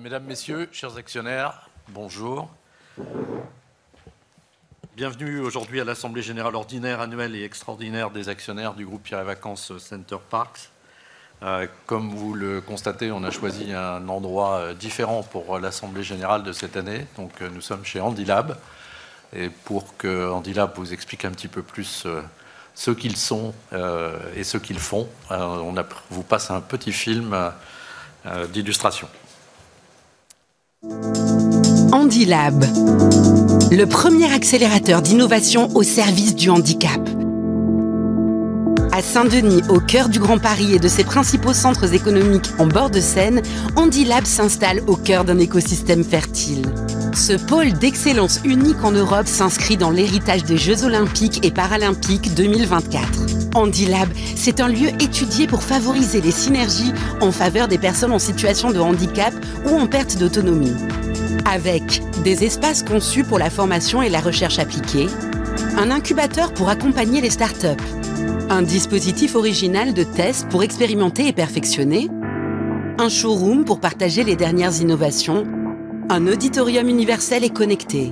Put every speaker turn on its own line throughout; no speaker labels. Mesdames, Messieurs, chers actionnaires, bonjour. Bienvenue aujourd'hui à l'Assemblée générale ordinaire annuelle et extraordinaire des actionnaires du groupe Pierre & Vacances-Center Parcs. Comme vous le constatez, on a choisi un endroit différent pour l'Assemblée générale de cette année. Donc, nous sommes chez Handilab. Et pour que Handilab vous explique un petit peu plus ce qu'ils sont et ce qu'ils font, on vous passe un petit film d'illustration.
Handilab, le premier accélérateur d'innovation au service du handicap. À Saint-Denis, au cœur du Grand Paris et de ses principaux centres économiques en bord de Seine, Handilab s'installe au cœur d'un écosystème fertile. Ce pôle d'excellence unique en Europe s'inscrit dans l'héritage des Jeux Olympiques et Paralympiques 2024. Handilab, c'est un lieu étudié pour favoriser les synergies en faveur des personnes en situation de handicap ou en perte d'autonomie. Avec des espaces conçus pour la formation et la recherche appliquée, un incubateur pour accompagner les start-up, un dispositif original de test pour expérimenter et perfectionner, un showroom pour partager les dernières innovations, un auditorium universel et connecté.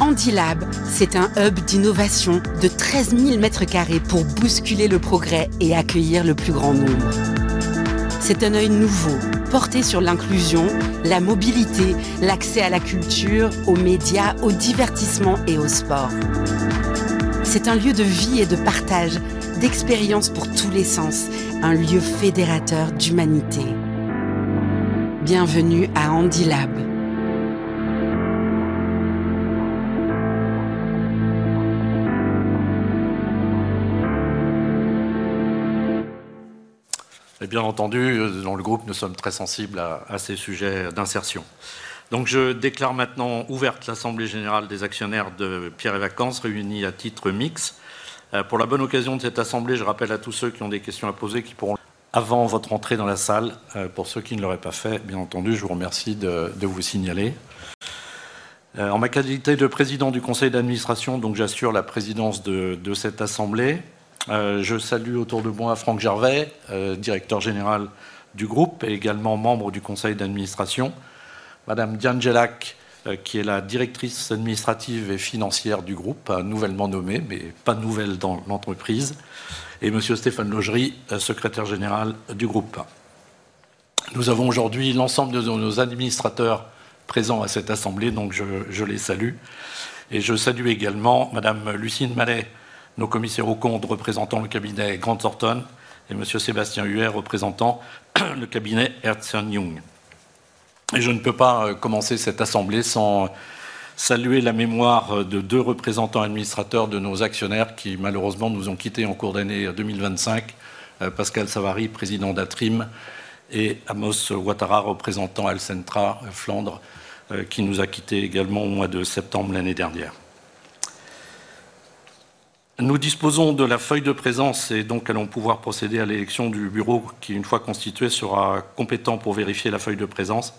Handilab, c'est un hub d'innovation de treize mille mètres carrés pour bousculer le progrès et accueillir le plus grand nombre. C'est un œil nouveau, porté sur l'inclusion, la mobilité, l'accès à la culture, aux médias, au divertissement et au sport. C'est un lieu de vie et de partage, d'expérience pour tous les sens, un lieu fédérateur d'humanité. Bienvenue à Handilab!
Et bien entendu, dans le groupe, nous sommes très sensibles à ces sujets d'insertion. Donc, je déclare maintenant ouverte l'Assemblée générale des actionnaires de Pierre & Vacances, réunie à titre mixte. Pour la bonne occasion de cette assemblée, je rappelle à tous ceux qui ont des questions à poser qu'ils pourront, avant votre entrée dans la salle, pour ceux qui ne l'auraient pas fait, bien entendu, je vous remercie de vous signaler. En ma qualité de Président du conseil d'administration, donc j'assure la présidence de cette assemblée, je salue autour de moi Franck Gervais, Directeur général du groupe et également membre du conseil d'administration, Madame Dian Jelac, qui est la Directrice administrative et financière du groupe, nouvellement nommée, mais pas nouvelle dans l'entreprise, et Monsieur Stéphane Laugerie, Secrétaire général du groupe. Nous avons aujourd'hui l'ensemble de nos administrateurs présents à cette assemblée, donc je les salue. Et je salue également Madame Lucine Mallet, nos commissaires aux comptes représentant le cabinet Grant Thornton et Monsieur Sébastien Huet, représentant le cabinet Ernst & Young. Et je ne peux pas commencer cette assemblée sans saluer la mémoire de deux représentants administrateurs de nos actionnaires qui, malheureusement, nous ont quittés en cours d'année 2025, Pascal Savary, Président d'Atrim, et Amos Ouattara, représentant Alcentra Flandre, qui nous a quittés également au mois de septembre l'année dernière. Nous disposons de la feuille de présence et donc allons pouvoir procéder à l'élection du bureau, qui, une fois constitué, sera compétent pour vérifier la feuille de présence.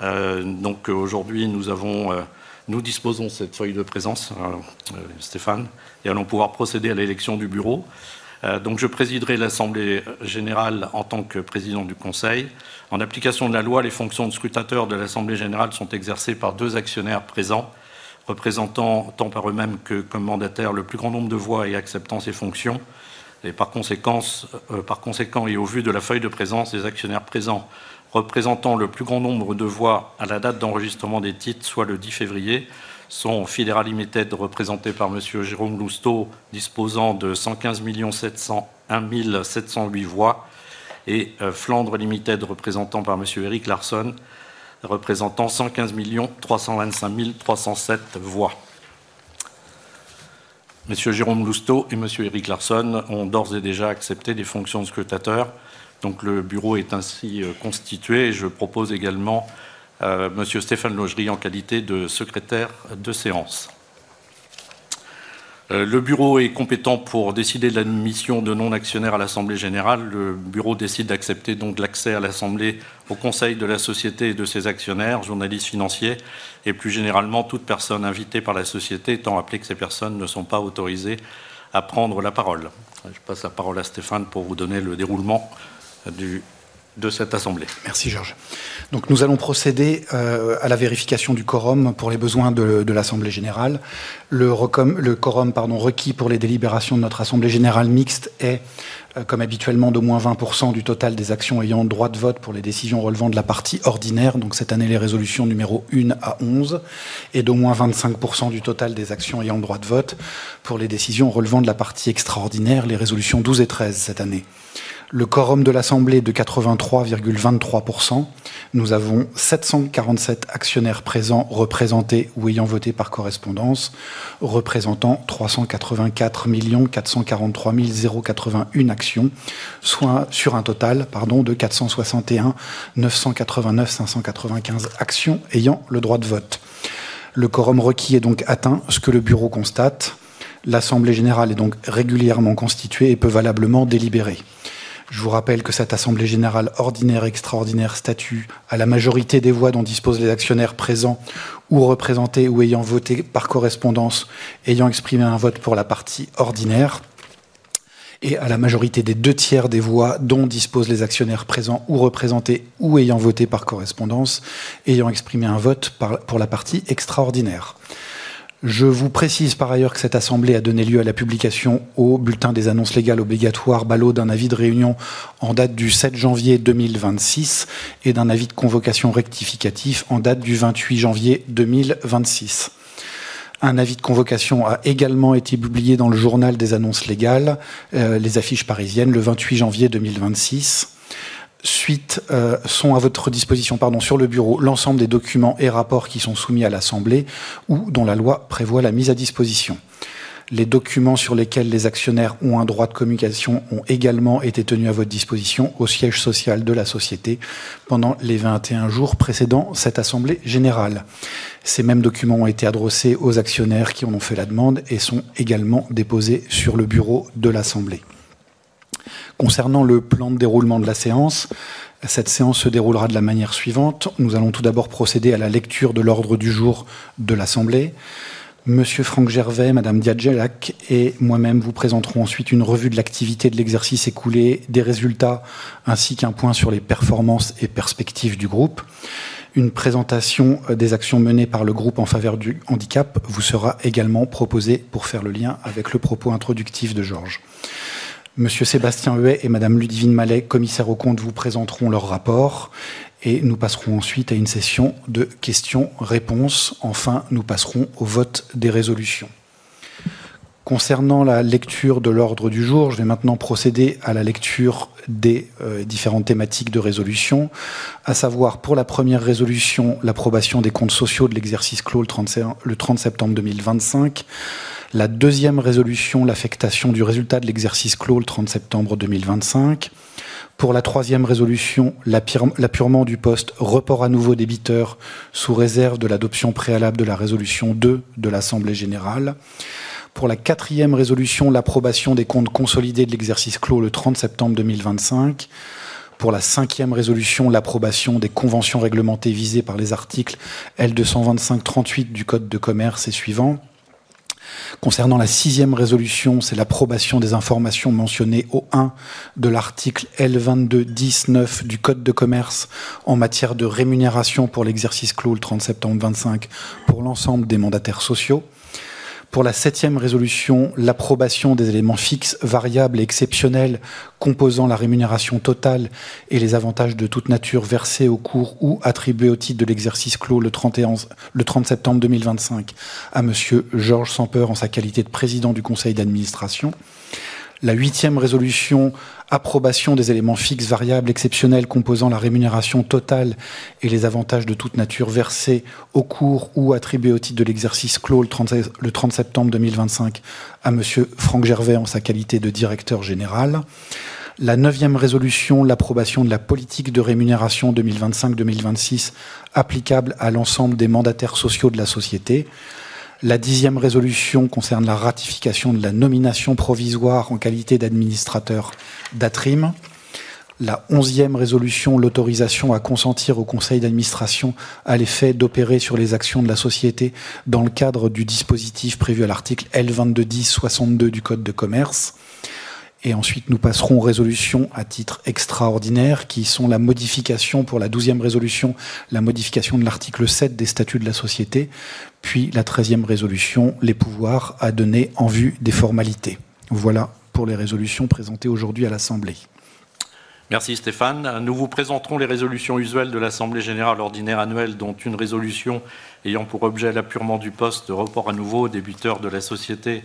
Donc aujourd'hui, nous avons, nous disposons de cette feuille de présence, Stéphane, et allons pouvoir procéder à l'élection du bureau. Donc, je présiderai l'Assemblée Générale en tant que Président du Conseil. En application de la loi, les fonctions de scrutateur de l'Assemblée générale sont exercées par deux actionnaires présents, représentant tant par eux-mêmes que comme mandataire, le plus grand nombre de voix et acceptant ces fonctions. Par conséquent, au vu de la feuille de présence, les actionnaires présents représentant le plus grand nombre de voix à la date d'enregistrement des titres, soit le 10 février, sont Federal Limited, représentés par Monsieur Jérôme Lousteau, disposant de 115 701 708 voix, et Flandre Limited, représentés par Monsieur Eric Larson, représentant 115 325 307 voix. Monsieur Jérôme Lousteau et Monsieur Eric Larson ont d'ores et déjà accepté les fonctions de scrutateur. Le bureau est ainsi constitué et je propose également Monsieur Stéphane Laugerie en qualité de secrétaire de séance. Le bureau est compétent pour décider de l'admission de non-actionnaires à l'Assemblée générale. Le bureau décide d'accepter donc l'accès à l'Assemblée au conseil de la Société et de ses actionnaires, journalistes financiers et plus généralement, toute personne invitée par la Société, étant entendu que ces personnes ne sont pas autorisées à prendre la parole. Je passe la parole à Stéphane pour vous donner le déroulement de cette assemblée.
Merci Georges. Donc nous allons procéder à la vérification du quorum pour les besoins de l'Assemblée générale. Le quorum requis pour les délibérations de notre assemblée générale mixte est, comme habituellement, d'au moins 20% du total des actions ayant le droit de vote pour les décisions relevant de la partie ordinaire. Donc, cette année, les résolutions numéro un à onze et d'au moins 25% du total des actions ayant le droit de vote pour les décisions relevant de la partie extraordinaire, les résolutions douze et treize cette année. Le quorum de l'Assemblée est de 83,23%. Nous avons sept cent quarante-sept actionnaires présents, représentés ou ayant voté par correspondance, représentant 384 443 081 actions, soit sur un total de 461 989 595 actions ayant le droit de vote. Le quorum requis est donc atteint, ce que le bureau constate. L'Assemblée générale est donc régulièrement constituée et peut valablement délibérer. Je vous rappelle que cette assemblée générale ordinaire, extraordinaire, statue à la majorité des voix dont disposent les actionnaires présents ou représentés ou ayant voté par correspondance, ayant exprimé un vote pour la partie ordinaire. Et à la majorité des deux tiers des voix dont disposent les actionnaires présents ou représentés ou ayant voté par correspondance, ayant exprimé un vote pour la partie extraordinaire. Je vous précise par ailleurs que cette assemblée a donné lieu à la publication au Bulletin des annonces légales obligatoires BALO d'un avis de réunion en date du 7 janvier 2026 et d'un avis de convocation rectificatif en date du 28 janvier 2026. Un avis de convocation a également été publié dans le Journal des annonces légales Les Affiches parisiennes, le 28 janvier 2026. Sont à votre disposition sur le bureau l'ensemble des documents et rapports qui sont soumis à l'Assemblée ou dont la loi prévoit la mise à disposition. Les documents sur lesquels les actionnaires ont un droit de communication ont également été tenus à votre disposition au siège social de la Société pendant les vingt-et-un jours précédant cette assemblée générale. Ces mêmes documents ont été adressés aux actionnaires qui en ont fait la demande et sont également déposés sur le bureau de l'Assemblée. Concernant le plan de déroulement de la séance, cette séance se déroulera de la manière suivante: nous allons tout d'abord procéder à la lecture de l'ordre du jour de l'Assemblée. Monsieur Franck Gervais, Madame Djadjalak et moi-même vous présenterons ensuite une revue de l'activité de l'exercice écoulé, des résultats, ainsi qu'un point sur les performances et perspectives du groupe. Une présentation des actions menées par le groupe en faveur du handicap vous sera également proposée pour faire le lien avec le propos introductif de Georges. Monsieur Sébastien Huet et Madame Ludivine Mallet, Commissaires aux Comptes, vous présenteront leur rapport et nous passerons ensuite à une session de questions-réponses. Enfin, nous passerons au vote des résolutions. Concernant la lecture de l'ordre du jour, je vais maintenant procéder à la lecture des différentes thématiques de résolution, à savoir pour la première résolution, l'approbation des comptes sociaux de l'exercice clos le 31 septembre 2025. La deuxième résolution, l'affectation du résultat de l'exercice clos le 30 septembre 2025. Pour la troisième résolution, l'apurement du poste report à nouveau débiteur, sous réserve de l'adoption préalable de la résolution deux de l'Assemblée générale. Pour la quatrième résolution, l'approbation des comptes consolidés de l'exercice clos le 30 septembre 2025. Pour la cinquième résolution, l'approbation des conventions réglementées visées par les articles L225-38 du Code de commerce et suivants. Concernant la sixième résolution, c'est l'approbation des informations mentionnées au un de l'article L221-9 du Code de commerce en matière de rémunération pour l'exercice clos le 30 septembre 2025 pour l'ensemble des mandataires sociaux. Pour la septième résolution, l'approbation des éléments fixes, variables et exceptionnels composant la rémunération totale et les avantages de toute nature versés au cours ou attribués au titre de l'exercice clos le 30 septembre 2025 à Monsieur Georges Samper, en sa qualité de Président du Conseil d'Administration. La huitième résolution, approbation des éléments fixes, variables, exceptionnels, composant la rémunération totale et les avantages de toute nature versés au cours ou attribués au titre de l'exercice clos le 30 septembre 2025 à Monsieur Franck Gervais, en sa qualité de Directeur Général. La neuvième résolution, l'approbation de la politique de rémunération 2025-2026, applicable à l'ensemble des mandataires sociaux de la Société. La dixième résolution concerne la ratification de la nomination provisoire en qualité d'administrateur d'ATRIM. La onzième résolution, l'autorisation à consentir au conseil d'administration à l'effet d'opérer sur les actions de la Société dans le cadre du dispositif prévu à l'article L. 225-210-62 du Code de commerce. Ensuite, nous passerons aux résolutions à titre extraordinaire, qui sont la modification pour la douzième résolution, la modification de l'article sept des statuts de la Société, puis la treizième résolution, les pouvoirs à donner en vue des formalités. Voilà pour les résolutions présentées aujourd'hui à l'Assemblée.
Merci Stéphane. Nous vous présenterons les résolutions usuelles de l'Assemblée générale ordinaire annuelle, dont une résolution ayant pour objet l'apurement du poste de report à nouveau aux débiteurs de la Société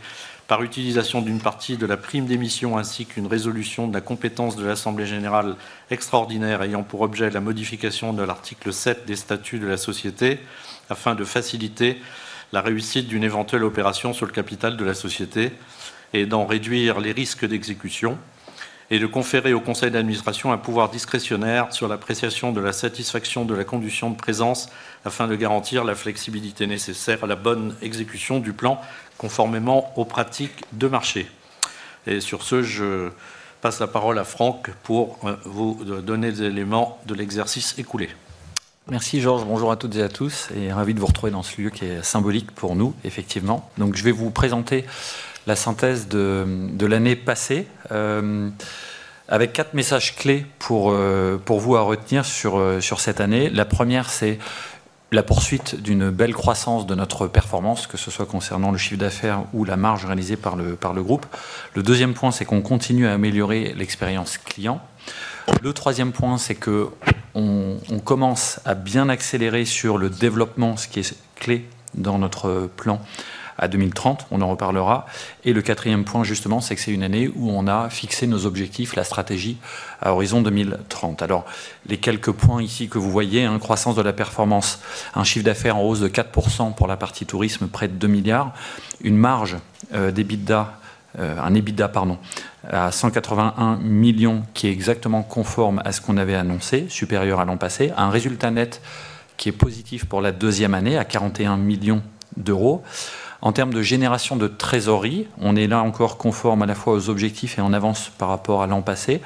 par utilisation d'une partie de la prime d'émission, ainsi qu'une résolution de la compétence de l'Assemblée générale extraordinaire ayant pour objet la modification de l'article sept des statuts de la Société, afin de faciliter la réussite d'une éventuelle opération sur le capital de la Société et d'en réduire les risques d'exécution, et de conférer au conseil d'administration un pouvoir discrétionnaire sur l'appréciation de la satisfaction de la condition de présence, afin de garantir la flexibilité nécessaire à la bonne exécution du plan, conformément aux pratiques de marché. Sur ce, je passe la parole à Franck pour vous donner des éléments de l'exercice écoulé.
Merci Georges. Bonjour à toutes et à tous et ravi de vous retrouver dans ce lieu qui est symbolique pour nous, effectivement. Donc, je vais vous présenter la synthèse de l'année passée avec quatre messages clés pour vous à retenir sur cette année. La première, c'est la poursuite d'une belle croissance de notre performance, que ce soit concernant le chiffre d'affaires ou la marge réalisée par le groupe. Le deuxième point, c'est qu'on continue à améliorer l'expérience client. Le troisième point, c'est qu'on commence à bien accélérer sur le développement, ce qui est clé dans notre plan à 2030. On en reparlera. Et le quatrième point, justement, c'est que c'est une année où on a fixé nos objectifs, la stratégie à horizon 2030. Alors, les quelques points ici que vous voyez: croissance de la performance, un chiffre d'affaires en hausse de 4% pour la partie tourisme, près de €2 milliards. Une marge d'EBITDA, un EBITDA, pardon, à €181 millions, qui est exactement conforme à ce qu'on avait annoncé, supérieur à l'an passé. Un résultat net qui est positif pour la deuxième année, à €41 millions. En termes de génération de trésorerie, on est là encore conforme à la fois aux objectifs et en avance par rapport à l'an passé.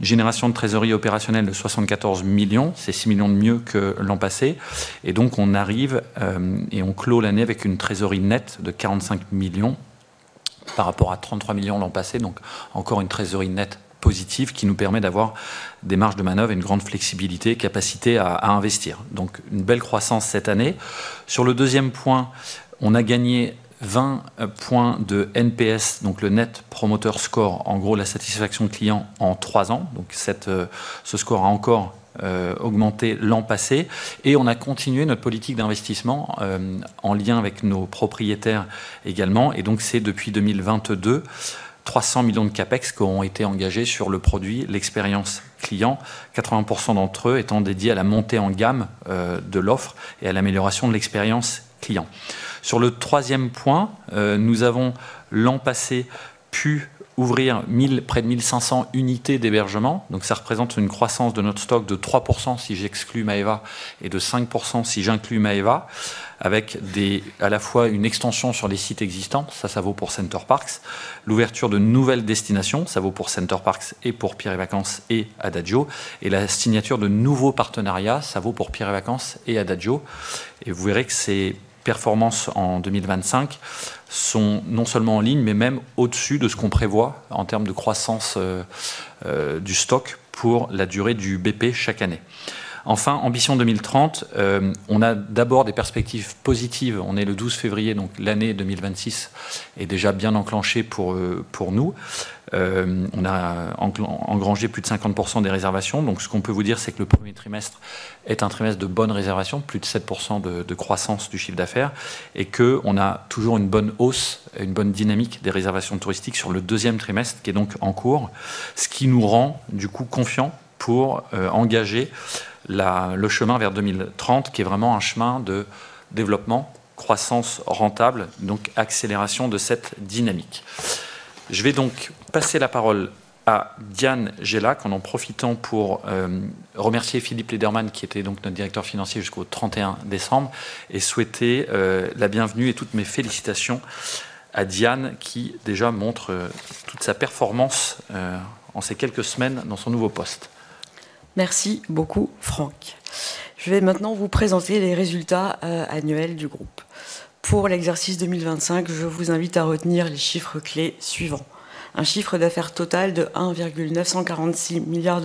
Génération de trésorerie opérationnelle de €74 millions, c'est €6 millions de mieux que l'an passé. Donc, on arrive et on clôt l'année avec une trésorerie nette de €45 millions.
Par rapport à 33 millions l'an passé, donc encore une trésorerie nette positive qui nous permet d'avoir des marges de manœuvre et une grande flexibilité, capacité à investir. Donc une belle croissance cette année. Sur le deuxième point, on a gagné 20 points de NPS, donc le Net Promoter Score, en gros, la satisfaction client en trois ans. Donc, ce score a encore augmenté l'an passé et on a continué notre politique d'investissement en lien avec nos propriétaires également. C'est depuis 2022, €300 millions de CapEx qui ont été engagés sur le produit, l'expérience client, 80% d'entre eux étant dédiés à la montée en gamme de l'offre et à l'amélioration de l'expérience client. Sur le troisième point, nous avons l'an passé pu ouvrir mille, près de 1 500 unités d'hébergement. Donc, ça représente une croissance de notre stock de 3% si j'exclus Maeva et de 5% si j'inclus Maeva, avec des, à la fois une extension sur les sites existants, ça, ça vaut pour Center Parcs, l'ouverture de nouvelles destinations, ça vaut pour Center Parcs et pour Pierre & Vacances et Adagio, et la signature de nouveaux partenariats, ça vaut pour Pierre & Vacances et Adagio. Vous verrez que ces performances en 2025 sont non seulement en ligne, mais même au-dessus de ce qu'on prévoit en termes de croissance du stock pour la durée du BP chaque année. Enfin, ambition 2030, on a d'abord des perspectives positives. On est le 12 février, donc l'année 2026 est déjà bien enclenchée pour nous. On a engrangé plus de 50% des réservations. Donc, ce qu'on peut vous dire, c'est que le premier trimestre est un trimestre de bonnes réservations, plus de 7% de croissance du chiffre d'affaires et qu'on a toujours une bonne hausse et une bonne dynamique des réservations touristiques sur le deuxième trimestre, qui est donc en cours, ce qui nous rend, du coup, confiants pour engager le chemin vers 2030, qui est vraiment un chemin de développement, croissance rentable, donc accélération de cette dynamique. Je vais donc passer la parole à Diane Gelac, en profitant pour remercier Philippe Lederman, qui était donc notre Directeur Financier jusqu'au 31 décembre, et souhaiter la bienvenue et toutes mes félicitations à Diane, qui déjà montre toute sa performance en ces quelques semaines dans son nouveau poste.
Merci beaucoup, Franck. Je vais maintenant vous présenter les résultats annuels du groupe. Pour l'exercice 2025, je vous invite à retenir les chiffres clés suivants: un chiffre d'affaires total de €1,946 milliards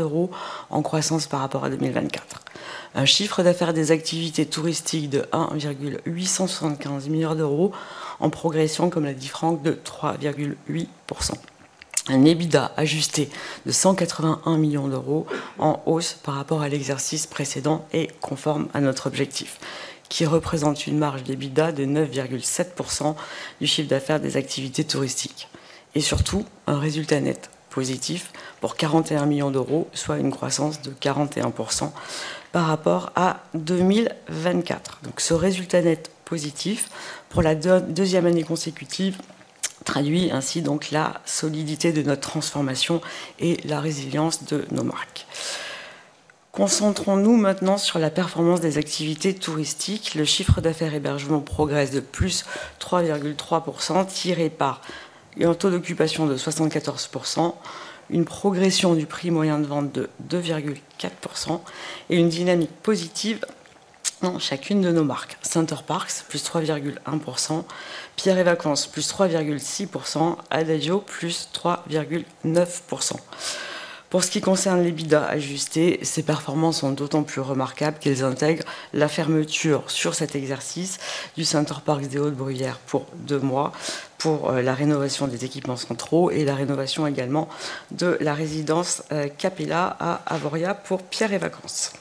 en croissance par rapport à 2024. Un chiffre d'affaires des activités touristiques de €1,875 milliard, en progression, comme l'a dit Franck, de 3,8%. Un EBITDA ajusté de €181 millions, en hausse par rapport à l'exercice précédent et conforme à notre objectif, qui représente une marge d'EBITDA de 9,7% du chiffre d'affaires des activités touristiques. Et surtout, un résultat net positif pour €41 millions, soit une croissance de 41% par rapport à 2024. Donc, ce résultat net positif, pour la deuxième année consécutive, traduit ainsi donc la solidité de notre transformation et la résilience de nos marques. Concentrons-nous maintenant sur la performance des activités touristiques. Le chiffre d'affaires hébergement progresse de plus 3,3%, tiré par un taux d'occupation de 74%, une progression du prix moyen de vente de 2,4% et une dynamique positive dans chacune de nos marques. Center Parcs, plus 3,1%, Pierre & Vacances, plus 3,6%, Adagio, plus 3,9%. Pour ce qui concerne l'EBITDA ajusté, ces performances sont d'autant plus remarquables qu'elles intègrent la fermeture sur cet exercice du Center Parcs des Hauts-de-Bruyères pour deux mois, pour la rénovation des équipements centraux et la rénovation également de la résidence Capella à Avoriaz pour Pierre & Vacances.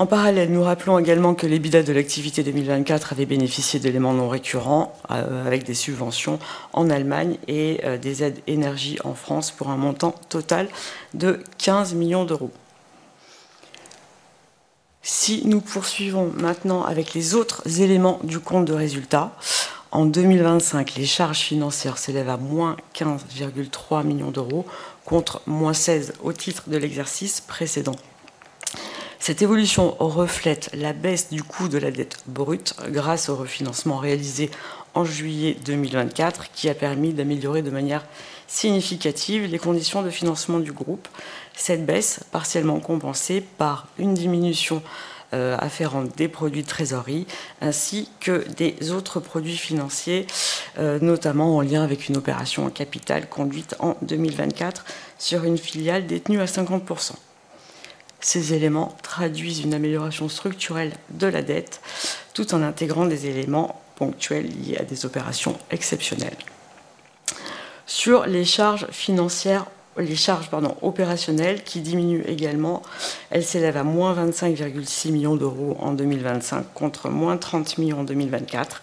En parallèle, nous rappelons également que l'EBITDA de l'activité 2024 avait bénéficié d'éléments non récurrents, avec des subventions en Allemagne et des aides énergie en France, pour un montant total de €15 millions. Si nous poursuivons maintenant avec les autres éléments du compte de résultats, en 2025, les charges financières s'élèvent à moins €15,3 millions, contre moins €16 millions au titre de l'exercice précédent. Cette évolution reflète la baisse du coût de la dette brute grâce au refinancement réalisé en juillet 2024, qui a permis d'améliorer de manière significative les conditions de financement du groupe. Cette baisse, partiellement compensée par une diminution afférente des produits de trésorerie ainsi que des autres produits financiers, notamment en lien avec une opération en capital conduite en 2024 sur une filiale détenue à 50%. Ces éléments traduisent une amélioration structurelle de la dette tout en intégrant des éléments ponctuels liés à des opérations exceptionnelles. Sur les charges financières, les charges, pardon, opérationnelles, qui diminuent également, elles s'élèvent à -25,6 millions d'euros en 2025, contre -30 millions en 2024.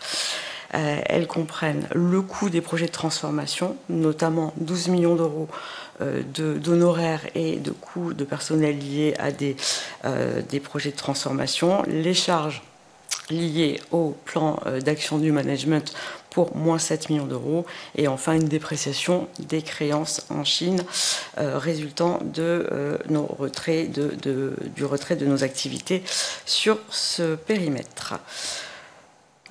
Elles comprennent le coût des projets de transformation, notamment 12 millions d'euros d'honoraires et de coûts de personnel liés à des projets de transformation, les charges liées au plan d'action du management pour -7 millions d'euros et enfin, une dépréciation des créances en Chine résultant de nos retraits de, du retrait de nos activités sur ce périmètre.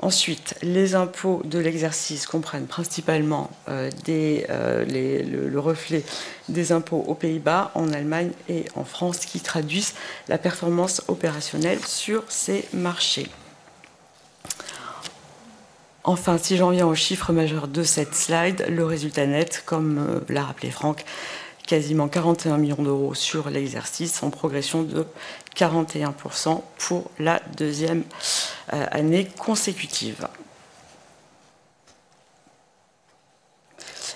Ensuite, les impôts de l'exercice comprennent principalement le reflet des impôts aux Pays-Bas, en Allemagne et en France, qui traduisent la performance opérationnelle sur ces marchés. Enfin, si j'en viens au chiffre majeur de cette slide, le résultat net, comme l'a rappelé Franck, quasiment €41 millions sur l'exercice, en progression de 41% pour la deuxième année consécutive.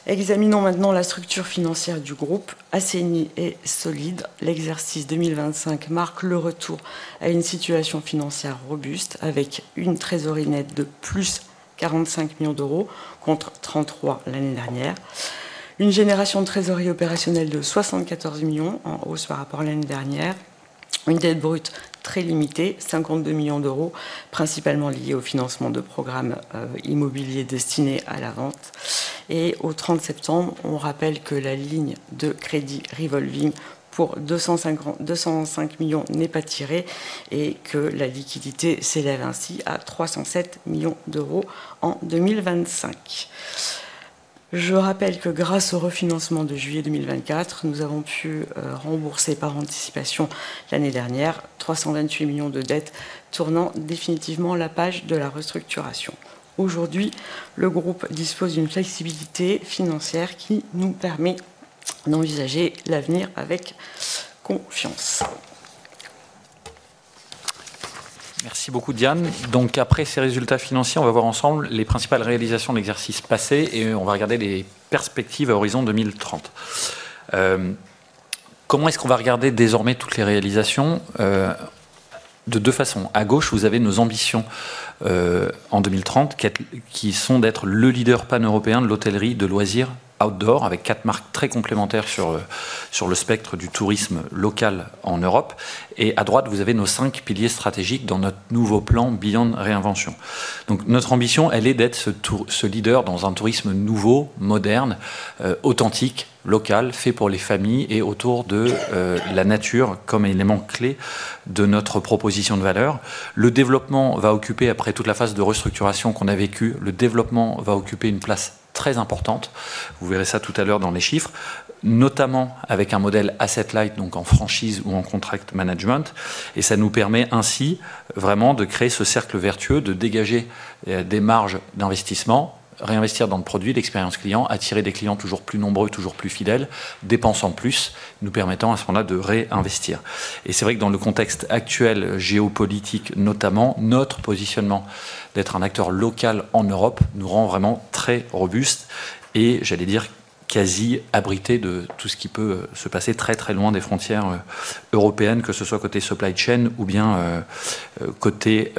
Examinons maintenant la structure financière du groupe, assez unie et solide. L'exercice 2025 marque le retour à une situation financière robuste, avec une trésorerie nette de plus €45 millions, contre €33 millions l'année dernière. Une génération de trésorerie opérationnelle de €74 millions, en hausse par rapport à l'année dernière. Une dette brute très limitée, €52 millions, principalement liée au financement de programmes immobiliers destinés à la vente. Et au 30 septembre, on rappelle que la ligne de crédit revolving pour €250 millions, €225 millions n'est pas tirée et que la liquidité s'élève ainsi à €307 millions en 2025. Je rappelle que grâce au refinancement de juillet 2024, nous avons pu rembourser par anticipation l'année dernière 328 millions d'euros de dettes, tournant définitivement la page de la restructuration. Aujourd'hui, le groupe dispose d'une flexibilité financière qui nous permet d'envisager l'avenir avec confiance.
Merci beaucoup, Diane. Donc, après ces résultats financiers, on va voir ensemble les principales réalisations de l'exercice passé et on va regarder les perspectives à horizon 2030. Comment est-ce qu'on va regarder désormais toutes les réalisations? De deux façons. À gauche, vous avez nos ambitions en 2030, qui sont d'être le leader paneuropéen de l'hôtellerie de loisirs outdoor, avec quatre marques très complémentaires sur le spectre du tourisme local en Europe. Et à droite, vous avez nos cinq piliers stratégiques dans notre nouveau plan Beyond Réinvention. Donc, notre ambition, elle est d'être ce leader dans un tourisme nouveau, moderne, authentique, local, fait pour les familles et autour de la nature comme élément clé de notre proposition de valeur. Le développement va occuper, après toute la phase de restructuration qu'on a vécue, le développement va occuper une place très importante. Vous verrez ça tout à l'heure dans les chiffres, notamment avec un modèle asset light, donc en franchise ou en contract management. Et ça nous permet ainsi, vraiment, de créer ce cercle vertueux, de dégager des marges d'investissement, réinvestir dans le produit d'expérience client, attirer des clients toujours plus nombreux, toujours plus fidèles, dépensant plus, nous permettant à ce moment-là de réinvestir. Et c'est vrai que dans le contexte actuel, géopolitique notamment, notre positionnement d'être un acteur local en Europe nous rend vraiment très robuste et j'allais dire quasi abrité de tout ce qui peut se passer très, très loin des frontières européennes, que ce soit côté supply chain ou bien côté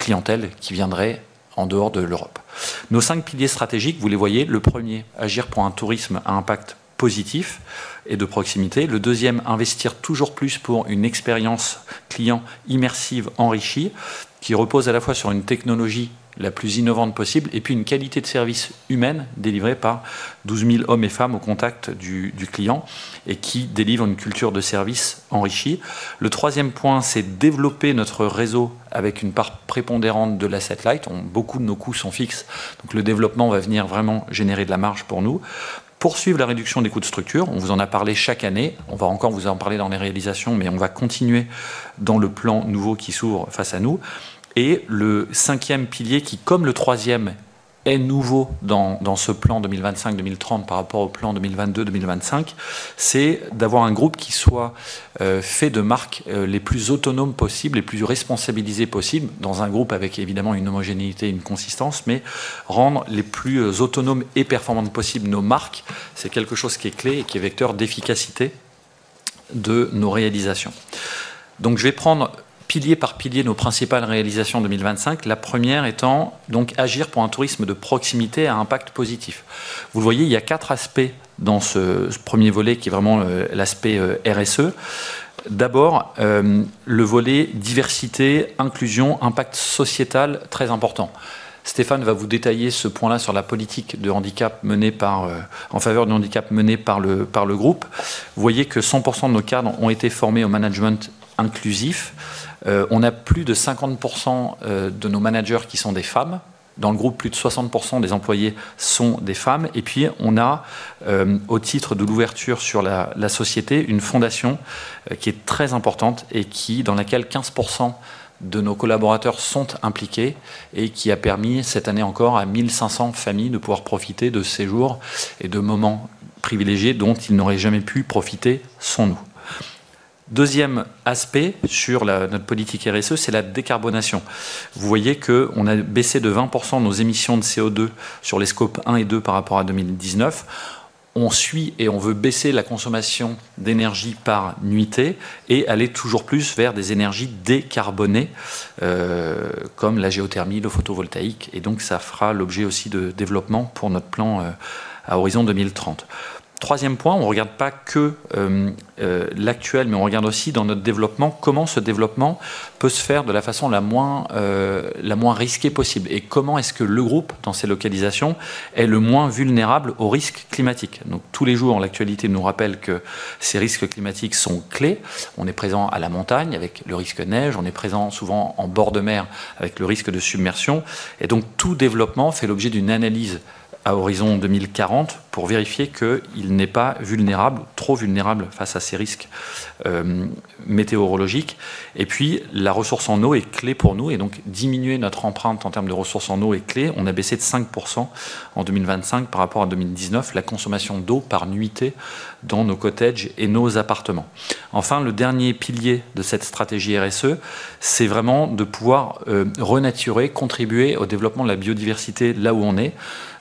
clientèle qui viendrait en dehors de l'Europe. Nos cinq piliers stratégiques, vous les voyez. Le premier: agir pour un tourisme à impact positif et de proximité. Le deuxième, investir toujours plus pour une expérience client immersive, enrichie, qui repose à la fois sur une technologie la plus innovante possible et puis une qualité de service humaine délivrée par douze mille hommes et femmes au contact du client et qui délivrent une culture de service enrichie. Le troisième point, c'est développer notre réseau avec une part prépondérante de l'asset light. Beaucoup de nos coûts sont fixes, donc le développement va venir vraiment générer de la marge pour nous. Poursuivre la réduction des coûts de structure. On vous en a parlé chaque année. On va encore vous en parler dans les réalisations, mais on va continuer dans le plan nouveau qui s'ouvre face à nous. Et le cinquième pilier, qui, comme le troisième, est nouveau dans ce plan 2025-2030, par rapport au plan 2022-2025, c'est d'avoir un groupe qui soit fait de marques les plus autonomes possible, les plus responsabilisées possible, dans un groupe avec évidemment une homogénéité et une consistance, mais rendre les plus autonomes et performantes possible nos marques, c'est quelque chose qui est clé et qui est vecteur d'efficacité de nos réalisations. Donc, je vais prendre pilier par pilier nos principales réalisations 2025. La première étant donc agir pour un tourisme de proximité à impact positif. Vous le voyez, il y a quatre aspects dans ce premier volet qui est vraiment l'aspect RSE. D'abord, le volet diversité, inclusion, impact sociétal, très important. Stéphane va vous détailler ce point-là sur la politique de handicap menée par... En faveur du handicap mené par le groupe. Vous voyez que 100% de nos cadres ont été formés au management inclusif. On a plus de 50% de nos managers qui sont des femmes. Dans le groupe, plus de 60% des employés sont des femmes. Et puis, on a, au titre de l'ouverture sur la société, une fondation qui est très importante et dans laquelle 15% de nos collaborateurs sont impliqués et qui a permis, cette année encore, à 1 500 familles de pouvoir profiter de séjours et de moments privilégiés dont ils n'auraient jamais pu profiter sans nous. Deuxième aspect sur notre politique RSE, c'est la décarbonation. Vous voyez qu'on a baissé de 20% nos émissions de CO2 sur les scopes un et deux par rapport à 2019. On suit et on veut baisser la consommation d'énergie par nuitée et aller toujours plus vers des énergies décarbonées, comme la géothermie, le photovoltaïque. Cela fera l'objet aussi de développement pour notre plan à horizon 2030. Troisième point, on ne regarde pas que l'actuel, mais on regarde aussi dans notre développement, comment ce développement peut se faire de la façon la moins risquée possible et comment est-ce que le groupe, dans ses localisations, est le moins vulnérable aux risques climatiques. Donc, tous les jours, l'actualité nous rappelle que ces risques climatiques sont clés. On est présent à la montagne, avec le risque neige. On est présent, souvent en bord de mer, avec le risque de submersion. Tout développement fait l'objet d'une analyse... À horizon 2040, pour vérifier qu'il n'est pas vulnérable, trop vulnérable face à ces risques météorologiques. Et puis, la ressource en eau est clé pour nous et donc diminuer notre empreinte en termes de ressources en eau est clé. On a baissé de 5% en 2025 par rapport à 2019, la consommation d'eau par nuitée dans nos cottages et nos appartements. Enfin, le dernier pilier de cette stratégie RSE, c'est vraiment de pouvoir renaturer, contribuer au développement de la biodiversité là où on est.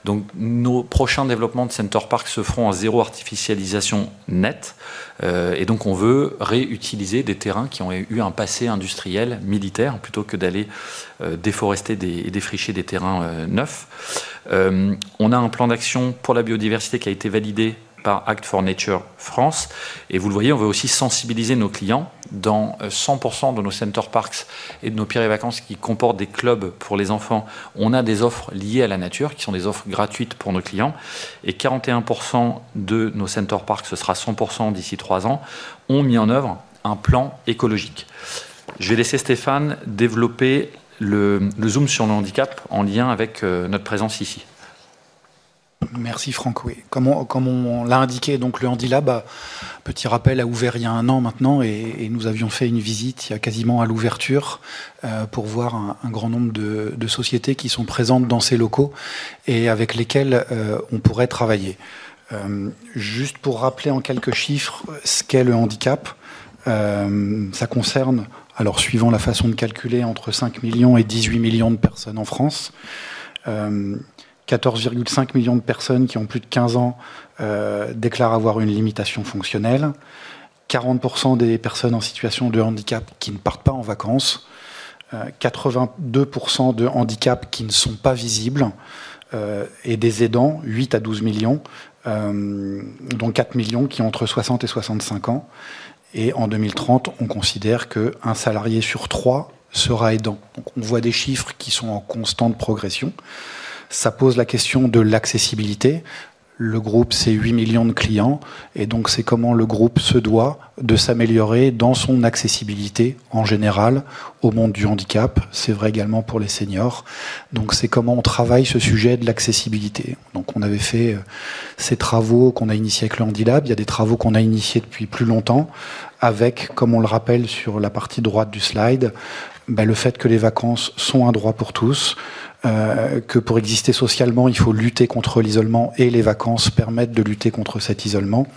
Donc, nos prochains développements de Center Parcs se feront en zéro artificialisation nette, et donc on veut réutiliser des terrains qui ont eu un passé industriel, militaire, plutôt que d'aller déforester, défricher des terrains neufs. On a un plan d'action pour la biodiversité qui a été validé par Act for Nature France. Et vous le voyez, on veut aussi sensibiliser nos clients. Dans 100% de nos Center Parcs et de nos Pierre et Vacances qui comportent des clubs pour les enfants, on a des offres liées à la nature, qui sont des offres gratuites pour nos clients. Et 41% de nos Center Parcs, ce sera 100% d'ici trois ans, ont mis en œuvre un plan écologique. Je vais laisser Stéphane développer le zoom sur le handicap en lien avec notre présence ici.
Merci Franck. Oui, comme on l'a indiqué, le Handilab, petit rappel, a ouvert il y a un an maintenant et nous avions fait une visite il y a quasiment à l'ouverture pour voir un grand nombre de sociétés qui sont présentes dans ces locaux et avec lesquelles on pourrait travailler. Juste pour rappeler en quelques chiffres ce qu'est le handicap, ça concerne, alors suivant la façon de calculer, entre cinq millions et dix-huit millions de personnes en France. Quatorze virgule cinq millions de personnes qui ont plus de quinze ans déclarent avoir une limitation fonctionnelle. 40% des personnes en situation de handicap qui ne partent pas en vacances, 82% de handicaps qui ne sont pas visibles, et des aidants, huit à douze millions, dont quatre millions qui ont entre soixante et soixante-cinq ans. Et en 2030, on considère qu'un salarié sur trois sera aidant. Donc, on voit des chiffres qui sont en constante progression. Ça pose la question de l'accessibilité. Le groupe, c'est huit millions de clients et donc c'est comment le groupe se doit de s'améliorer dans son accessibilité en général au monde du handicap. C'est vrai également pour les seniors. Donc, c'est comment on travaille ce sujet de l'accessibilité. Donc, on avait fait ces travaux qu'on a initiés avec le Handilab. Il y a des travaux qu'on a initiés depuis plus longtemps, avec, comme on le rappelle sur la partie droite du slide, le fait que les vacances sont un droit pour tous, que pour exister socialement, il faut lutter contre l'isolement et les vacances permettent de lutter contre cet isolement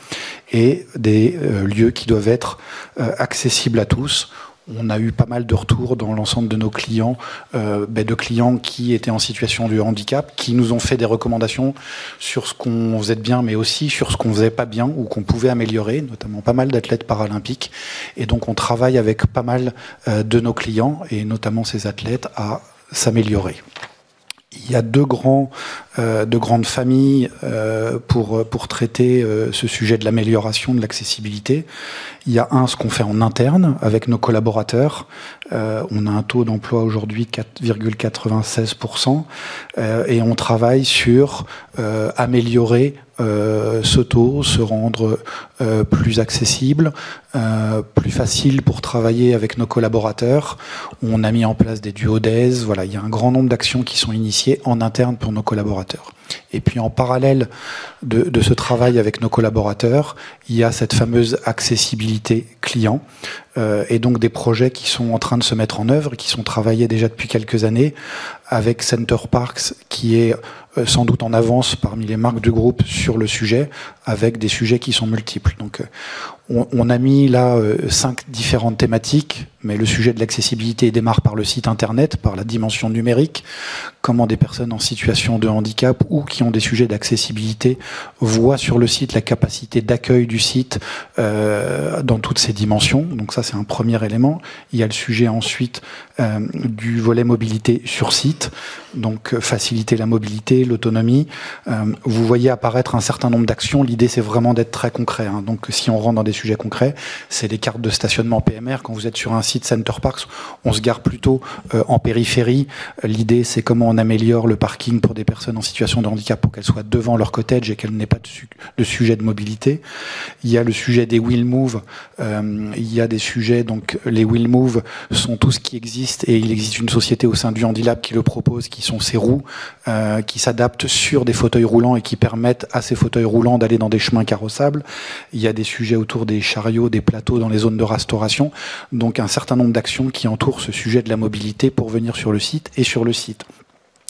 et des lieux qui doivent être accessibles à tous. On a eu pas mal de retours dans l'ensemble de nos clients, ben de clients qui étaient en situation de handicap, qui nous ont fait des recommandations sur ce qu'on faisait bien, mais aussi sur ce qu'on ne faisait pas bien ou qu'on pouvait améliorer, notamment pas mal d'athlètes paralympiques. Et donc, on travaille avec pas mal de nos clients et notamment ces athlètes, à s'améliorer. Il y a deux grandes familles pour traiter ce sujet de l'amélioration de l'accessibilité. Il y a ce qu'on fait en interne, avec nos collaborateurs. On a un taux d'emploi aujourd'hui de 4,96% et on travaille sur améliorer ce taux, se rendre plus accessible, plus facile pour travailler avec nos collaborateurs. On a mis en place des duos d'aise. Voilà, il y a un grand nombre d'actions qui sont initiées en interne pour nos collaborateurs. Et puis, en parallèle de ce travail avec nos collaborateurs, il y a cette fameuse accessibilité client, et donc des projets qui sont en train de se mettre en œuvre et qui sont travaillés déjà depuis quelques années avec Center Parcs, qui est sans doute en avance parmi les marques du groupe sur le sujet, avec des sujets qui sont multiples. Donc, on a mis là cinq différentes thématiques, mais le sujet de l'accessibilité démarre par le site Internet, par la dimension numérique. Comment des personnes en situation de handicap ou qui ont des sujets d'accessibilité voient sur le site la capacité d'accueil du site, dans toutes ses dimensions? Donc ça, c'est un premier élément. Il y a le sujet ensuite du volet mobilité sur site, donc faciliter la mobilité, l'autonomie. Vous voyez apparaître un certain nombre d'actions. L'idée, c'est vraiment d'être très concret. Donc, si on rentre dans des sujets concrets, c'est les cartes de stationnement PMR. Quand vous êtes sur un site Center Parcs, on se gare plutôt en périphérie. L'idée, c'est comment on améliore le parking pour des personnes en situation de handicap, pour qu'elles soient devant leur cottage et qu'elles n'aient pas de sujets de mobilité. Il y a le sujet des Wheel moves. Il y a des sujets, donc les Wheel moves sont tout ce qui existe et il existe une société au sein du Handilab qui le propose, qui sont ces roues qui s'adaptent sur des fauteuils roulants et qui permettent à ces fauteuils roulants d'aller dans des chemins carrossables. Il y a des sujets autour des chariots, des plateaux, dans les zones de restauration. Donc un certain nombre d'actions qui entourent ce sujet de la mobilité pour venir sur le site et sur le site.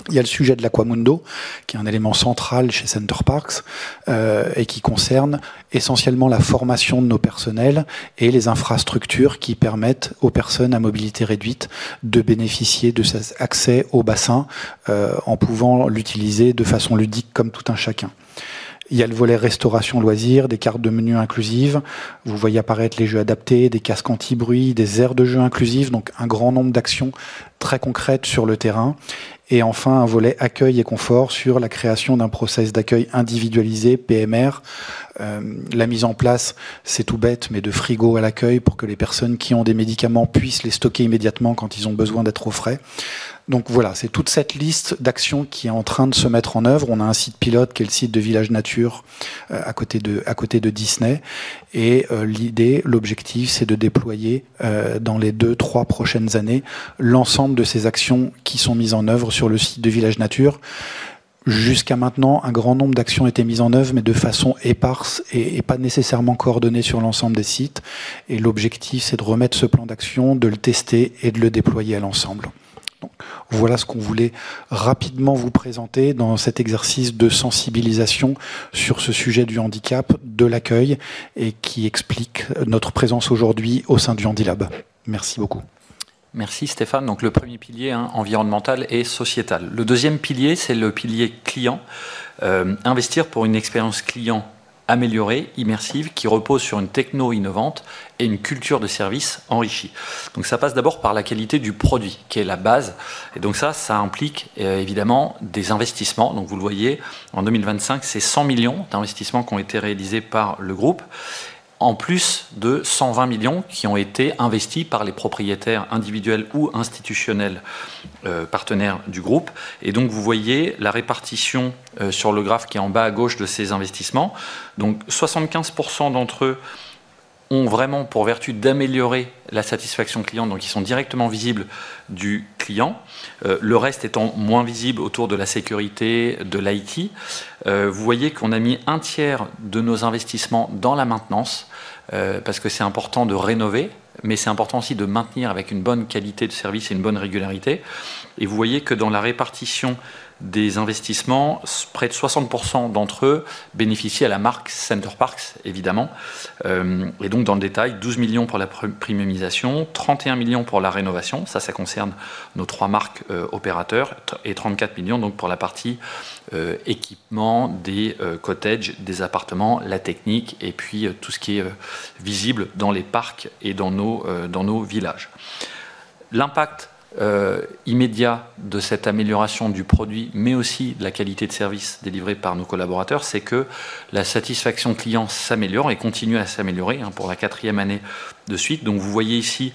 Il y a le sujet de l'Aqua Mundo, qui est un élément central chez Center Parcs, et qui concerne essentiellement la formation de nos personnels et les infrastructures qui permettent aux personnes à mobilité réduite de bénéficier de cet accès au bassin, en pouvant l'utiliser de façon ludique comme tout un chacun. Il y a le volet restauration, loisirs, des cartes de menus inclusives. Vous voyez apparaître les jeux adaptés, des casques antibruit, des aires de jeux inclusives, donc un grand nombre d'actions très concrètes sur le terrain. Et enfin, un volet accueil et confort sur la création d'un processus d'accueil individualisé PMR. La mise en place, c'est tout bête, mais de frigos à l'accueil, pour que les personnes qui ont des médicaments puissent les stocker immédiatement quand ils ont besoin d'être au frais. Donc voilà, c'est toute cette liste d'actions qui est en train de se mettre en œuvre. On a un site pilote, qui est le site de Village Nature, à côté de Disney. L'idée, l'objectif, c'est de déployer dans les deux, trois prochaines années, l'ensemble de ces actions qui sont mises en œuvre sur le site de Village Nature. Jusqu'à maintenant, un grand nombre d'actions étaient mises en œuvre, mais de façon éparse et pas nécessairement coordonnée sur l'ensemble des sites. L'objectif, c'est de remettre ce plan d'action, de le tester et de le déployer à l'ensemble. Donc voilà ce qu'on voulait rapidement vous présenter dans cet exercice de sensibilisation sur ce sujet du handicap, de l'accueil et qui explique notre présence aujourd'hui au sein du Handilab. Merci beaucoup.
Merci Stéphane. Donc le premier pilier, environnemental et sociétal. Le deuxième pilier, c'est le pilier client. Investir pour une expérience client améliorée, immersive, qui repose sur une technologie innovante et une culture de service enrichie. Donc ça passe d'abord par la qualité du produit, qui est la base. Et donc ça, ça implique évidemment des investissements. Donc, vous le voyez, en 2025, c'est 100 millions d'investissements qui ont été réalisés par le groupe, en plus de 120 millions qui ont été investis par les propriétaires individuels ou institutionnels, partenaires du groupe. Et donc, vous voyez la répartition sur le graphe qui est en bas à gauche de ces investissements. Donc, 75% d'entre eux ont vraiment pour vertu d'améliorer la satisfaction client, donc qui sont directement visibles du client, le reste étant moins visible autour de la sécurité de l'IT. Vous voyez qu'on a mis un tiers de nos investissements dans la maintenance, parce que c'est important de rénover, mais c'est important aussi de maintenir avec une bonne qualité de service et une bonne régularité. Et vous voyez que dans la répartition des investissements, près de 60% d'entre eux bénéficient à la marque Center Parcs, évidemment. Et donc, dans le détail, 12 millions € pour la primisation, 31 millions € pour la rénovation. Ça, ça concerne nos trois marques opérateurs et 34 millions €, donc, pour la partie équipement des cottages, des appartements, la technique et puis tout ce qui est visible dans les parcs et dans nos villages. L'impact immédiat de cette amélioration du produit, mais aussi de la qualité de service délivrée par nos collaborateurs, c'est que la satisfaction client s'améliore et continue à s'améliorer pour la quatrième année de suite. Donc, vous voyez ici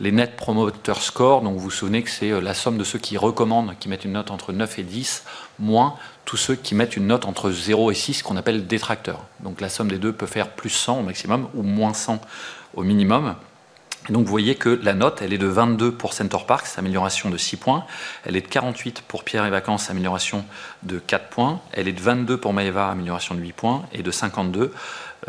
les Net Promoter Score. Donc, vous vous souvenez que c'est la somme de ceux qui recommandent, qui mettent une note entre 9 et 10, moins tous ceux qui mettent une note entre 0 et 6, qu'on appelle détracteurs. Donc, la somme des deux peut faire plus 100 au maximum ou moins 100 au minimum. Donc, vous voyez que la note, elle est de 22 pour Center Parcs, amélioration de 6 points. Elle est de 48 pour Pierre et Vacances, amélioration de 4 points. Elle est de 22 pour Maeva, amélioration de 8 points et de 52,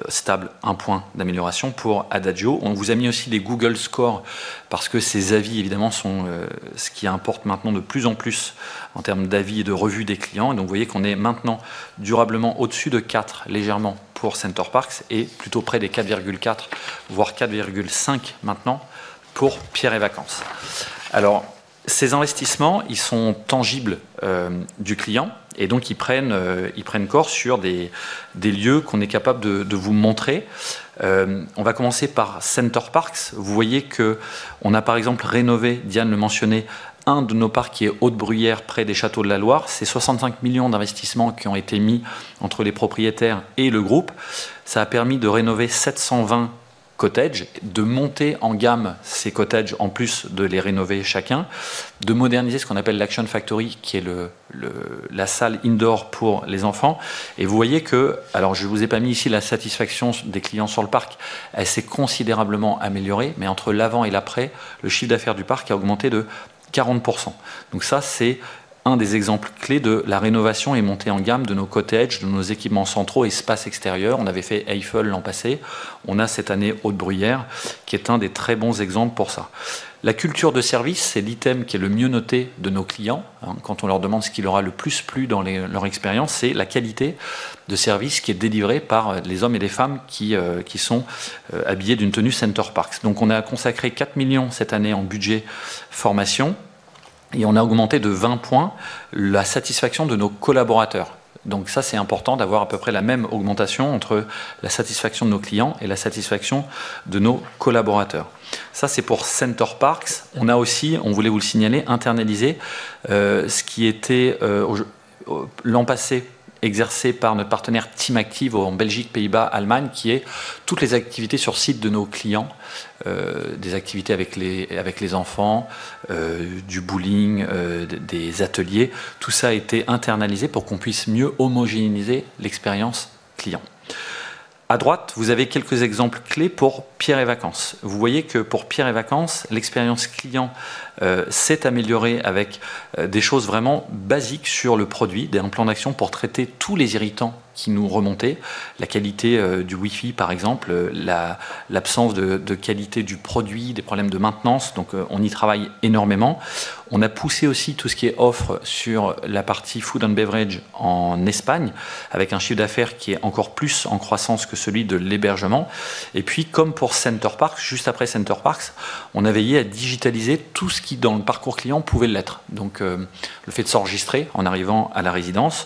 stable, 1 point d'amélioration pour Adagio. On vous a mis aussi les Google Scores parce que ces avis, évidemment, sont ce qui importe maintenant de plus en plus en termes d'avis et de revue des clients. Donc, vous voyez qu'on est maintenant durablement au-dessus de quatre, légèrement, pour Center Parcs et plutôt près des 4,4, voire 4,5 maintenant, pour Pierre et Vacances. Alors, ces investissements, ils sont tangibles du client et donc ils prennent corps sur des lieux qu'on est capable de vous montrer. On va commencer par Center Parcs. Vous voyez qu'on a par exemple rénové, Diane le mentionnait, un de nos parcs qui est Haute Bruyère, près des Châteaux de la Loire. C'est 65 millions d'euros d'investissements qui ont été mis entre les propriétaires et le groupe. Ça a permis de rénover sept cent vingt cottages, de monter en gamme ces cottages, en plus de les rénover chacun, de moderniser ce qu'on appelle l'Action Factory, qui est la salle indoor pour les enfants. Et vous voyez que, alors, je ne vous ai pas mis ici la satisfaction des clients sur le parc, elle s'est considérablement améliorée, mais entre l'avant et l'après, le chiffre d'affaires du parc a augmenté de 40%. Donc ça, c'est un des exemples clés de la rénovation et montée en gamme de nos cottages, de nos équipements centraux, espaces extérieurs. On avait fait Eifel l'an passé. On a cette année, Haute Bruyère, qui est un des très bons exemples pour ça. La culture de service, c'est l'item qui est le mieux noté de nos clients. Quand on leur demande ce qui leur a le plus plu dans leur expérience, c'est la qualité de service qui est délivrée par les hommes et les femmes qui sont habillés d'une tenue Center Parcs. Donc, on a consacré 4 millions cette année en budget formation et on a augmenté de 20% la satisfaction de nos collaborateurs. Donc, ça, c'est important d'avoir à peu près la même augmentation entre la satisfaction de nos clients et la satisfaction de nos collaborateurs. Ça, c'est pour Center Parcs. On a aussi, on voulait vous le signaler, internalisé ce qui était l'an passé exercé par notre partenaire Team Active en Belgique, Pays-Bas, Allemagne, qui est toutes les activités sur site de nos clients, des activités avec les enfants, du bowling, des ateliers. Tout ça a été internalisé pour qu'on puisse mieux homogénéiser l'expérience client. À droite, vous avez quelques exemples clés pour Pierre et Vacances. Vous voyez que pour Pierre et Vacances, l'expérience client s'est améliorée avec des choses vraiment basiques sur le produit, un plan d'action pour traiter tous les irritants qui nous remontaient, la qualité du wifi, par exemple, l'absence de qualité du produit, des problèmes de maintenance. Donc, on y travaille énormément. On a poussé aussi tout ce qui est offre sur la partie food and beverage en Espagne, avec un chiffre d'affaires qui est encore plus en croissance que celui de l'hébergement. Et puis, comme pour Center Parcs, juste après Center Parcs, on a veillé à digitaliser tout ce qui, dans le parcours client, pouvait l'être. Donc, le fait de s'enregistrer en arrivant à la résidence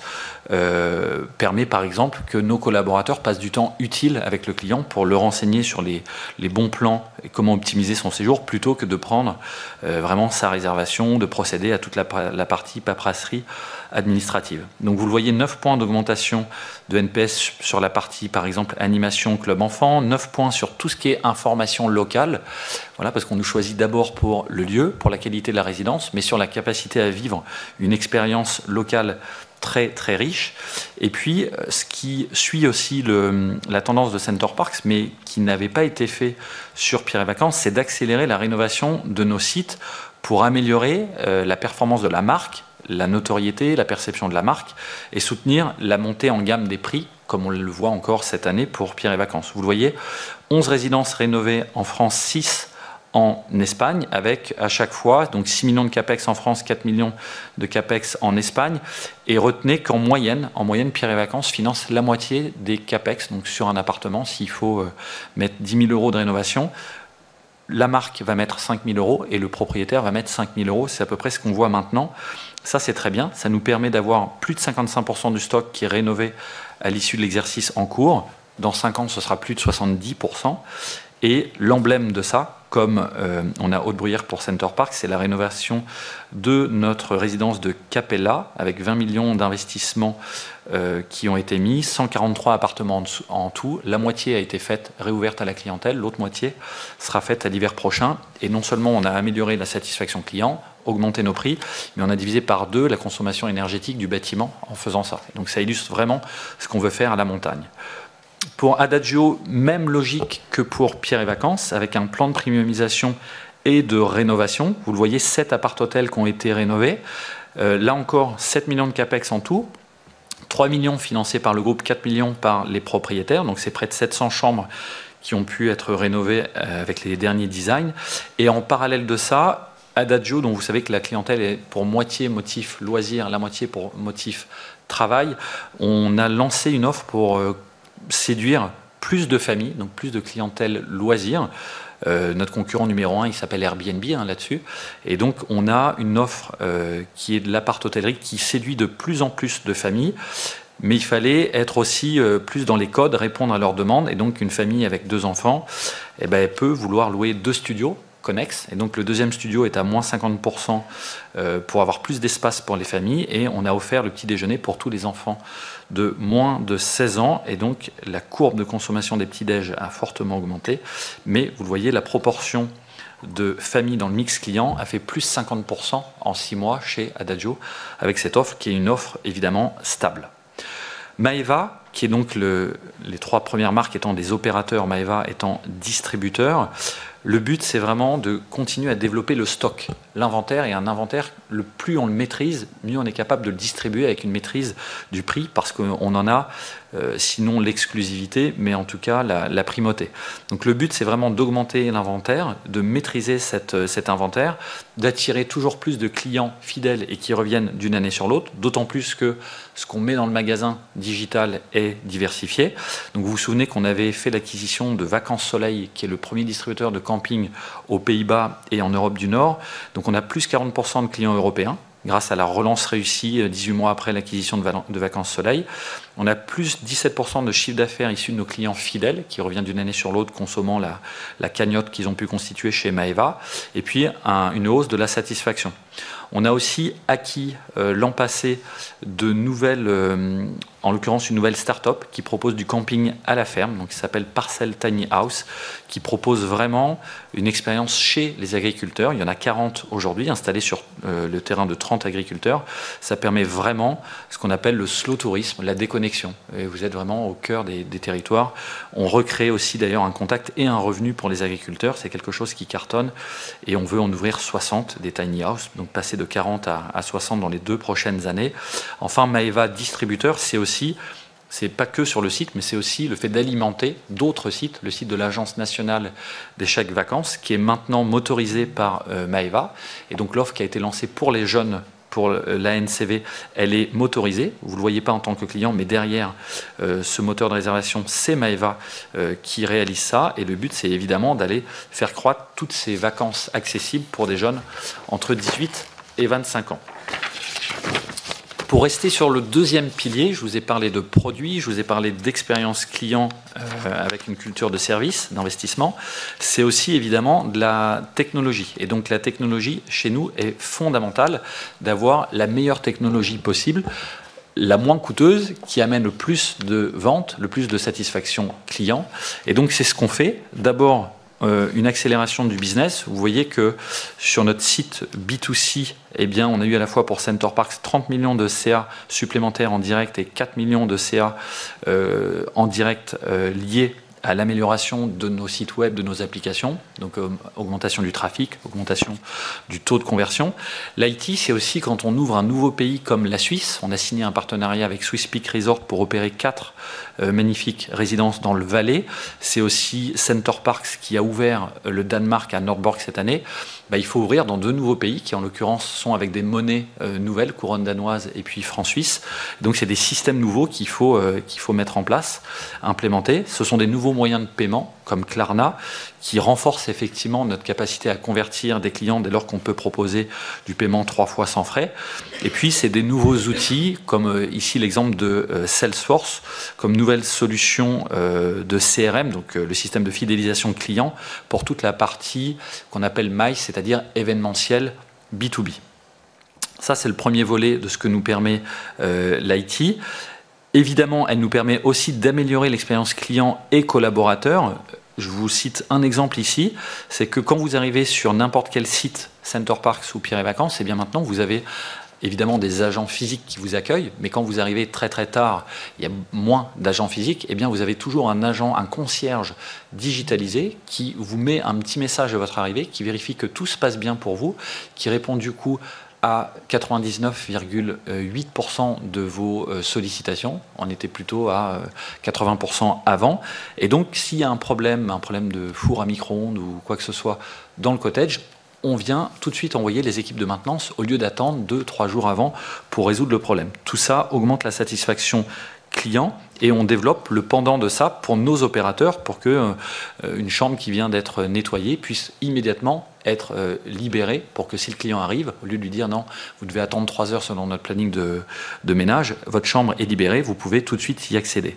permet, par exemple, que nos collaborateurs passent du temps utile avec le client pour le renseigner sur les bons plans et comment optimiser son séjour plutôt que de prendre vraiment sa réservation, de procéder à toute la partie paperasserie administrative. Donc, vous le voyez, neuf points d'augmentation de NPS sur la partie, par exemple, animation club enfant, neuf points sur tout ce qui est information locale. Voilà, parce qu'on nous choisit d'abord pour le lieu, pour la qualité de la résidence, mais sur la capacité à vivre une expérience locale très très riche. Et puis, ce qui suit aussi la tendance de Center Parcs, mais qui n'avait pas été fait sur Pierre et Vacances, c'est d'accélérer la rénovation de nos sites pour améliorer la performance de la marque, la notoriété, la perception de la marque et soutenir la montée en gamme des prix, comme on le voit encore cette année pour Pierre et Vacances. Vous le voyez, onze résidences rénovées en France, six en Espagne, avec à chaque fois, donc, €6 millions de CapEx en France, €4 millions de CapEx en Espagne. Et retenez qu'en moyenne, Pierre & Vacances finance la moitié des CapEx. Donc, sur un appartement, s'il faut mettre €10 000 de rénovation, la marque va mettre €5 000 et le propriétaire va mettre €5 000. C'est à peu près ce qu'on voit maintenant. Ça, c'est très bien. Ça nous permet d'avoir plus de 55% du stock qui est rénové à l'issue de l'exercice en cours. Dans cinq ans, ce sera plus de 70%. L'emblème de ça, comme on a Hautebriure pour Center Parcs, c'est la rénovation de notre résidence de Capella, avec €20 millions d'investissements qui ont été mis, cent quarante-trois appartements en tout. La moitié a été faite, réouverte à la clientèle, l'autre moitié sera faite à l'hiver prochain. Non seulement on a amélioré la satisfaction client, augmenté nos prix, mais on a divisé par deux la consommation énergétique du bâtiment en faisant ça. Donc, ça illustre vraiment ce qu'on veut faire à la montagne. Pour Adagio, même logique que pour Pierre & Vacances, avec un plan de premiumisation et de rénovation. Vous le voyez, sept appart-hôtels qui ont été rénovés. Là encore, sept millions d'euros de CapEx en tout, trois millions financés par le groupe, quatre millions par les propriétaires. Donc, c'est près de sept cents chambres qui ont pu être rénovées avec les derniers designs. Et en parallèle de ça, Adagio, dont vous savez que la clientèle est pour moitié motif loisirs, la moitié pour motif travail, on a lancé une offre pour séduire plus de familles, donc plus de clientèles loisirs. Notre concurrent numéro un, il s'appelle Airbnb sur ce segment. Et donc, on a une offre qui est de l'appart-hôtellerie, qui séduit de plus en plus de familles. Mais il fallait être aussi plus dans les codes, répondre à leurs demandes. Et donc, une famille avec deux enfants, elle peut vouloir louer deux studios connexes. Le deuxième studio est à moins 50% pour avoir plus d'espace pour les familles et on a offert le petit déjeuner pour tous les enfants de moins de seize ans. La courbe de consommation des petits déjeuners a fortement augmenté. Mais vous le voyez, la proportion de familles dans le mix clients a fait plus 50% en six mois chez Adagio, avec cette offre, qui est une offre évidemment stable. Maeva, qui est le, les trois premières marques étant des opérateurs, Maeva étant distributeur. Le but, c'est vraiment de continuer à développer le stock, l'inventaire. Un inventaire, le plus on le maîtrise, mieux on est capable de le distribuer avec une maîtrise du prix, parce qu'on en a, sinon l'exclusivité, mais en tout cas la primauté. Donc, le but, c'est vraiment d'augmenter l'inventaire, de maîtriser cet inventaire, d'attirer toujours plus de clients fidèles et qui reviennent d'une année sur l'autre, d'autant plus que ce qu'on met dans le magasin digital est diversifié. Donc, vous vous souvenez qu'on avait fait l'acquisition de Vacances Soleil, qui est le premier distributeur de camping aux Pays-Bas et en Europe du Nord. Donc, on a plus 40% de clients européens, grâce à la relance réussie, dix-huit mois après l'acquisition de Vacances Soleil. On a plus 17% de chiffre d'affaires issu de nos clients fidèles, qui reviennent d'une année sur l'autre, consommant la cagnotte qu'ils ont pu constituer chez Maeva. Et puis, une hausse de la satisfaction. On a aussi acquis l'an passé, de nouvelles... En l'occurrence, une nouvelle start-up qui propose du camping à la ferme, donc qui s'appelle Parcel Tiny House, qui propose vraiment une expérience chez les agriculteurs. Il y en a quarante aujourd'hui, installés sur le terrain de trente agriculteurs. Ça permet vraiment ce qu'on appelle le slow tourisme, la déconnexion. Vous êtes vraiment au cœur des territoires. On recrée aussi d'ailleurs un contact et un revenu pour les agriculteurs. C'est quelque chose qui cartonne et on veut en ouvrir soixante, des Tiny House, donc passer de quarante à soixante dans les deux prochaines années. Enfin, Maeva Distributeur, c'est aussi, c'est pas que sur le site, mais c'est aussi le fait d'alimenter d'autres sites, le site de l'Agence Nationale des Chèques Vacances, qui est maintenant motorisé par Maeva. Et donc l'offre qui a été lancée pour les jeunes, pour l'ANCV, elle est motorisée. Vous ne le voyez pas en tant que client, mais derrière ce moteur de réservation, c'est Maeva qui réalise ça. Le but, c'est évidemment d'aller faire croître toutes ces vacances accessibles pour des jeunes entre dix-huit et vingt-cinq ans. Pour rester sur le deuxième pilier, je vous ai parlé de produits, je vous ai parlé d'expérience client avec une culture de service, d'investissement. C'est aussi évidemment de la technologie. La technologie, chez nous, est fondamentale, d'avoir la meilleure technologie possible, la moins coûteuse, qui amène le plus de ventes, le plus de satisfaction client. C'est ce qu'on fait. D'abord, une accélération du business. Vous voyez que sur notre site B2C, on a eu à la fois pour Center Parcs, 30 millions € de CA supplémentaires en direct et 4 millions € de CA en direct liés à l'amélioration de nos sites Web, de nos applications. Donc, augmentation du trafic, augmentation du taux de conversion. L'IT, c'est aussi quand on ouvre un nouveau pays comme la Suisse. On a signé un partenariat avec Swiss Peak Resort pour opérer quatre magnifiques résidences dans le Valais. C'est aussi Center Parcs, qui a ouvert le Danemark à Nørreborg cette année. Il faut ouvrir dans deux nouveaux pays, qui, en l'occurrence, sont avec des monnaies nouvelles, couronnes danoises et puis francs suisses. Donc, ce sont des systèmes nouveaux qu'il faut mettre en place, implémenter. Ce sont des nouveaux moyens de paiement, comme Klarna, qui renforcent effectivement notre capacité à convertir des clients dès lors qu'on peut proposer du paiement trois fois sans frais. Et puis, ce sont des nouveaux outils, comme ici l'exemple de Salesforce, comme nouvelle solution de CRM, donc le système de fidélisation client, pour toute la partie qu'on appelle MICE, c'est-à-dire événementiel B2B. Ça, c'est le premier volet de ce que nous permet l'IT. Évidemment, elle nous permet aussi d'améliorer l'expérience client et collaborateur. Je vous cite un exemple ici, c'est que quand vous arrivez sur n'importe quel site, Center Parcs ou Pierre & Vacances, eh bien maintenant, vous avez évidemment des agents physiques qui vous accueillent, mais quand vous arrivez très très tard, il y a moins d'agents physiques. Eh bien, vous avez toujours un agent, un concierge digitalisé, qui vous met un petit message à votre arrivée, qui vérifie que tout se passe bien pour vous, qui répond du coup à 99,8% de vos sollicitations. On était plutôt à 80% avant. Et donc, s'il y a un problème, un problème de four à micro-ondes ou quoi que ce soit dans le cottage, on vient tout de suite envoyer les équipes de maintenance au lieu d'attendre deux, trois jours avant pour résoudre le problème. Tout ça augmente la satisfaction client et on développe le pendant de ça pour nos opérateurs, pour qu'une chambre qui vient d'être nettoyée puisse immédiatement être libérée, pour que si le client arrive, au lieu de lui dire: « Non, vous devez attendre trois heures selon notre planning de ménage », votre chambre est libérée, vous pouvez tout de suite y accéder.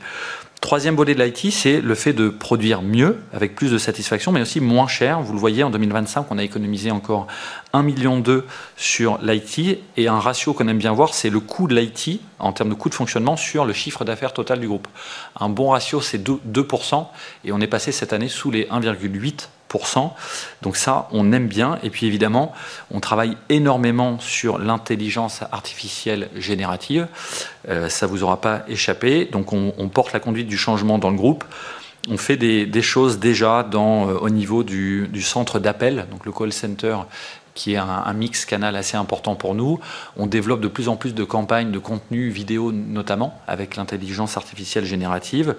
Troisième volet de l'IT, c'est le fait de produire mieux, avec plus de satisfaction, mais aussi moins cher. Vous le voyez, en 2025, on a économisé encore 1,2 million € sur l'IT. Et un ratio qu'on aime bien voir, c'est le coût de l'IT, en termes de coût de fonctionnement, sur le chiffre d'affaires total du groupe. Un bon ratio, c'est 2%, et on est passé cette année sous les 1,8%. Donc ça, on aime bien. Et puis évidemment, on travaille énormément sur l'intelligence artificielle générative. Ça vous aura pas échappé. Donc, on porte la conduite du changement dans le groupe. On fait des choses déjà au niveau du centre d'appel, donc le call center, qui est un mix canal assez important pour nous. On développe de plus en plus de campagnes de contenu vidéo, notamment avec l'intelligence artificielle générative.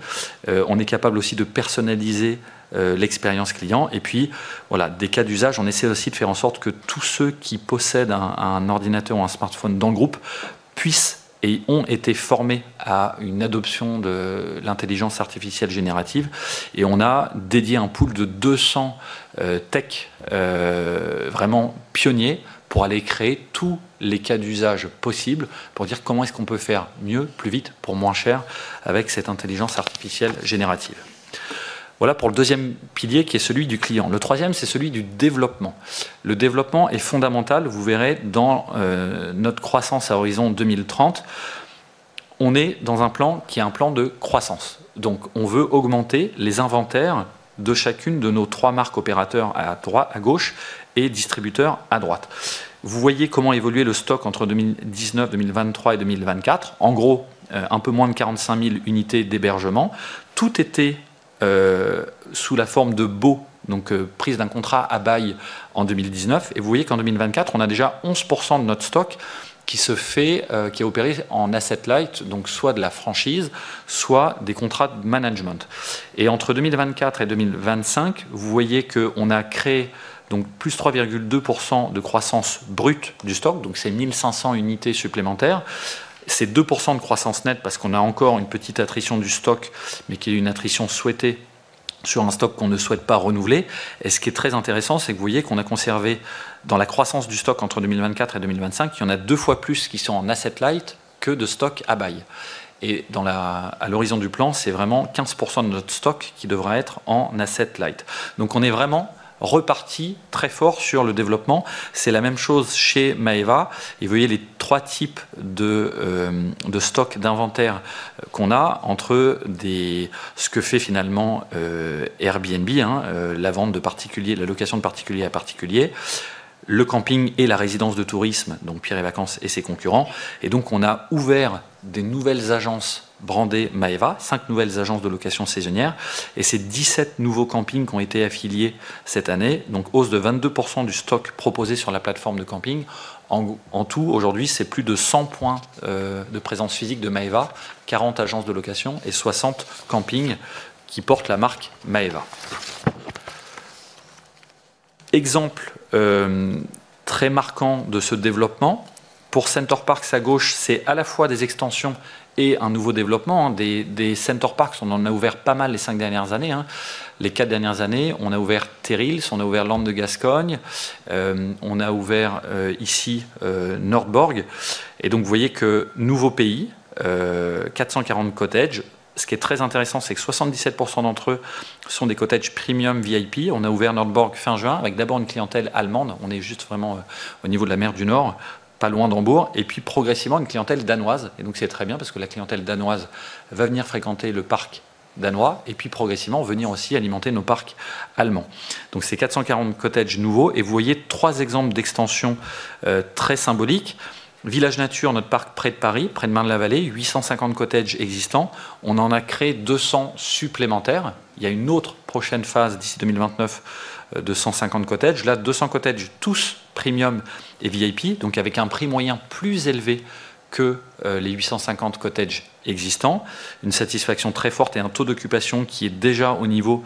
On est capable aussi de personnaliser l'expérience client. Et puis, voilà, des cas d'usage, on essaie aussi de faire en sorte que tous ceux qui possèdent un ordinateur ou un smartphone dans le groupe puissent et ont été formés à une adoption de l'intelligence artificielle générative. On a dédié un pool de 200 tech vraiment pionniers pour aller créer tous les cas d'usage possibles, pour dire comment est-ce qu'on peut faire mieux, plus vite, pour moins cher avec cette intelligence artificielle générative. Voilà pour le deuxième pilier qui est celui du client. Le troisième, c'est celui du développement. Le développement est fondamental. Vous verrez, dans notre croissance à horizon 2030, on est dans un plan qui est un plan de croissance. Donc, on veut augmenter les inventaires de chacune de nos trois marques opérateurs à droite, à gauche et distributeurs à droite. Vous voyez comment évoluer le stock entre 2019, 2023 et 2024. En gros, un peu moins de 45 000 unités d'hébergement. Tout était sous la forme de baux, donc prise d'un contrat à bail en 2019. Et vous voyez qu'en 2024, on a déjà 11% de notre stock qui se fait, qui est opéré en asset light, donc soit de la franchise, soit des contrats de management. Et entre 2024 et 2025, vous voyez qu'on a créé donc plus 3,2% de croissance brute du stock. Donc c'est 1 500 unités supplémentaires. C'est 2% de croissance nette parce qu'on a encore une petite attrition du stock, mais qui est une attrition souhaitée sur un stock qu'on ne souhaite pas renouveler. Et ce qui est très intéressant, c'est que vous voyez qu'on a conservé dans la croissance du stock entre 2024 et 2025, il y en a deux fois plus qui sont en asset light que de stock à bail. Et dans la, à l'horizon du plan, c'est vraiment 15% de notre stock qui devra être en asset light. Donc, on est vraiment reparti très fort sur le développement. C'est la même chose chez Maeva. Et vous voyez les trois types de stock d'inventaire qu'on a entre des, ce que fait finalement Airbnb, la vente de particuliers, la location de particulier à particulier, le camping et la résidence de tourisme, donc Pierre et Vacances et ses concurrents. Et donc, on a ouvert des nouvelles agences brandées Maeva, cinq nouvelles agences de location saisonnière et c'est dix-sept nouveaux campings qui ont été affiliés cette année. Donc, hausse de 22% du stock proposé sur la plateforme de camping. En tout, aujourd'hui, c'est plus de cent points de présence physique de Maeva, quarante agences de location et soixante campings qui portent la marque Maeva. Exemple très marquant de ce développement, pour Center Parcs, à gauche, c'est à la fois des extensions et un nouveau développement. Des Center Parcs, on en a ouvert pas mal les cinq dernières années. Les quatre dernières années, on a ouvert Terrils, on a ouvert Landes de Gascogne, on a ouvert ici Nordborg. Et donc, vous voyez que nouveau pays, quatre cent quarante cottages. Ce qui est très intéressant, c'est que 77% d'entre eux sont des cottages premium VIP. On a ouvert Nordborg fin juin, avec d'abord une clientèle allemande. On est juste vraiment au niveau de la mer du Nord, pas loin d'Hambourg, et puis progressivement, une clientèle danoise. Et donc, c'est très bien parce que la clientèle danoise va venir fréquenter le parc danois et puis, progressivement, venir aussi alimenter nos parcs allemands. Donc c'est 440 cottages nouveaux et vous voyez trois exemples d'extensions très symboliques. Village Nature, notre parc près de Paris, près de Marne-la-Vallée, 850 cottages existants. On en a créé 200 supplémentaires. Il y a une autre prochaine phase d'ici 2029, de 150 cottages. Là, 200 cottages, tous premium et VIP, donc avec un prix moyen plus élevé que les 850 cottages existants. Une satisfaction très forte et un taux d'occupation qui est déjà au niveau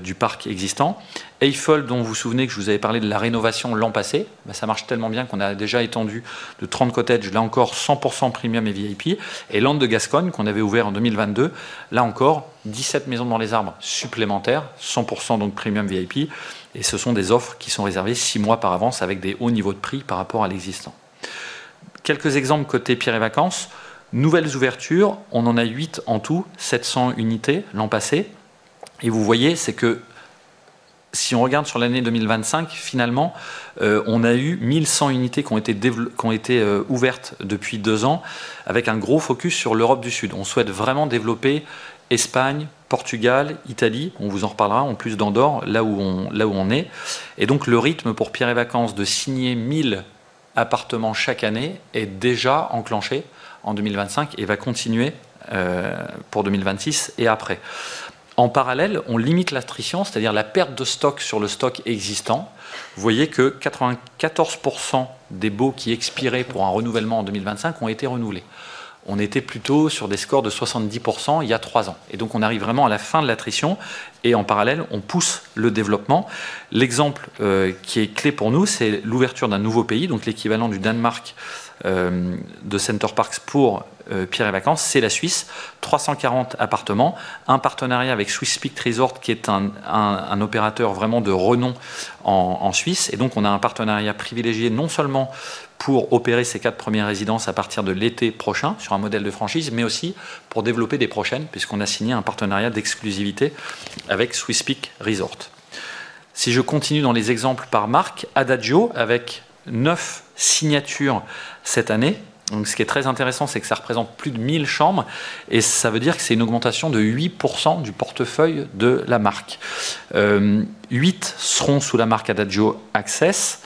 du parc existant. Eiffel, dont vous vous souvenez que je vous avais parlé de la rénovation l'an passé. Ça marche tellement bien qu'on a déjà étendu de trente cottages, là encore, 100% premium et VIP. Et Landes de Gascogne, qu'on avait ouvert en 2022, là encore, dix-sept maisons dans les arbres supplémentaires, 100%, donc, premium VIP. Et ce sont des offres qui sont réservées six mois par avance, avec des hauts niveaux de prix par rapport à l'existant. Quelques exemples côté Pierre et Vacances. Nouvelles ouvertures, on en a huit en tout, sept cents unités l'an passé. Et vous voyez, c'est que si on regarde sur l'année 2025, finalement, on a eu 1 100 unités qui ont été développées, qui ont été ouvertes depuis deux ans, avec un gros focus sur l'Europe du Sud. On souhaite vraiment développer Espagne, Portugal, Italie. On vous en reparlera, en plus d'Andorre, là où on est. Et donc, le rythme pour Pierre et Vacances de signer 1 000 appartements chaque année est déjà enclenché en 2025 et va continuer pour 2026 et après. En parallèle, on limite l'attrition, c'est-à-dire la perte de stock sur le stock existant. Vous voyez que 94% des baux qui expiraient pour un renouvellement en 2025 ont été renouvelés. On était plutôt sur des scores de 70% il y a trois ans. Et donc on arrive vraiment à la fin de l'attrition et en parallèle, on pousse le développement. L'exemple qui est clé pour nous, c'est l'ouverture d'un nouveau pays, donc l'équivalent du Danemark de Center Parcs pour Pierre et Vacances, c'est la Suisse. Trois cent quarante appartements, un partenariat avec Swiss Peak Resort, qui est un opérateur vraiment de renom en Suisse. Et donc on a un partenariat privilégié non seulement pour opérer ces quatre premières résidences à partir de l'été prochain, sur un modèle de franchise, mais aussi pour développer des prochaines, puisqu'on a signé un partenariat d'exclusivité avec Swiss Peak Resort. Si je continue dans les exemples par marque, Adagio, avec neuf signatures cette année. Ce qui est très intéressant, c'est que ça représente plus de mille chambres et ça veut dire que c'est une augmentation de 8% du portefeuille de la marque. Huit seront sous la marque Adagio Access,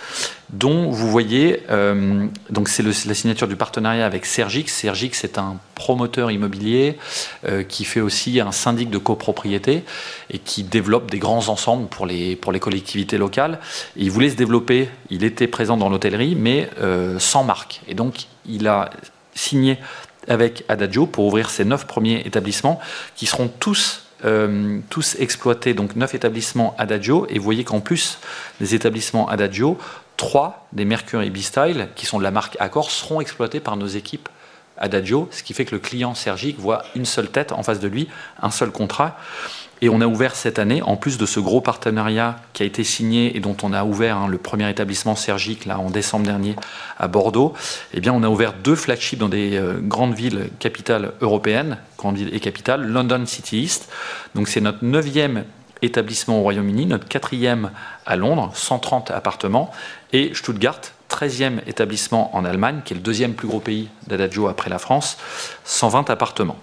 dont vous voyez, donc c'est la signature du partenariat avec Sergic. Sergic, c'est un promoteur immobilier qui fait aussi un syndic de copropriété et qui développe des grands ensembles pour les collectivités locales. Il voulait se développer. Il était présent dans l'hôtellerie, mais sans marque. Il a signé avec Adagio pour ouvrir ses neuf premiers établissements qui seront tous exploités, donc neuf établissements Adagio. Vous voyez qu'en plus des établissements Adagio, trois des Mercury B-Style, qui sont de la marque Accor, seront exploités par nos équipes Adagio. Ce qui fait que le client Sergic voit une seule tête en face de lui, un seul contrat. Et on a ouvert cette année, en plus de ce gros partenariat qui a été signé et dont on a ouvert le premier établissement Sergic là en décembre dernier à Bordeaux, on a ouvert deux flagship dans des grandes villes capitales européennes, grandes villes et capitales: London City East. Donc c'est notre neuvième établissement au Royaume-Uni, notre quatrième à Londres, 130 appartements, et Stuttgart, treizième établissement en Allemagne, qui est le deuxième plus gros pays d'Adagio après la France, 120 appartements.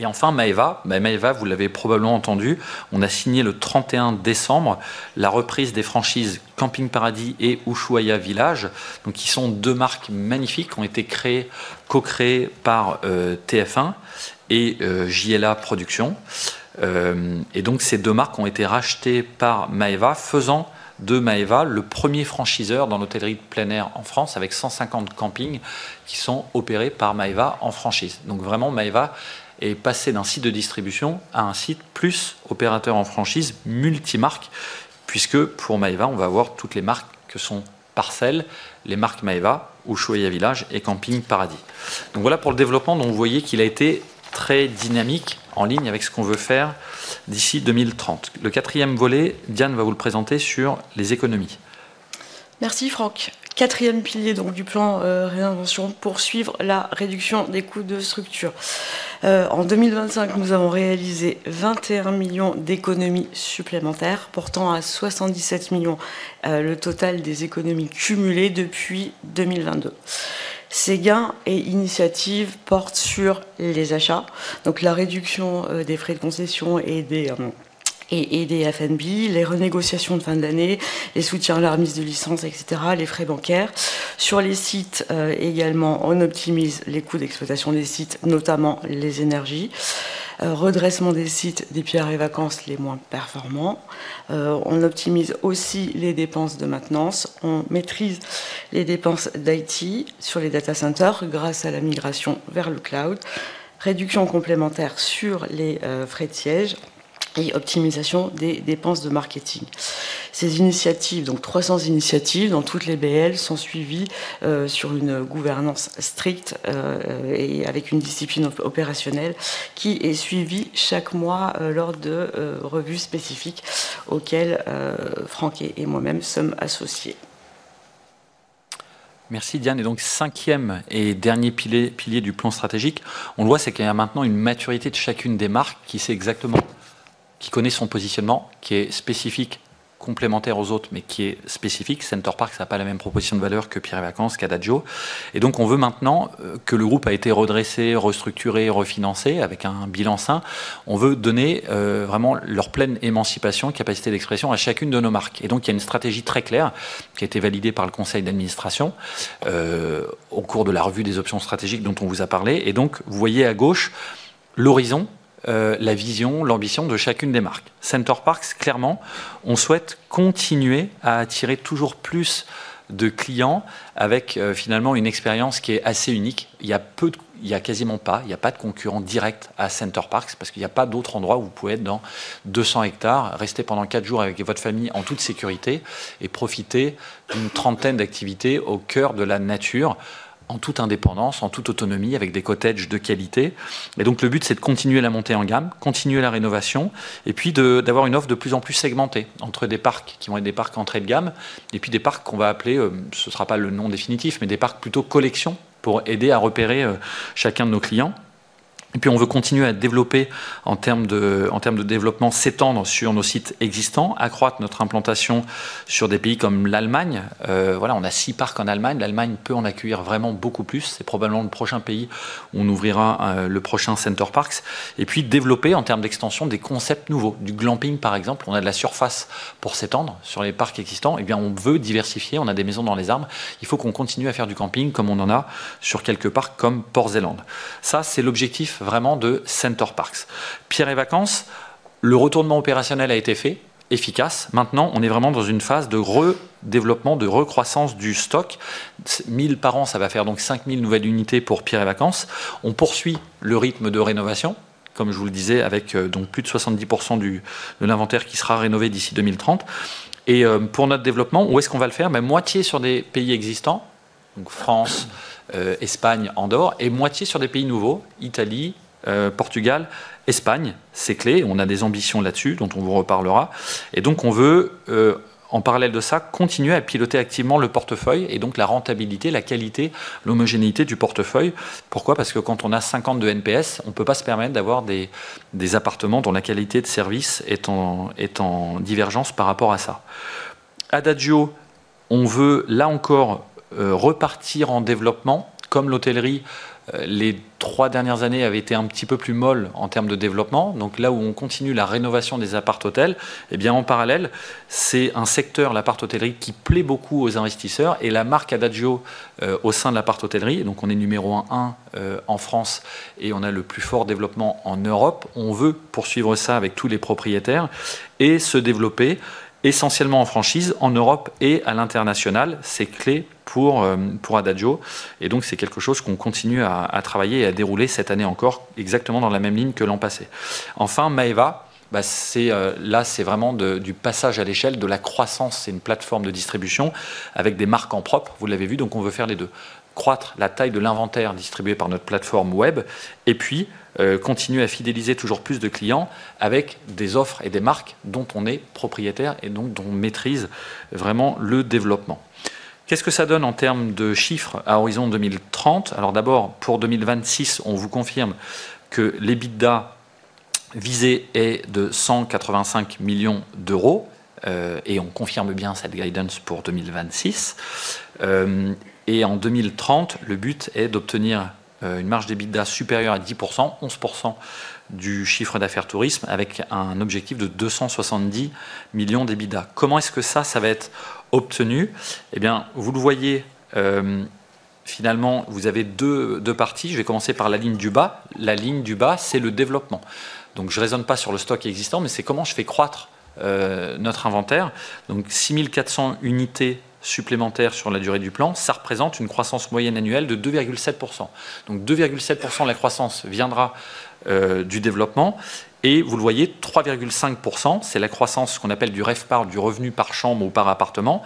Et enfin, Maeva. Maeva, vous l'avez probablement entendu, on a signé le 31 décembre la reprise des franchises Camping Paradis et Ushuaïa Village, donc qui sont deux marques magnifiques qui ont été créées, co-créées par TF1 et JLA Production. Et donc ces deux marques ont été rachetées par Maeva, faisant de Maeva le premier franchiseur dans l'hôtellerie de plein air en France, avec 150 campings qui sont opérés par Maeva en franchise. Donc vraiment, Maeva est passée d'un site de distribution à un site plus opérateur en franchise multimarque, puisque pour Maeva, on va avoir toutes les marques que sont Parcelles, les marques Maeva, Ushuaïa Village et Camping Paradis. Donc voilà pour le développement, dont vous voyez qu'il a été très dynamique, en ligne avec ce qu'on veut faire d'ici 2030. Le quatrième volet, Diane va vous le présenter sur les économies.
Merci Franck. Quatrième pilier, donc, du plan de réinvention pour suivre la réduction des coûts de structure. En 2025, nous avons réalisé 21 millions d'économies supplémentaires, portant à 77 millions le total des économies cumulées depuis 2022. Ces gains et initiatives portent sur les achats, donc la réduction des frais de concession et des FNB, les renégociations de fin d'année, les soutiens à la remise de licences, etc., les frais bancaires. Sur les sites, également, on optimise les coûts d'exploitation des sites, notamment les énergies, redressement des sites des Pierres et Vacances les moins performants. On optimise aussi les dépenses de maintenance, on maîtrise les dépenses d'IT sur les data centers grâce à la migration vers le cloud, réduction complémentaire sur les frais de siège et optimisation des dépenses de marketing. Ces initiatives, donc trois cents initiatives dans toutes les BL, sont suivies sur une gouvernance stricte et avec une discipline opérationnelle qui est suivie chaque mois lors de revues spécifiques auxquelles Franck et moi-même sommes associés.
Merci Diane. Et donc, cinquième et dernier pilier du plan stratégique. On le voit, c'est qu'il y a maintenant une maturité de chacune des marques qui sait exactement, qui connaît son positionnement, qui est spécifique, complémentaire aux autres, mais qui est spécifique. Center Parcs, ça n'a pas la même proposition de valeur que Pierre et Vacances qu'Adagio. Et donc, on veut maintenant que le groupe a été redressé, restructuré, refinancé, avec un bilan sain. On veut donner vraiment leur pleine émancipation et capacité d'expression à chacune de nos marques. Et donc il y a une stratégie très claire qui a été validée par le conseil d'administration au cours de la revue des options stratégiques dont on vous a parlé. Et donc, vous voyez à gauche l'horizon, la vision, l'ambition de chacune des marques. Center Parcs, clairement, on souhaite continuer à attirer toujours plus de clients avec finalement une expérience qui est assez unique. Il y a peu de, il n'y a quasiment pas, il n'y a pas de concurrent direct à Center Parcs, parce qu'il n'y a pas d'autres endroits où vous pouvez être dans 200 hectares, rester pendant quatre jours avec votre famille en toute sécurité et profiter d'une trentaine d'activités au cœur de la nature, en toute indépendance, en toute autonomie, avec des cottages de qualité. Et donc le but, c'est de continuer la montée en gamme, continuer la rénovation et puis d'avoir une offre de plus en plus segmentée entre des parcs qui vont être des parcs d'entrée de gamme et puis des parcs qu'on va appeler, ce ne sera pas le nom définitif, mais des parcs plutôt collection, pour aider à repérer chacun de nos clients. Et puis, on veut continuer à développer en termes de développement, s'étendre sur nos sites existants, accroître notre implantation sur des pays comme l'Allemagne. Voilà, on a six parcs en Allemagne. L'Allemagne peut en accueillir vraiment beaucoup plus. C'est probablement le prochain pays où on ouvrira le prochain Center Parcs. Et puis développer, en termes d'extension, des concepts nouveaux, du glamping, par exemple. On a de la surface pour s'étendre sur les parcs existants. Eh bien, on veut diversifier. On a des maisons dans les arbres. Il faut qu'on continue à faire du camping comme on en a sur quelques parcs, comme Port Zélande. Ça, c'est l'objectif vraiment de Center Parcs. Pierre et Vacances... Le retournement opérationnel a été fait, efficace. Maintenant, on est vraiment dans une phase de re-développement, de recroissance du stock. Mille par an, ça va faire donc cinq mille nouvelles unités pour Pierre & Vacances. On poursuit le rythme de rénovation, comme je vous le disais, avec donc plus de 70% de l'inventaire qui sera rénové d'ici 2030. Pour notre développement, où est-ce qu'on va le faire? Moitié sur des pays existants, donc France, Espagne, Andorre, et moitié sur des pays nouveaux, Italie, Portugal, Espagne. C'est clé. On a des ambitions là-dessus, dont on vous reparlera. Donc on veut, en parallèle de ça, continuer à piloter activement le portefeuille et donc la rentabilité, la qualité, l'homogénéité du portefeuille. Pourquoi? Parce que quand on a cinquante-deux NPS, on ne peut pas se permettre d'avoir des appartements dont la qualité de service est en divergence par rapport à ça. Adagio, on veut, là encore, repartir en développement. Comme l'hôtellerie, les trois dernières années avaient été un petit peu plus molles en termes de développement. Donc là où on continue la rénovation des appart-hôtels, en parallèle, c'est un secteur, l'appart-hôtellerie, qui plaît beaucoup aux investisseurs et la marque Adagio au sein de l'appart-hôtellerie. Donc, on est numéro un en France et on a le plus fort développement en Europe. On veut poursuivre ça avec tous les propriétaires et se développer essentiellement en franchise, en Europe et à l'international. C'est clé pour Adagio et donc c'est quelque chose qu'on continue à travailler et à dérouler cette année encore, exactement dans la même ligne que l'an passé. Enfin, Maeva, c'est vraiment du passage à l'échelle, de la croissance. C'est une plateforme de distribution avec des marques en propre. Vous l'avez vu, donc on veut faire les deux. Croître la taille de l'inventaire distribué par notre plateforme web et puis continuer à fidéliser toujours plus de clients avec des offres et des marques dont on est propriétaire et donc dont on maîtrise vraiment le développement. Qu'est-ce que ça donne en termes de chiffres à horizon 2030? Alors d'abord, pour 2026, on vous confirme que l'EBITDA visé est de €185 millions, et on confirme bien cette guidance pour 2026. Et en 2030, le but est d'obtenir une marge d'EBITDA supérieure à 10%, 11% du chiffre d'affaires tourisme, avec un objectif de €270 millions d'EBITDA. Comment est-ce que ça va être obtenu? Eh bien, vous le voyez, finalement, vous avez deux parties. Je vais commencer par la ligne du bas. La ligne du bas, c'est le développement. Donc, je ne raisonne pas sur le stock existant, mais c'est comment je fais croître notre inventaire. Donc, 6 400 unités supplémentaires sur la durée du plan, ça représente une croissance moyenne annuelle de 2,7%. Donc, 2,7% de la croissance viendra du développement. Et vous le voyez, 3,5%, c'est la croissance qu'on appelle du revpar, du revenu par chambre ou par appartement,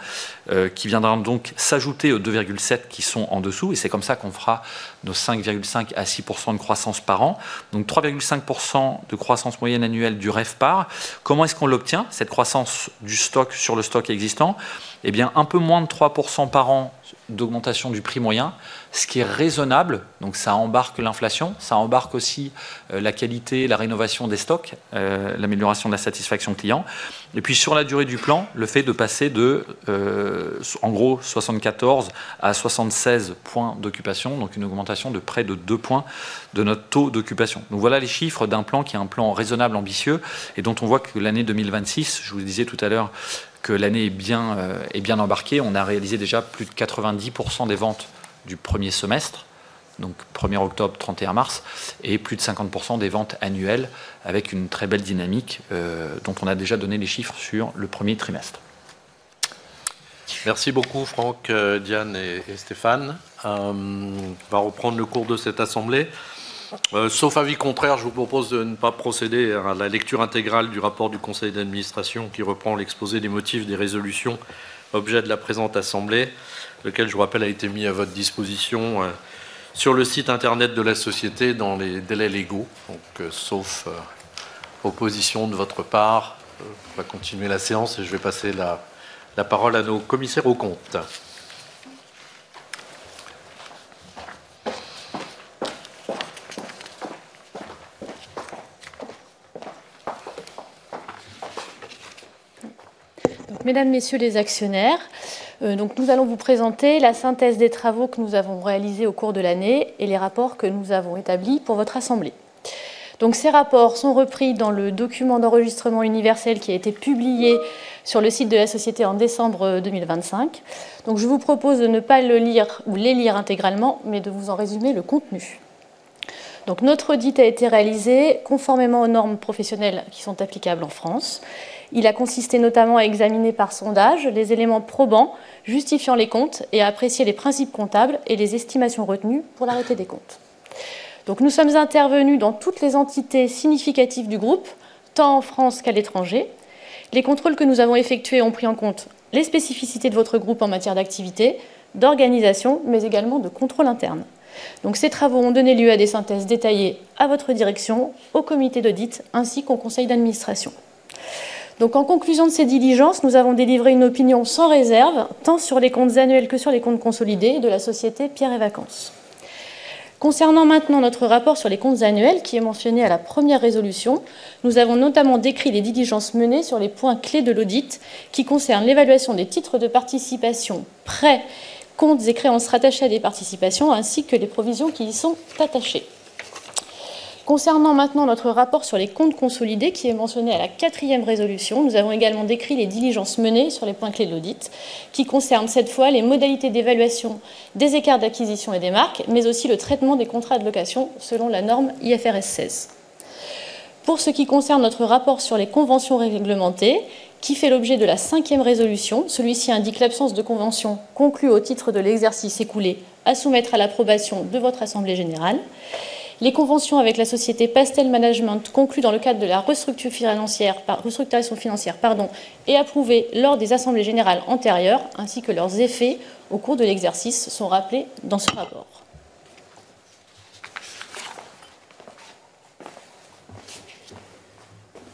qui viendra donc s'ajouter aux 2,7% qui sont en dessous. Et c'est comme ça qu'on fera nos 5,5% à 6% de croissance par an. Donc, 3,5% de croissance moyenne annuelle du revpar. Comment est-ce qu'on l'obtient, cette croissance du stock sur le stock existant? Eh bien, un peu moins de 3% par an d'augmentation du prix moyen, ce qui est raisonnable. Donc, ça embarque l'inflation, ça embarque aussi la qualité, la rénovation des stocks, l'amélioration de la satisfaction client. Et puis, sur la durée du plan, le fait de passer de, en gros, 74 à 76 points d'occupation, donc une augmentation de près de deux points de notre taux d'occupation. Donc voilà les chiffres d'un plan qui est un plan raisonnable, ambitieux et dont on voit que l'année 2026, je vous le disais tout à l'heure, que l'année est bien embarquée. On a réalisé déjà plus de 90% des ventes du premier semestre, donc premier octobre, trente et un mars, et plus de 50% des ventes annuelles, avec une très belle dynamique, dont on a déjà donné les chiffres sur le premier trimestre.
Merci beaucoup, Franck, Diane et Stéphane. On va reprendre le cours de cette assemblée. Sauf avis contraire, je vous propose de ne pas procéder à la lecture intégrale du rapport du conseil d'administration, qui reprend l'exposé des motifs des résolutions objet de la présente assemblée, lequel, je vous rappelle, a été mis à votre disposition sur le site Internet de la Société dans les délais légaux. Donc, sauf opposition de votre part, on va continuer la séance et je vais passer la parole à nos commissaires aux comptes.
Mesdames, Messieurs les actionnaires, nous allons vous présenter la synthèse des travaux que nous avons réalisés au cours de l'année et les rapports que nous avons établis pour votre assemblée. Ces rapports sont repris dans le document d'enregistrement universel qui a été publié sur le site de la société en décembre 2025. Je vous propose de ne pas les lire intégralement, mais de vous en résumer le contenu. Notre audit a été réalisé conformément aux normes professionnelles qui sont applicables en France. Il a consisté notamment à examiner par sondage les éléments probants justifiant les comptes et à apprécier les principes comptables et les estimations retenues pour l'arrêté des comptes. Nous sommes intervenus dans toutes les entités significatives du groupe, tant en France qu'à l'étranger. Les contrôles que nous avons effectués ont pris en compte les spécificités de votre groupe en matière d'activité, d'organisation, mais également de contrôle interne. Ces travaux ont donné lieu à des synthèses détaillées à votre direction, au comité d'audit ainsi qu'au conseil d'administration. En conclusion de ces diligences, nous avons délivré une opinion sans réserve, tant sur les comptes annuels que sur les comptes consolidés de la société Pierre & Vacances. Concernant maintenant notre rapport sur les comptes annuels, qui est mentionné à la première résolution, nous avons notamment décrit les diligences menées sur les points clés de l'audit, qui concernent l'évaluation des titres de participation, prêts, comptes et créances rattachés à des participations ainsi que les provisions qui y sont attachées. Concernant maintenant notre rapport sur les comptes consolidés, qui est mentionné à la quatrième résolution, nous avons également décrit les diligences menées sur les points clés de l'audit, qui concernent cette fois les modalités d'évaluation des écarts d'acquisition et des marques, mais aussi le traitement des contrats de location selon la norme IFRS 16. Pour ce qui concerne notre rapport sur les conventions réglementées, qui fait l'objet de la cinquième résolution, celui-ci indique l'absence de conventions conclues au titre de l'exercice écoulé à soumettre à l'approbation de votre assemblée générale. Les conventions avec la société Pastel Management, conclues dans le cadre de la restructuration financière et approuvées lors des assemblées générales antérieures, ainsi que leurs effets au cours de l'exercice, sont rappelées dans ce rapport.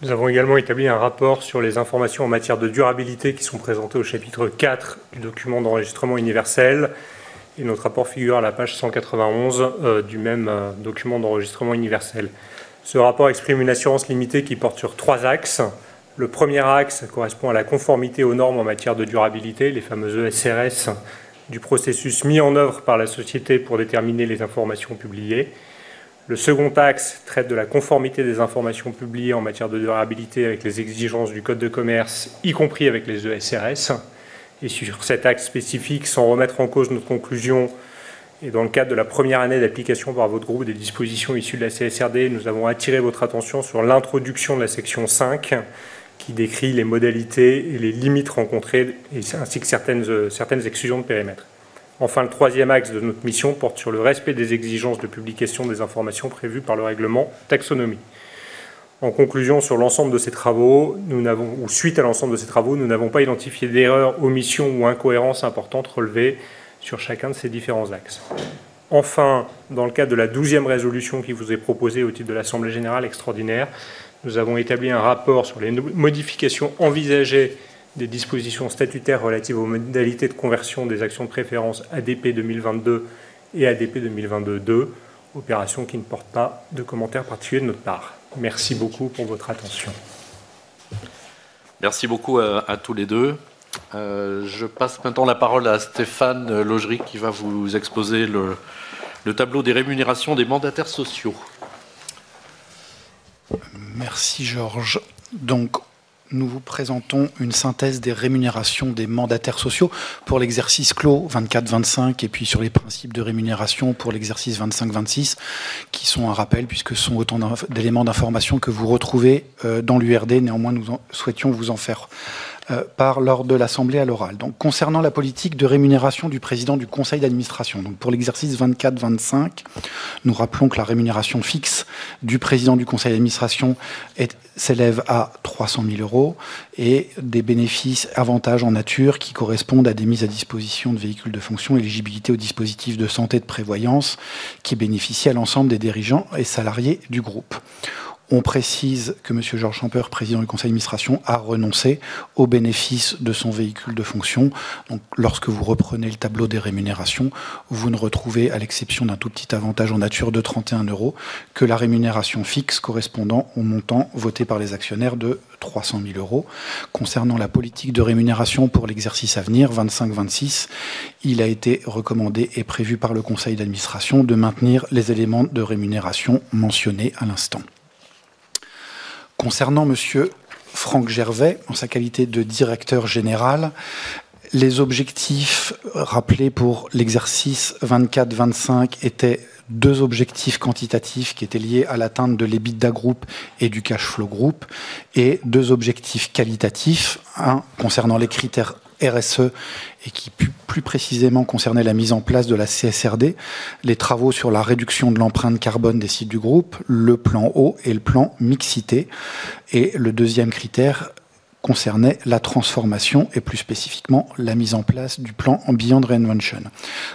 Nous avons également établi un rapport sur les informations en matière de durabilité qui sont présentées au chapitre quatre du document d'enregistrement universel. Notre rapport figure à la page cent quatre-vingt-onze du même document d'enregistrement universel. Ce rapport exprime une assurance limitée qui porte sur trois axes. Le premier axe correspond à la conformité aux normes en matière de durabilité, les fameuses ESRS, du processus mis en œuvre par la société pour déterminer les informations publiées. Le second axe traite de la conformité des informations publiées en matière de durabilité avec les exigences du code de commerce, y compris avec les ESRS. Et sur cet axe spécifique, sans remettre en cause notre conclusion et dans le cadre de la première année d'application par votre groupe des dispositions issues de la CSRD, nous avons attiré votre attention sur l'introduction de la section cinq, qui décrit les modalités et les limites rencontrées, ainsi que certaines exclusions de périmètre. Enfin, le troisième axe de notre mission porte sur le respect des exigences de publication des informations prévues par le règlement Taxonomie. En conclusion, sur l'ensemble de ces travaux, nous n'avons ou suite à l'ensemble de ces travaux, nous n'avons pas identifié d'erreurs, omissions ou incohérences importantes relevées sur chacun de ces différents axes. Enfin, dans le cadre de la douzième résolution qui vous est proposée au titre de l'Assemblée générale extraordinaire, nous avons établi un rapport sur les nouvelles modifications envisagées des dispositions statutaires relatives aux modalités de conversion des actions de référence ADP 2022 et ADP 2022-2, opération qui ne porte pas de commentaires particuliers de notre part. Merci beaucoup pour votre attention.
Merci beaucoup à tous les deux. Je passe maintenant la parole à Stéphane Laugery, qui va vous exposer le tableau des rémunérations des mandataires sociaux.
Merci Georges. Donc, nous vous présentons une synthèse des rémunérations des mandataires sociaux pour l'exercice clos 2024-2025, et puis sur les principes de rémunération pour l'exercice 2025-2026, qui sont un rappel puisque ce sont autant d'éléments d'information que vous retrouvez dans l'URD. Néanmoins, nous souhaitons vous en faire part lors de l'assemblée à l'oral. Donc, concernant la politique de rémunération du président du conseil d'administration. Donc pour l'exercice 2024-2025, nous rappelons que la rémunération fixe du président du conseil d'administration s'élève à 300 000 € et des bénéfices avantages en nature qui correspondent à des mises à disposition de véhicules de fonction, éligibilité au dispositif de santé de prévoyance qui bénéficiait à l'ensemble des dirigeants et salariés du groupe. On précise que Monsieur Georges Champeur, Président du Conseil d'Administration, a renoncé au bénéfice de son véhicule de fonction. Donc, lorsque vous reprenez le tableau des rémunérations, vous ne retrouvez, à l'exception d'un tout petit avantage en nature de 31 €, que la rémunération fixe correspondant au montant voté par les actionnaires de 300 000 €. Concernant la politique de rémunération pour l'exercice à venir, 2025-2026, il a été recommandé et prévu par le conseil d'administration de maintenir les éléments de rémunération mentionnés à l'instant. Concernant Monsieur Franck Gervais, en sa qualité de Directeur Général, les objectifs rappelés pour l'exercice 2024-2025 étaient deux objectifs quantitatifs qui étaient liés à l'atteinte de l'EBITDA groupe et du cash flow groupe, et deux objectifs qualitatifs, un concernant les critères RSE et qui plus précisément concernait la mise en place de la CSRD, les travaux sur la réduction de l'empreinte carbone des sites du groupe, le plan haut et le plan mixité. Et le deuxième critère concernait la transformation et plus spécifiquement, la mise en place du plan Ambient Reinvention.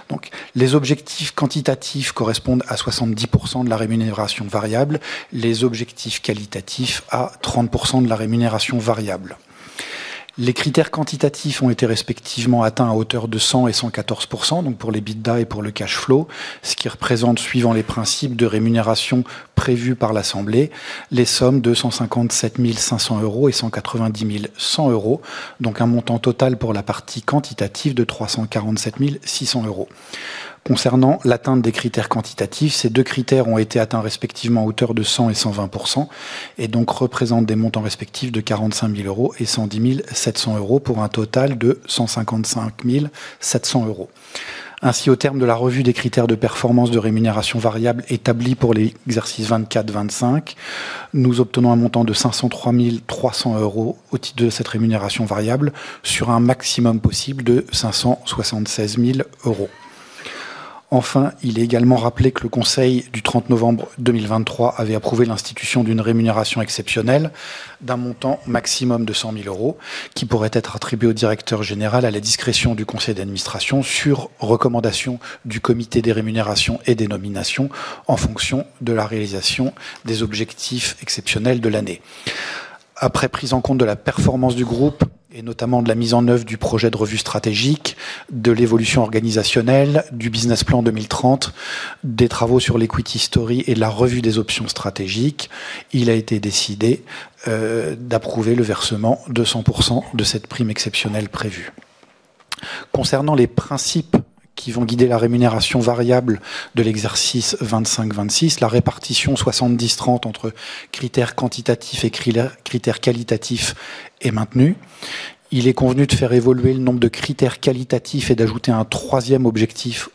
Donc, les objectifs quantitatifs correspondent à 70% de la rémunération variable, les objectifs qualitatifs à 30% de la rémunération variable. Les critères quantitatifs ont été respectivement atteints à hauteur de 100% et 114%, donc pour l'EBITDA et pour le cash flow, ce qui représente, suivant les principes de rémunération prévus par l'Assemblée, les sommes de €157 500 et €190 100, donc un montant total pour la partie quantitative de €347 600. Concernant l'atteinte des critères quantitatifs, ces deux critères ont été atteints respectivement à hauteur de 100% et 120%, et donc représentent des montants respectifs de €45 000 et €110 700, pour un total de €155 700. Ainsi, au terme de la revue des critères de performance de rémunération variable établis pour l'exercice 2024-2025, nous obtenons un montant de €503 300 au titre de cette rémunération variable, sur un maximum possible de €576 000. Enfin, il est également rappelé que le conseil du 30 novembre 2023 avait approuvé l'institution d'une rémunération exceptionnelle d'un montant maximum de €100 000, qui pourrait être attribuée au Directeur Général, à la discrétion du conseil d'administration, sur recommandation du Comité des rémunérations et des nominations, en fonction de la réalisation des objectifs exceptionnels de l'année. Après prise en compte de la performance du groupe, et notamment de la mise en œuvre du projet de revue stratégique, de l'évolution organisationnelle, du business plan 2030, des travaux sur l'equity story et de la revue des options stratégiques, il a été décidé d'approuver le versement de 100% de cette prime exceptionnelle prévue. Concernant les principes qui vont guider la rémunération variable de l'exercice 2025-2026, la répartition 70-30 entre critères quantitatifs et critères qualitatifs est maintenue. Il est convenu de faire évoluer le nombre de critères qualitatifs et d'ajouter un troisième objectif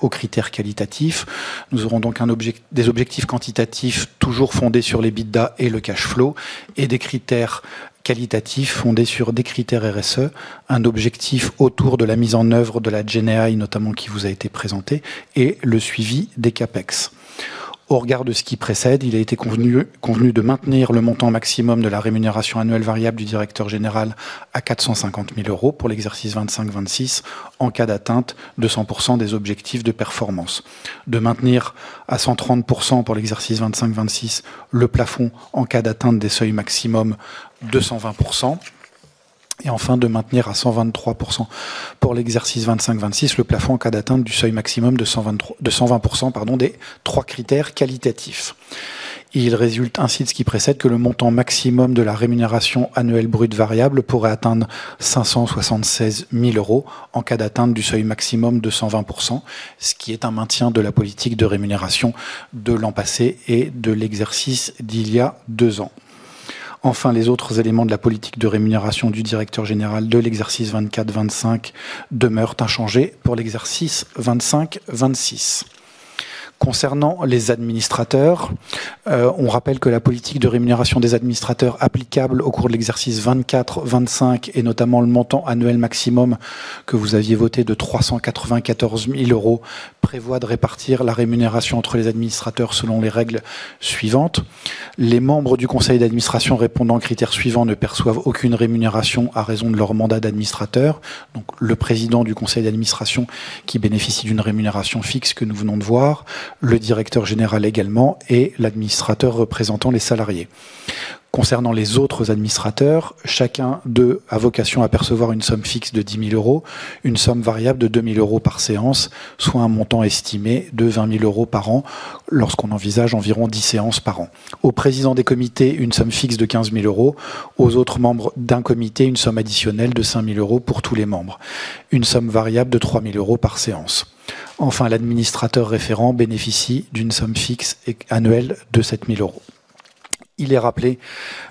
aux critères qualitatifs. Nous aurons donc des objectifs quantitatifs toujours fondés sur l'EBITDA et le cash flow, et des critères qualitatifs fondés sur des critères RSE, un objectif autour de la mise en œuvre de la GenAI, notamment, qui vous a été présenté, et le suivi des CapEx. Au regard de ce qui précède, il a été convenu de maintenir le montant maximum de la rémunération annuelle variable du directeur général à 450 000 € pour l'exercice 2025-2026, en cas d'atteinte de 100% des objectifs de performance. De maintenir à 130% pour l'exercice 2025-2026, le plafond en cas d'atteinte des seuils maximum de 120%. Et enfin, de maintenir à 123% pour l'exercice 2025-2026, le plafond en cas d'atteinte du seuil maximum de 123%, de 120%, pardon, des trois critères qualitatifs. Il résulte ainsi de ce qui précède que le montant maximum de la rémunération annuelle brute variable pourrait atteindre 576 000 € en cas d'atteinte du seuil maximum de 120%, ce qui est un maintien de la politique de rémunération de l'an passé et de l'exercice d'il y a deux ans. Enfin, les autres éléments de la politique de rémunération du directeur général de l'exercice 2024-2025 demeurent inchangés pour l'exercice 2025-2026. Concernant les administrateurs, on rappelle que la politique de rémunération des administrateurs applicable au cours de l'exercice 2024-2025, et notamment le montant annuel maximum que vous aviez voté de 394 000 €, prévoit de répartir la rémunération entre les administrateurs selon les règles suivantes: les membres du conseil d'administration répondant aux critères suivants ne perçoivent aucune rémunération à raison de leur mandat d'administrateur. Donc, le Président du conseil d'administration, qui bénéficie d'une rémunération fixe que nous venons de voir, le Directeur général également et l'administrateur représentant les salariés. Concernant les autres administrateurs, chacun d'eux a vocation à percevoir une somme fixe de 10 000 €, une somme variable de 2 000 € par séance, soit un montant estimé de 20 000 € par an, lorsqu'on envisage environ dix séances par an. Au président des comités, une somme fixe de 15 000 €. Aux autres membres d'un comité, une somme additionnelle de 5 000 euros pour tous les membres, une somme variable de 3 000 euros par séance. Enfin, l'administrateur référent bénéficie d'une somme fixe et annuelle de 7 000 euros. Il est rappelé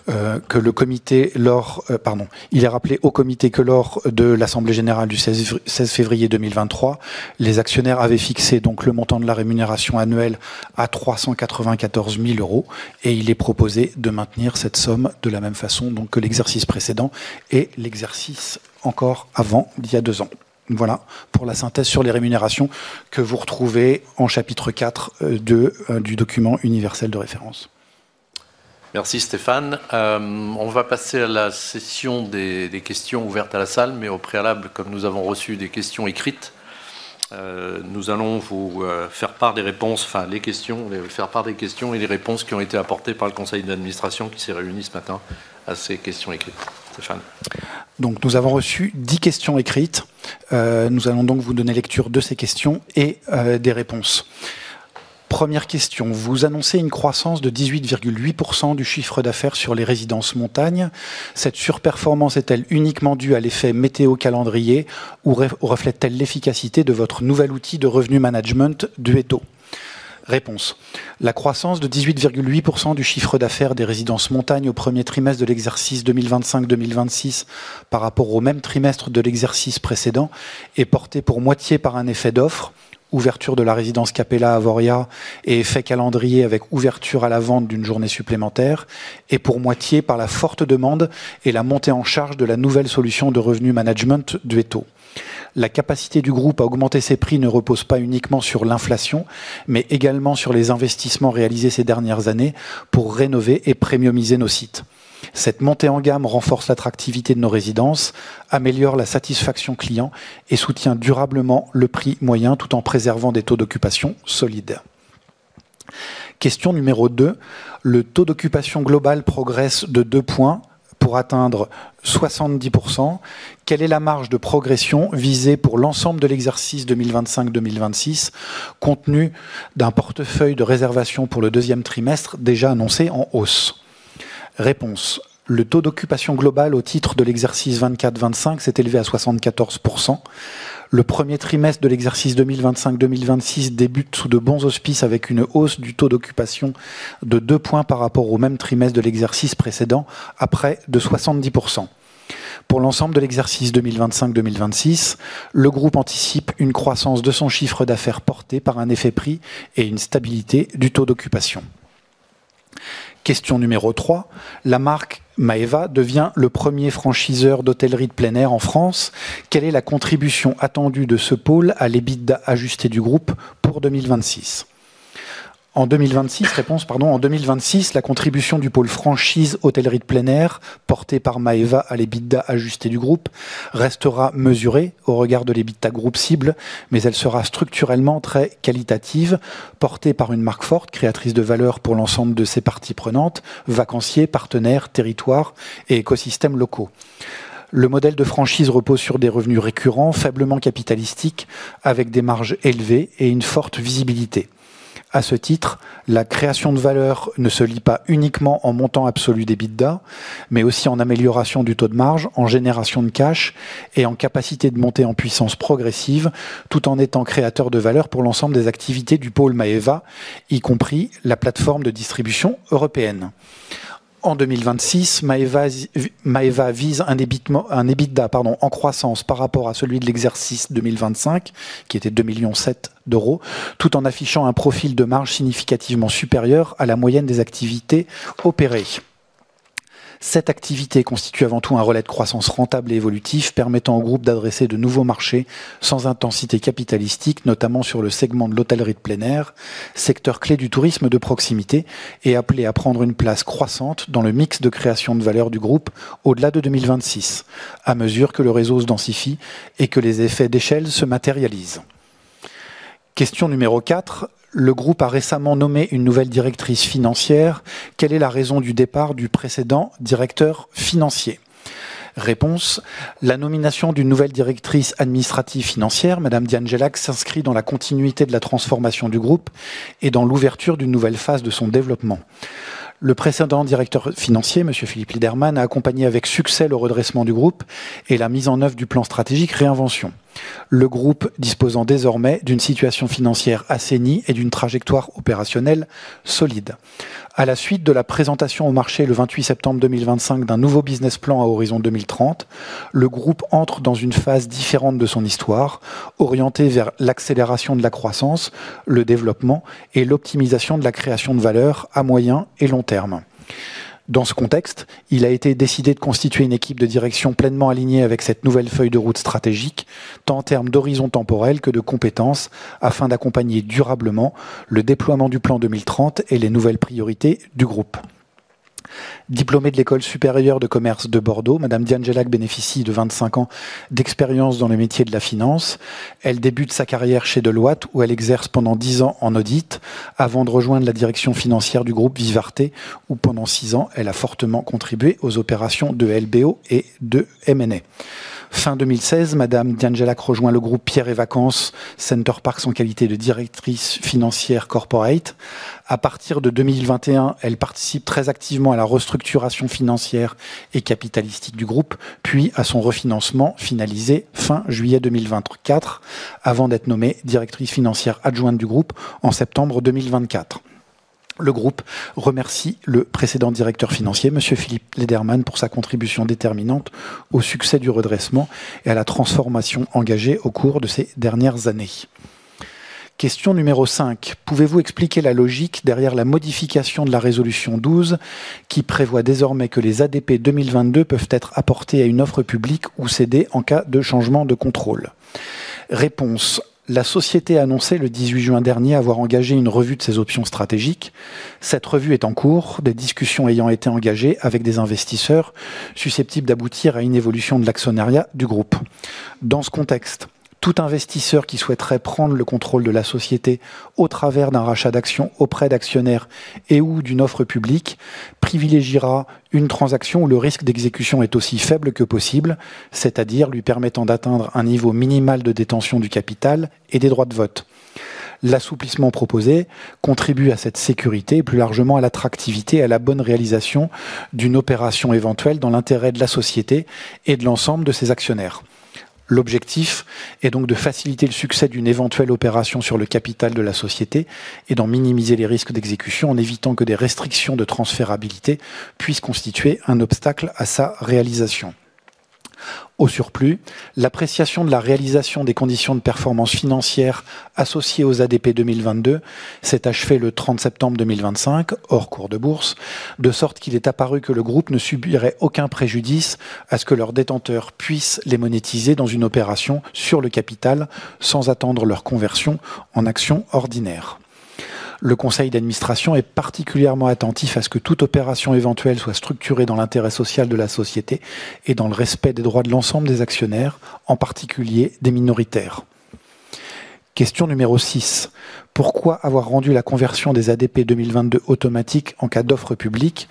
au comité que lors de l'assemblée générale du 16 février 2023, les actionnaires avaient fixé le montant de la rémunération annuelle à 394 000 euros et il est proposé de maintenir cette somme de la même façon que l'exercice précédent et l'exercice encore avant, d'il y a deux ans. Voilà pour la synthèse sur les rémunérations que vous retrouvez en chapitre quatre du document universel de référence.
Merci Stéphane. On va passer à la session des questions ouvertes à la salle, mais au préalable, comme nous avons reçu des questions écrites, nous allons vous faire part des réponses, enfin, les questions, faire part des questions et des réponses qui ont été apportées par le conseil d'administration, qui s'est réuni ce matin, à ces questions écrites. Stéphane?
Nous avons reçu dix questions écrites. Nous allons donc vous donner lecture de ces questions et des réponses. Première question: vous annoncez une croissance de 18,8% du chiffre d'affaires sur les résidences montagne. Cette surperformance est-elle uniquement due à l'effet météo calendrier ou reflète-t-elle l'efficacité de votre nouvel outil de revenu management, Duetto? Réponse: la croissance de 18,8% du chiffre d'affaires des résidences montagne au premier trimestre de l'exercice 2025-2026, par rapport au même trimestre de l'exercice précédent, est portée pour moitié par un effet d'offre, ouverture de la résidence Capella à Avoriaz et effet calendrier avec ouverture à la vente d'une journée supplémentaire, et pour moitié par la forte demande et la montée en charge de la nouvelle solution de revenu management, Duetto. La capacité du groupe à augmenter ses prix ne repose pas uniquement sur l'inflation, mais également sur les investissements réalisés ces dernières années pour rénover et prémiumiser nos sites. Cette montée en gamme renforce l'attractivité de nos résidences, améliore la satisfaction client et soutient durablement le prix moyen, tout en préservant des taux d'occupation solides. Question numéro deux: le taux d'occupation global progresse de deux points pour atteindre 70%. Quelle est la marge de progression visée pour l'ensemble de l'exercice 2025-2026, compte tenu d'un portefeuille de réservation pour le deuxième trimestre, déjà annoncé en hausse? Réponse: le taux d'occupation global au titre de l'exercice 2024-2025 s'est élevé à 74%. Le premier trimestre de l'exercice 2025-2026 débute sous de bons auspices, avec une hausse du taux d'occupation de 2 points par rapport au même trimestre de l'exercice précédent, à près de 70%. Pour l'ensemble de l'exercice 2025-2026, le groupe anticipe une croissance de son chiffre d'affaires, portée par un effet prix et une stabilité du taux d'occupation. Question numéro 3: la marque Maeva devient le premier franchiseur d'hôtellerie de plein air en France. Quelle est la contribution attendue de ce pôle à l'EBITDA ajusté du groupe pour 2026? En 2026, réponse, pardon. En 2026, la contribution du pôle franchise hôtellerie de plein air, portée par Maeva à l'EBITDA ajusté du groupe, restera mesurée au regard de l'EBITDA groupe cible, mais elle sera structurellement très qualitative, portée par une marque forte, créatrice de valeur pour l'ensemble de ses parties prenantes, vacanciers, partenaires, territoires et écosystèmes locaux. Le modèle de franchise repose sur des revenus récurrents, faiblement capitalistiques, avec des marges élevées et une forte visibilité. À ce titre, la création de valeur ne se lit pas uniquement en montant absolu d'EBITDA, mais aussi en amélioration du taux de marge, en génération de cash et en capacité de monter en puissance progressive, tout en étant créateur de valeur pour l'ensemble des activités du pôle Maeva, y compris la plateforme de distribution européenne. En 2026, Maeva vise un EBITDA, pardon, en croissance par rapport à celui de l'exercice 2025, qui était 2,7 millions d'euros, tout en affichant un profil de marge significativement supérieur à la moyenne des activités opérées. Cette activité constitue avant tout un relais de croissance rentable et évolutif, permettant au groupe d'adresser de nouveaux marchés sans intensité capitalistique, notamment sur le segment de l'hôtellerie de plein air, secteur clé du tourisme de proximité et appelé à prendre une place croissante dans le mix de création de valeur du groupe au-delà de 2026, à mesure que le réseau se densifie et que les effets d'échelle se matérialisent. Question numéro quatre : le groupe a récemment nommé une nouvelle directrice financière. Quelle est la raison du départ du précédent directeur financier? Réponse: la nomination d'une nouvelle directrice administrative financière, Madame Diane Gelac, s'inscrit dans la continuité de la transformation du groupe et dans l'ouverture d'une nouvelle phase de son développement. Le précédent directeur financier, Monsieur Philippe Lederman, a accompagné avec succès le redressement du groupe et la mise en œuvre du plan stratégique Réinvention. Le groupe dispose désormais d'une situation financière assainie et d'une trajectoire opérationnelle solide. À la suite de la présentation au marché, le 28 septembre 2025, d'un nouveau business plan à horizon 2030, le groupe entre dans une phase différente de son histoire, orientée vers l'accélération de la croissance, le développement et l'optimisation de la création de valeur à moyen et long terme. Dans ce contexte, il a été décidé de constituer une équipe de direction pleinement alignée avec cette nouvelle feuille de route stratégique, tant en termes d'horizon temporel que de compétences, afin d'accompagner durablement le déploiement du plan 2030 et les nouvelles priorités du groupe. Diplômée de l'École Supérieure de Commerce de Bordeaux, Madame Diane Gelac bénéficie de vingt-cinq ans d'expérience dans les métiers de la finance. Elle débute sa carrière chez Deloitte, où elle exerce pendant dix ans en audit, avant de rejoindre la Direction Financière du groupe Vivarte, où pendant six ans, elle a fortement contribué aux opérations de LBO et de M&A. Fin 2016, Madame Diane Gelac rejoint le groupe Pierre & Vacances-Center Parcs en qualité de Directrice Financière Corporate. À partir de 2021, elle participe très activement à la restructuration financière et capitalistique du groupe, puis à son refinancement, finalisé fin juillet 2024, avant d'être nommée Directrice Financière Adjointe du groupe en septembre 2024. Le groupe remercie le précédent Directeur Financier, Monsieur Philippe Lederman, pour sa contribution déterminante au succès du redressement et à la transformation engagée au cours de ces dernières années. Question numéro 5: Pouvez-vous expliquer la logique derrière la modification de la résolution 12, qui prévoit désormais que les ADP 2022 peuvent être apportés à une offre publique ou cédés en cas de changement de contrôle? Réponse : La société a annoncé le 18 juin dernier avoir engagé une revue de ses options stratégiques. Cette revue est en cours, des discussions ayant été engagées avec des investisseurs susceptibles d'aboutir à une évolution de l'actionnariat du groupe. Dans ce contexte, tout investisseur qui souhaiterait prendre le contrôle de la société au travers d'un rachat d'actions auprès d'actionnaires et ou d'une offre publique privilégiera une transaction où le risque d'exécution est aussi faible que possible, c'est-à-dire lui permettant d'atteindre un niveau minimal de détention du capital et des droits de vote. L'assouplissement proposé contribue à cette sécurité, plus largement à l'attractivité et à la bonne réalisation d'une opération éventuelle dans l'intérêt de la société et de l'ensemble de ses actionnaires. L'objectif est donc de faciliter le succès d'une éventuelle opération sur le capital de la société et d'en minimiser les risques d'exécution, en évitant que des restrictions de transférabilité puissent constituer un obstacle à sa réalisation. Au surplus, l'appréciation de la réalisation des conditions de performance financière associées aux ADP 2022 s'est achevée le 30 septembre 2025, hors cours de bourse, de sorte qu'il est apparu que le groupe ne subirait aucun préjudice à ce que leurs détenteurs puissent les monétiser dans une opération sur le capital, sans attendre leur conversion en actions ordinaires. Le conseil d'administration est particulièrement attentif à ce que toute opération éventuelle soit structurée dans l'intérêt social de la société et dans le respect des droits de l'ensemble des actionnaires, en particulier des minoritaires. Question numéro 6: pourquoi avoir rendu la conversion des ADP 2022 automatique en cas d'offre publique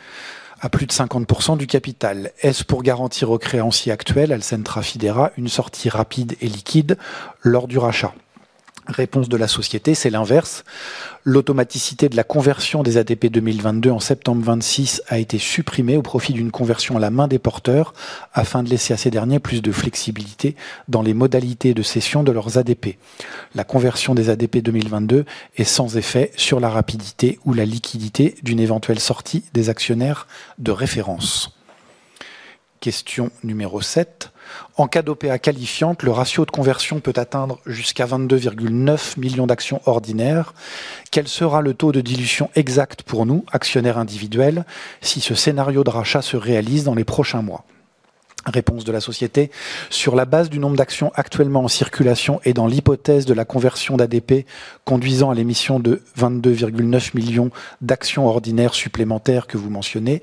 à plus de 50% du capital? Est-ce pour garantir aux créanciers actuels, Alcentra Fidera, une sortie rapide et liquide lors du rachat? Réponse de la société: c'est l'inverse. L'automaticité de la conversion des ADP 2022 en septembre 2026 a été supprimée au profit d'une conversion à la main des porteurs, afin de laisser à ces derniers plus de flexibilité dans les modalités de cession de leurs ADP. La conversion des ADP 2022 est sans effet sur la rapidité ou la liquidité d'une éventuelle sortie des actionnaires de référence. Question numéro 7 : en cas d'OPA qualifiante, le ratio de conversion peut atteindre jusqu'à 22,9 millions d'actions ordinaires. Quel sera le taux de dilution exact pour nous, actionnaires individuels, si ce scénario de rachat se réalise dans les prochains mois? Réponse de la société: sur la base du nombre d'actions actuellement en circulation et dans l'hypothèse de la conversion d'ADP, conduisant à l'émission de 22,9 millions d'actions ordinaires supplémentaires que vous mentionnez,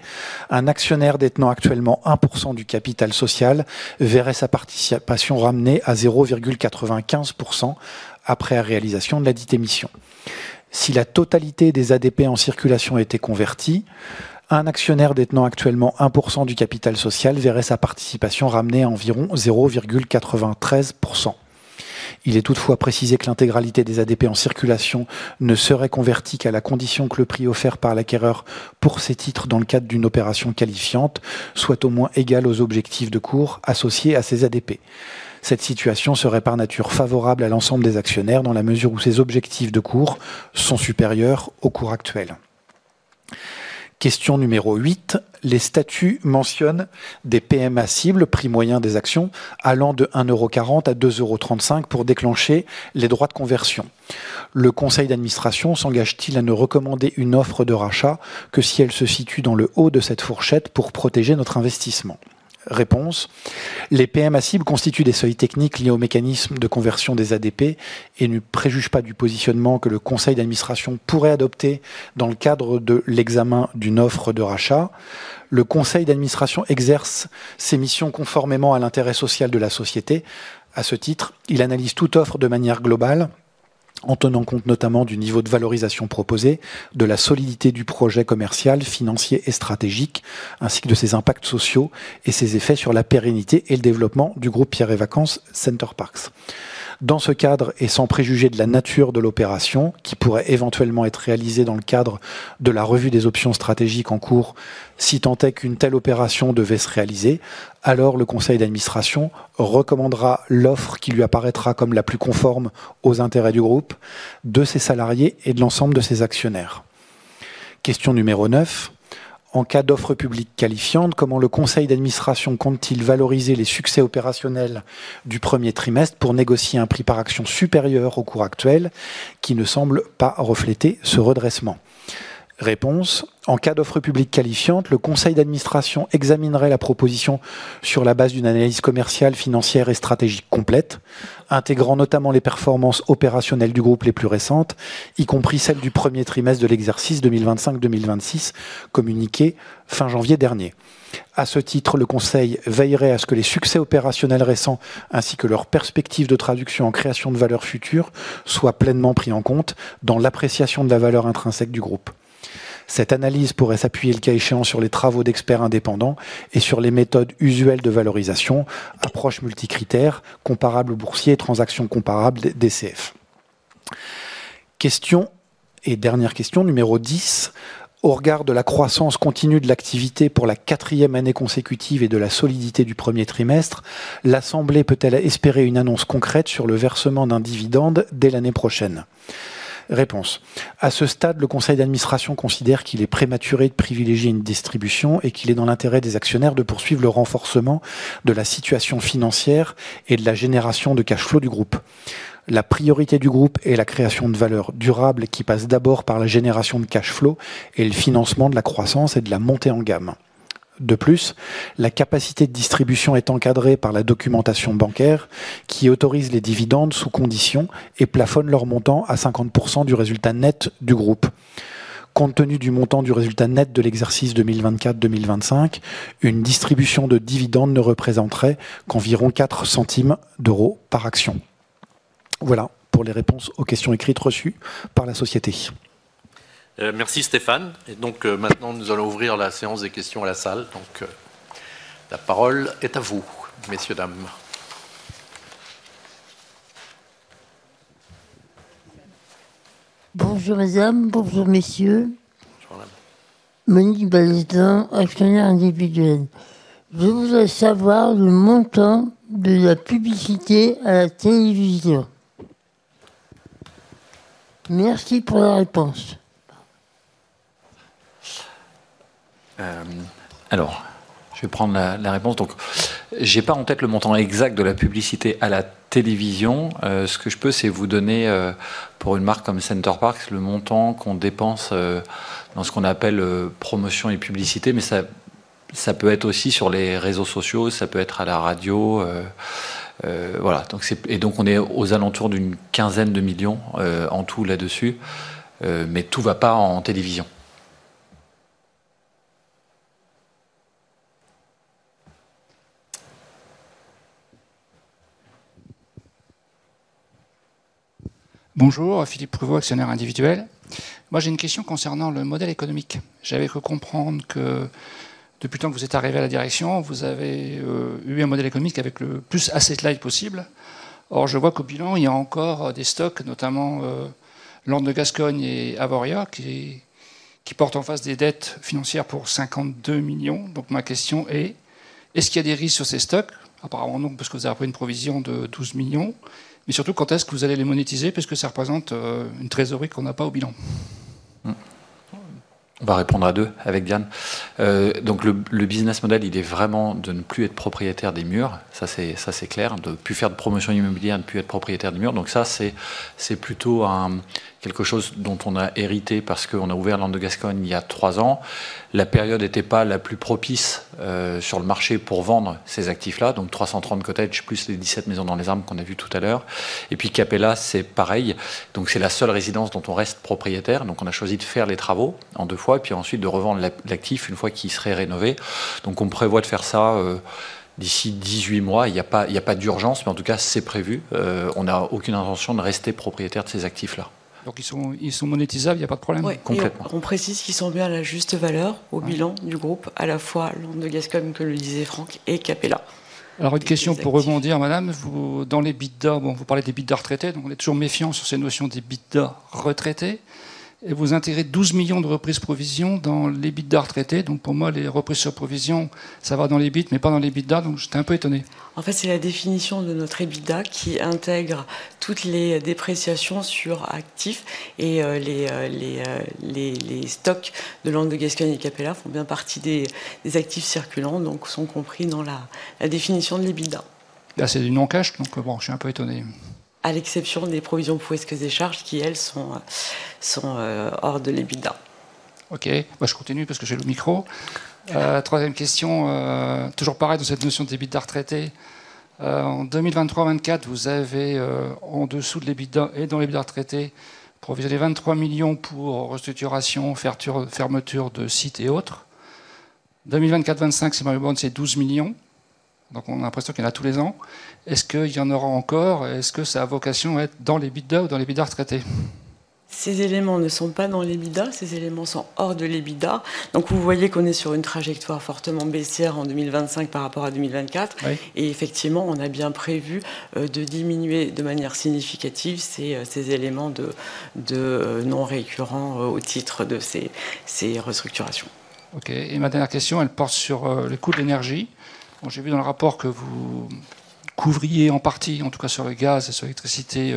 un actionnaire détenant actuellement 1% du capital social verrait sa participation ramenée à 0,95% après la réalisation de ladite émission. Si la totalité des ADP en circulation était convertie, un actionnaire détenant actuellement 1% du capital social verrait sa participation ramenée à environ 0,93%. Il est toutefois précisé que l'intégralité des ADP en circulation ne serait convertie qu'à la condition que le prix offert par l'acquéreur pour ces titres, dans le cadre d'une opération qualifiante, soit au moins égal aux objectifs de cours associés à ces ADP. Cette situation serait par nature favorable à l'ensemble des actionnaires, dans la mesure où ces objectifs de cours sont supérieurs au cours actuel. Question numéro huit: les statuts mentionnent des PMA cibles, prix moyen des actions, allant de 1,40 € à 2,35 € pour déclencher les droits de conversion. Le conseil d'administration s'engage-t-il à ne recommander une offre de rachat que si elle se situe dans le haut de cette fourchette pour protéger notre investissement? Réponse: les PMA cibles constituent des seuils techniques liés au mécanisme de conversion des ADP et ne préjugent pas du positionnement que le conseil d'administration pourrait adopter dans le cadre de l'examen d'une offre de rachat. Le conseil d'administration exerce ses missions conformément à l'intérêt social de la société. À ce titre, il analyse toute offre de manière globale, en tenant compte notamment du niveau de valorisation proposé, de la solidité du projet commercial, financier et stratégique, ainsi que de ses impacts sociaux et ses effets sur la pérennité et le développement du groupe Pierre & Vacances-Center Parcs. Dans ce cadre, et sans préjuger de la nature de l'opération, qui pourrait éventuellement être réalisée dans le cadre de la revue des options stratégiques en cours, si tant est qu'une telle opération devait se réaliser, alors le conseil d'administration recommandera l'offre qui lui apparaîtra comme la plus conforme aux intérêts du groupe, de ses salariés et de l'ensemble de ses actionnaires. Question numéro neuf: en cas d'offre publique qualifiante, comment le conseil d'administration compte-t-il valoriser les succès opérationnels du premier trimestre pour négocier un prix par action supérieur au cours actuel, qui ne semble pas refléter ce redressement? Réponse: en cas d'offre publique qualifiante, le conseil d'administration examinerait la proposition sur la base d'une analyse commerciale, financière et stratégique complète, intégrant notamment les performances opérationnelles du groupe les plus récentes, y compris celles du premier trimestre de l'exercice 2025-2026, communiquées fin janvier dernier. À ce titre, le conseil veillerait à ce que les succès opérationnels récents ainsi que leurs perspectives de traduction en création de valeurs futures soient pleinement pris en compte dans l'appréciation de la valeur intrinsèque du groupe. Cette analyse pourrait s'appuyer, le cas échéant, sur les travaux d'experts indépendants et sur les méthodes usuelles de valorisation: approche multicritère, comparables boursiers et transactions comparables, DCF. Question et dernière question, numéro dix: au regard de la croissance continue de l'activité pour la quatrième année consécutive et de la solidité du premier trimestre, l'Assemblée peut-elle espérer une annonce concrète sur le versement d'un dividende dès l'année prochaine? Réponse: à ce stade, le conseil d'administration considère qu'il est prématuré de privilégier une distribution et qu'il est dans l'intérêt des actionnaires de poursuivre le renforcement de la situation financière et de la génération de cash flow du groupe. La priorité du groupe est la création de valeurs durables qui passe d'abord par la génération de cash flow et le financement de la croissance et de la montée en gamme. De plus, la capacité de distribution est encadrée par la documentation bancaire, qui autorise les dividendes sous conditions et plafonne leur montant à 50% du résultat net du groupe. Compte tenu du montant du résultat net de l'exercice 2024-2025, une distribution de dividendes ne représenterait qu'environ 4 centimes d'euro par action. Voilà pour les réponses aux questions écrites reçues par la société.
Merci Stéphane. Et donc maintenant, nous allons ouvrir la séance des questions à la salle. Donc, la parole est à vous, messieurs, dames.
Bonjour Mesdames, bonjour Messieurs. Monique Balestin, actionnaire individuelle. Je voudrais savoir le montant de la publicité à la télévision. Merci pour la réponse.
Alors, je vais prendre la réponse. Donc, je n'ai pas en tête le montant exact de la publicité à la télévision. Ce que je peux, c'est vous donner, pour une marque comme Center Parcs, le montant qu'on dépense dans ce qu'on appelle promotions et publicités, mais ça, ça peut être aussi sur les réseaux sociaux, ça peut être à la radio. Voilà, donc et donc on est aux alentours d'une quinzaine de millions en tout là-dessus, mais tout ne va pas en télévision.
Bonjour, Philippe Prouvost, actionnaire individuel. Moi, j'ai une question concernant le modèle économique. J'avais cru comprendre que depuis le temps que vous êtes arrivé à la direction, vous avez eu un modèle économique avec le plus asset light possible. Or, je vois qu'au bilan, il y a encore des stocks, notamment Landes de Gascogne et Avoria, qui portent en face des dettes financières pour €52 millions. Donc ma question est: est-ce qu'il y a des risques sur ces stocks? Apparemment non, parce que vous avez pris une provision de €12 millions. Mais surtout, quand est-ce que vous allez les monétiser? Parce que ça représente une trésorerie qu'on n'a pas au bilan.
On va répondre à deux, avec Diane. Donc, le business model, il est vraiment de ne plus être propriétaire des murs. Ça, c'est clair, de ne plus faire de promotion immobilière, ne plus être propriétaire des murs. Donc ça, c'est plutôt quelque chose dont on a hérité parce qu'on a ouvert Landes de Gascogne il y a trois ans. La période n'était pas la plus propice.
Sur le marché pour vendre ces actifs-là, donc trois cent trente cottages plus les dix-sept maisons dans les arbres qu'on a vus tout à l'heure. Et puis Capella, c'est pareil. Donc c'est la seule résidence dont on reste propriétaire. Donc on a choisi de faire les travaux en deux fois, puis ensuite de revendre l'actif une fois qu'il serait rénové. Donc, on prévoit de faire ça d'ici dix-huit mois. Il n'y a pas d'urgence, mais en tout cas, c'est prévu. On n'a aucune intention de rester propriétaire de ces actifs-là.
Donc, ils sont monétisables, il n'y a pas de problème?
Oui, on précise qu'ils sont bien à la juste valeur, au bilan du groupe, à la fois Landes Gascogne, comme le disait Franck, et Capella.
Alors, une question pour rebondir, madame. Vous, dans l'EBITDA, vous parlez d'EBITDA retraité. Donc, on est toujours méfiant sur ces notions d'EBITDA retraité. Et vous intégrez douze millions de reprises de provisions dans l'EBITDA retraité. Donc, pour moi, les reprises sur provisions, ça va dans l'EBIT, mais pas dans l'EBITDA. Donc, j'étais un peu étonné.
En fait, c'est la définition de notre EBITDA, qui intègre toutes les dépréciations sur actifs et les stocks de Landes de Gascogne et Capella font bien partie des actifs circulants, donc sont compris dans la définition de l'EBITDA.
C'est du non cash, donc je suis un peu étonné.
À l'exception des provisions pour risques et des charges, qui sont hors de l'EBITDA.
Ok, moi, je continue parce que j'ai le micro. Troisième question, toujours pareil de cette notion d'EBITDA retraité. En 2023-2024, vous avez en dessous de l'EBITDA et dans l'EBITDA retraité, provisionné €23 millions pour restructuration, fermeture de sites et autres. 2024-2025, c'est €12 millions. Donc, on a l'impression qu'il y en a tous les ans. Est-ce qu'il y en aura encore? Est-ce que ça a vocation à être dans l'EBITDA ou dans l'EBITDA retraité?
Ces éléments ne sont pas dans l'EBITDA. Ces éléments sont hors de l'EBITDA. Donc, vous voyez qu'on est sur une trajectoire fortement baissière en 2025 par rapport à 2024. Et effectivement, on a bien prévu de diminuer de manière significative ces éléments de non récurrent au titre de ces restructurations.
Ok, et ma dernière question, elle porte sur les coûts d'énergie. J'ai vu dans le rapport que vous couvriez en partie, en tout cas sur le gaz et sur l'électricité,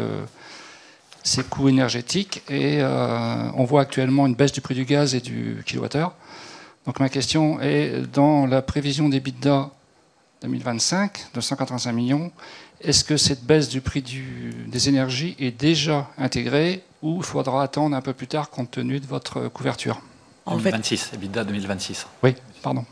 ces coûts énergétiques. Et on voit actuellement une baisse du prix du gaz et du kilowattheure. Donc, ma question est: dans la prévision d'EBITDA 2025, €285 millions, est-ce que cette baisse du prix des énergies est déjà intégrée ou il faudra attendre un peu plus tard compte tenu de votre couverture?
En 2026, EBITDA 2026.
Oui, pardon.
Deux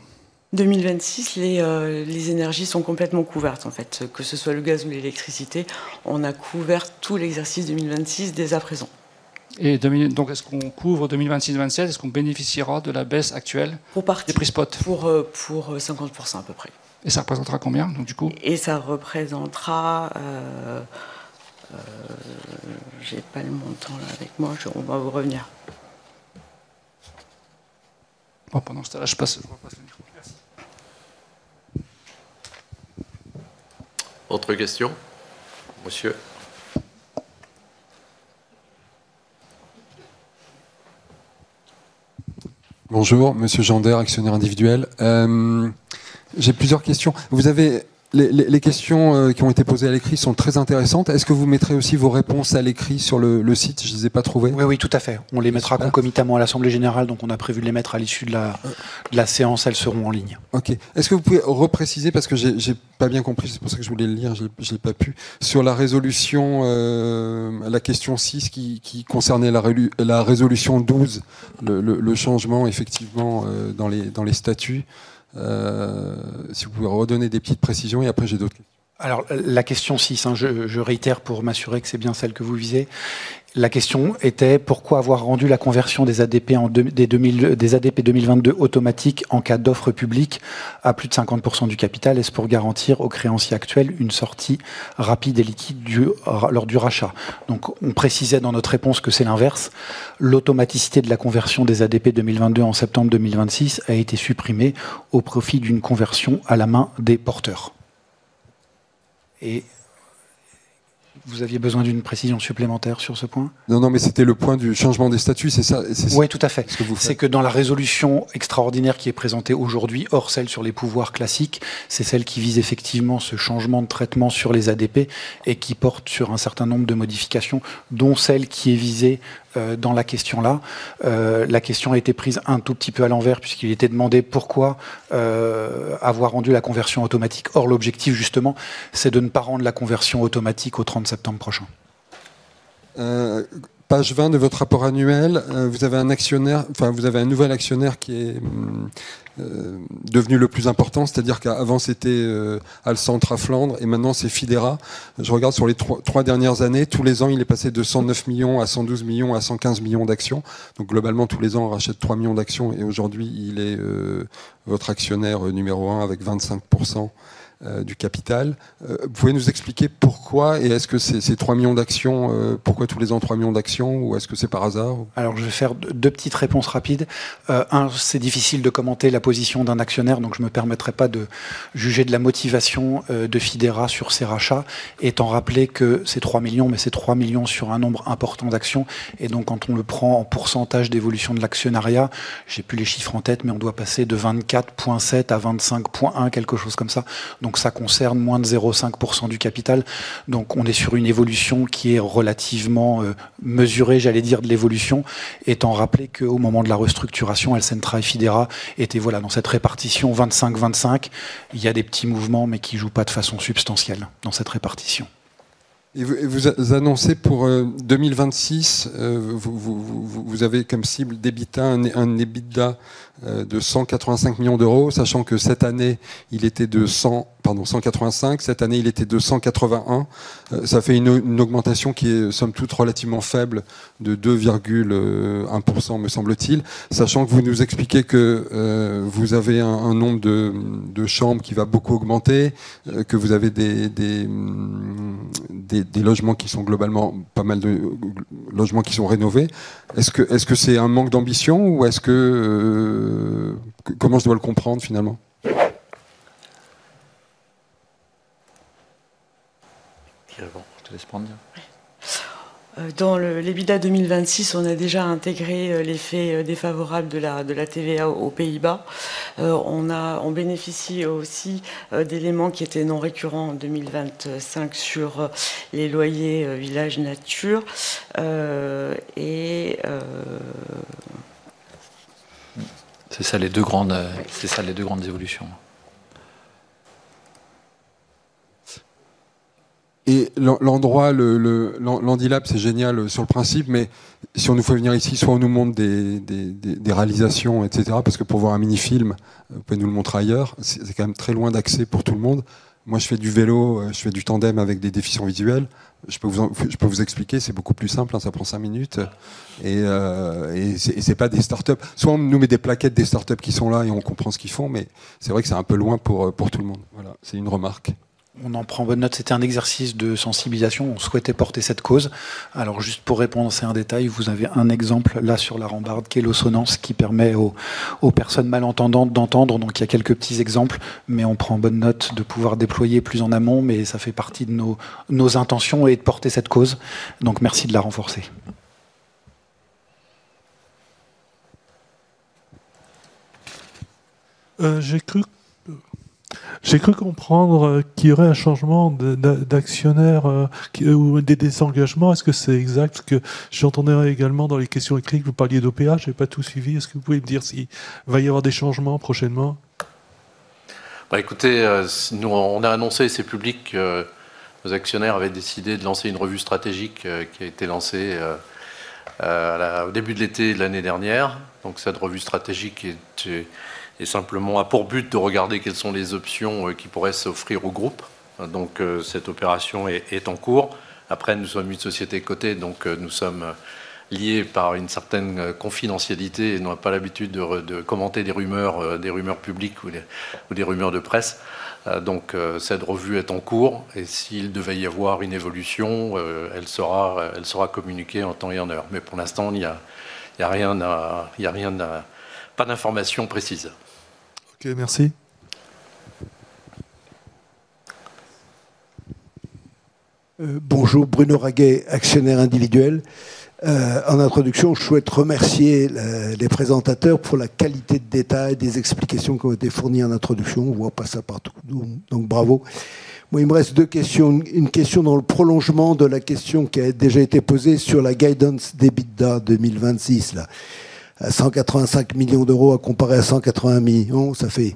mille vingt-six, les énergies sont complètement couvertes. Que ce soit le gaz ou l'électricité, on a couvert tout l'exercice 2026 dès à présent.
Et donc, est-ce qu'on couvre 2026, 2027? Est-ce qu'on bénéficiera de la baisse actuelle des prix spot?
Pour 50% à peu près.
Et ça représentera combien donc du coup?
Ça représentera... Je n'ai pas le montant avec moi. On va vous revenir.
Pendant ce temps-là, je passe le micro. Merci.
Autre question, monsieur.
Bonjour, Monsieur Gendar, actionnaire individuel. J'ai plusieurs questions. Vous avez les questions qui ont été posées à l'écrit sont très intéressantes. Est-ce que vous mettrez aussi vos réponses à l'écrit sur le site? Je ne les ai pas trouvées.
Oui, oui, tout à fait. On les mettra concomitamment à l'Assemblée générale. Donc, on a prévu de les mettre à l'issue de la séance. Elles seront en ligne.
Ok. Est-ce que vous pouvez repréciser? Parce que je n'ai pas bien compris. C'est pour ça que je voulais le lire, je n'ai pas pu. Sur la résolution, la question six, qui concernait la résolution douze, le changement, effectivement, dans les statuts. Si vous pouvez redonner des petites précisions et après, j'ai d'autres.
Alors, la question six, je réitère pour m'assurer que c'est bien celle que vous visez. La question était: pourquoi avoir rendu la conversion des ADP en 2000, des ADP 2022 automatiques en cas d'offre publique à plus de 50% du capital? Est-ce pour garantir aux créanciers actuels une sortie rapide et liquide lors du rachat? Donc, on précisait dans notre réponse que c'est l'inverse. L'automaticité de la conversion des ADP 2022 en septembre 2026 a été supprimée au profit d'une conversion à la main des porteurs. Et vous aviez besoin d'une précision supplémentaire sur ce point?
Non, non, mais c'était le point du changement des statuts, c'est ça?
Oui, tout à fait. C'est que dans la résolution extraordinaire qui est présentée aujourd'hui, hors celle sur les pouvoirs classiques, c'est celle qui vise effectivement ce changement de traitement sur les ADP et qui porte sur un certain nombre de modifications, dont celle qui est visée dans la question-là. La question a été prise un tout petit peu à l'envers, puisqu'il était demandé pourquoi avoir rendu la conversion automatique. Or, l'objectif, justement, c'est de ne pas rendre la conversion automatique au trente septembre prochain.
Page vingt de votre rapport annuel, vous avez un actionnaire, enfin, vous avez un nouvel actionnaire qui est devenu le plus important, c'est-à-dire qu'avant, c'était Alcentre à Flandre et maintenant, c'est Fidera. Je regarde sur les trois dernières années. Tous les ans, il est passé de cent neuf millions à cent douze millions, à cent quinze millions d'actions. Donc globalement, tous les ans, on rachète trois millions d'actions et aujourd'hui, il est votre actionnaire numéro un avec 25% du capital. Vous pouvez nous expliquer pourquoi? Et est-ce que ces trois millions d'actions, pourquoi tous les ans trois millions d'actions ou est-ce que c'est par hasard?
Alors, je vais faire deux petites réponses rapides. Un, c'est difficile de commenter la position d'un actionnaire, donc je ne me permettrai pas de juger de la motivation de Fidera sur ces rachats, étant rappelé que c'est trois millions, mais c'est trois millions sur un nombre important d'actions. Et donc, quand on le prend en pourcentage d'évolution de l'actionnariat, je n'ai plus les chiffres en tête, mais on doit passer de 24,7% à 25,1%, quelque chose comme ça. Donc, ça concerne moins de 0,5% du capital. Donc, on est sur une évolution qui est relativement mesurée, j'allais dire, de l'évolution, étant rappelé qu'au moment de la restructuration, Alcentra et Fidera étaient dans cette répartition 25%, 25%. Il y a des petits mouvements, mais qui ne jouent pas de façon substantielle dans cette répartition.
Et vous annoncez pour 2026, vous avez comme cible d'EBITDA un EBITDA de €185 millions, sachant que cette année, il était de €181 millions. Ça fait une augmentation qui est somme toute relativement faible, de 2,1%, me semble-t-il. Sachant que vous nous expliquez que vous avez un nombre de chambres qui va beaucoup augmenter, que vous avez des logements qui sont globalement pas mal de logements qui sont rénovés. Est-ce que c'est un manque d'ambition ou est-ce que... Comment je dois le comprendre, finalement?
Je te laisse prendre.
Dans l'EBITDA 2026, on a déjà intégré l'effet défavorable de la TVA aux Pays-Bas. On bénéficie aussi d'éléments qui étaient non récurrents en 2025 sur les loyers Village Nature.
C'est ça, les deux grandes... c'est ça, les deux grandes évolutions.
Et l'endroit, l'Handilabs, c'est génial sur le principe, mais si on nous fait venir ici, soit on nous montre des réalisations, etc. Parce que pour voir un mini film, vous pouvez nous le montrer ailleurs. C'est quand même très loin d'accès pour tout le monde. Moi, je fais du vélo, je fais du tandem avec des déficients visuels. Je peux vous expliquer. C'est beaucoup plus simple, ça prend cinq minutes et c'est pas des start-up. Soit on nous met des plaquettes des start-up qui sont là et on comprend ce qu'ils font, mais c'est vrai que c'est un peu loin pour tout le monde. Voilà, c'est une remarque.
On en prend bonne note. C'était un exercice de sensibilisation. On souhaitait porter cette cause. Alors juste pour répondre, c'est un détail. Vous avez un exemple, là, sur la rambarde, qui est l'osonance, qui permet aux personnes malentendantes d'entendre. Donc, il y a quelques petits exemples, mais on prend bonne note de pouvoir déployer plus en amont, mais ça fait partie de nos intentions et de porter cette cause. Donc merci de la renforcer.
Euh, j'ai cru... j'ai cru comprendre qu'il y aurait un changement d'actionnaire ou des désengagements. Est-ce que c'est exact? Parce que j'entendais également dans les questions écrites que vous parliez d'OPA. Je n'ai pas tout suivi. Est-ce que vous pouvez me dire s'il va y avoir des changements prochainement?
Bah, écoutez, nous, on a annoncé, et c'est public, que nos actionnaires avaient décidé de lancer une revue stratégique qui a été lancée au début de l'été de l'année dernière. Donc, cette revue stratégique a simplement pour but de regarder quelles sont les options qui pourraient s'offrir au groupe. Donc, cette opération est en cours. Après, nous sommes une société cotée, donc nous sommes liés par une certaine confidentialité et n'avons pas l'habitude de commenter des rumeurs, des rumeurs publiques ou des rumeurs de presse. Donc, cette revue est en cours et s'il devait y avoir une évolution, elle sera communiquée en temps et en heure. Mais pour l'instant, il n'y a rien à... il n'y a pas d'information précise.
OK, merci.
Bonjour, Bruno Raguet, actionnaire individuel. En introduction, je souhaite remercier les présentateurs pour la qualité de détail des explications qui ont été fournies en introduction. On ne voit pas ça partout. Donc, bravo. Moi, il me reste deux questions. Une question dans le prolongement de la question qui a déjà été posée sur la guidance d'EBITDA 2026, là. €185 millions à comparer à €180 millions, ça fait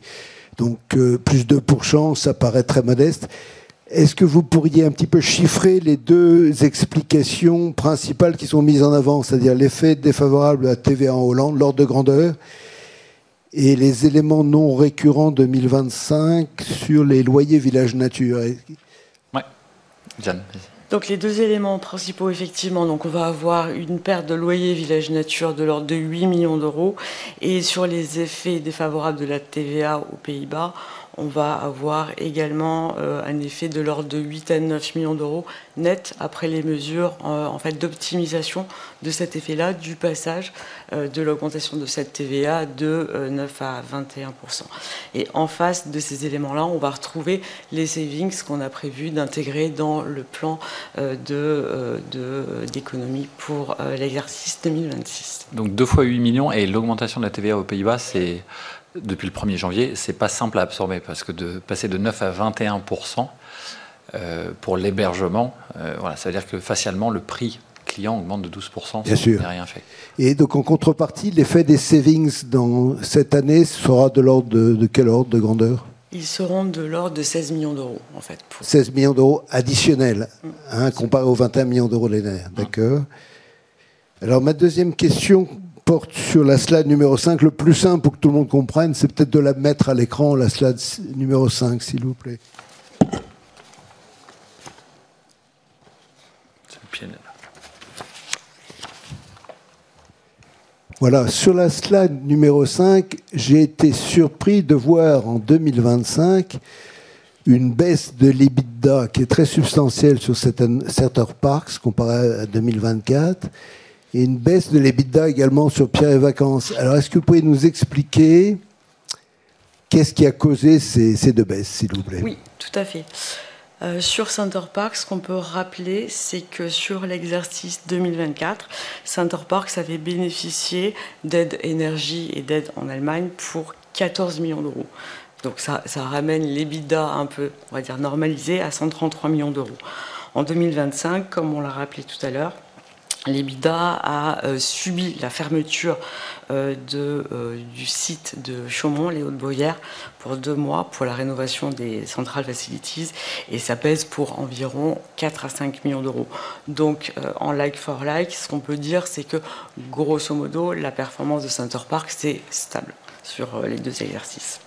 donc plus 2%, ça paraît très modeste. Est-ce que vous pourriez un petit peu chiffrer les deux explications principales qui sont mises en avant, c'est-à-dire l'effet défavorable à la TVA en Hollande, l'ordre de grandeur, et les éléments non récurrents en 2025 sur les loyers Village Nature?
Ouais. Jeanne.
Donc, les deux éléments principaux, effectivement. On va avoir une perte de loyer Village Nature de l'ordre de 8 millions d'euros. Et sur les effets défavorables de la TVA aux Pays-Bas, on va avoir également un effet de l'ordre de 8 à 9 millions d'euros net après les mesures d'optimisation de cet effet-là, du passage de l'augmentation de cette TVA de 9% à 21%. Et en face de ces éléments-là, on va retrouver les savings qu'on a prévu d'intégrer dans le plan d'économie pour l'exercice 2026.
Donc deux fois huit millions et l'augmentation de la TVA aux Pays-Bas, c'est depuis le premier janvier. C'est pas simple à absorber, parce que de passer de 9% à 21%, pour l'hébergement, voilà, c'est-à-dire que facialement, le prix client augmente de 12%.
Bien sûr.
On n'a rien fait.
Et donc, en contrepartie, l'effet des savings dans cette année sera de l'ordre de, de quel ordre de grandeur?
Ils seront de l'ordre de 16 millions d'euros.
Seize millions d'euros additionnels, hein, comparé aux vingt-et-un millions d'euros l'an dernier. D'accord. Alors, ma deuxième question porte sur la slide numéro cinq. Le plus simple pour que tout le monde comprenne, c'est peut-être de la mettre à l'écran, la slide numéro cinq, s'il vous plaît.
C'est le piennela.
Voilà, sur la slide numéro 5, j'ai été surpris de voir en 2025, une baisse de l'EBITDA qui est très substantielle sur Center Parcs, comparée à 2024, et une baisse de l'EBITDA également sur Pierre et Vacances. Alors, est-ce que vous pouvez nous expliquer qu'est-ce qui a causé ces deux baisses, s'il vous plaît?
Oui, tout à fait. Sur Center Parcs, ce qu'on peut rappeler, c'est que sur l'exercice 2024, Center Parcs avait bénéficié d'aides énergie et d'aides en Allemagne pour 14 millions d'euros. Donc, ça ramène l'EBITDA un peu, on va dire, normalisé, à 133 millions d'euros. En 2025, comme on l'a rappelé tout à l'heure, l'EBITDA a subi la fermeture du site de Chaumont, les Hauts de Beauhère, pour deux mois, pour la rénovation des Central Facilities, et ça pèse pour environ 4 à 5 millions d'euros. Donc, en like for like, ce qu'on peut dire, c'est que grosso modo, la performance de Center Parcs est stable sur les deux exercices.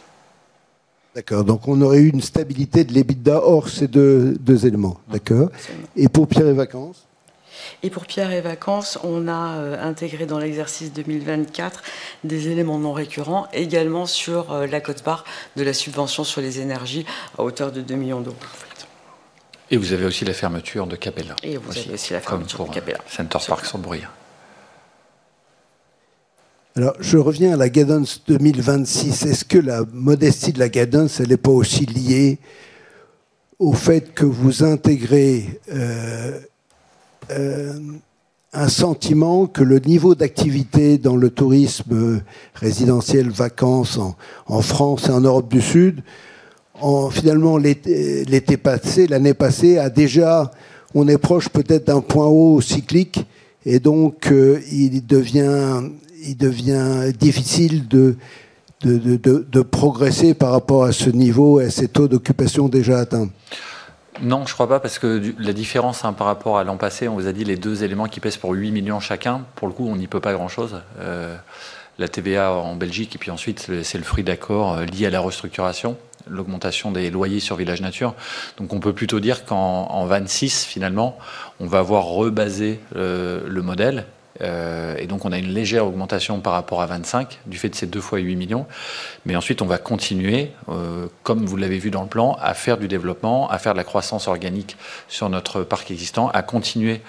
D'accord, donc on aurait eu une stabilité de l'EBITDA hors ces deux éléments. D'accord. Et pour Pierre et Vacances?
Et pour Pierre et Vacances, on a intégré dans l'exercice 2024 des éléments non récurrents, également sur la quote-part de la subvention sur les énergies à hauteur de 2 millions d'euros.
Et vous avez aussi la fermeture de Capella.
Et vous avez aussi la fermeture de Capella.
Center Parcs Sambriens.
Alors, je reviens à la guidance 2026. Est-ce que la modestie de la guidance, elle n'est pas aussi liée au fait que vous intégrez un sentiment que le niveau d'activité dans le tourisme résidentiel vacances en France et en Europe du Sud, finalement, l'été passé, l'année passée, a déjà... On est proche peut-être d'un point haut cyclique et donc il devient difficile de progresser par rapport à ce niveau et à ce taux d'occupation déjà atteint?
Non, je ne crois pas, parce que la différence par rapport à l'an passé, on vous a dit les deux éléments qui pèsent pour €8 millions chacun. Pour le coup, on n'y peut pas grand-chose. La TVA en Belgique et puis ensuite, c'est le fruit d'accords liés à la restructuration, l'augmentation des loyers sur Village Nature. Donc, on peut plutôt dire qu'en 2026, finalement, on va avoir rebasé le modèle. Et donc, on a une légère augmentation par rapport à 2025, du fait de ces deux fois €8 millions. Mais ensuite, on va continuer, comme vous l'avez vu dans le plan, à faire du développement, à faire de la croissance organique sur notre parc existant, à continuer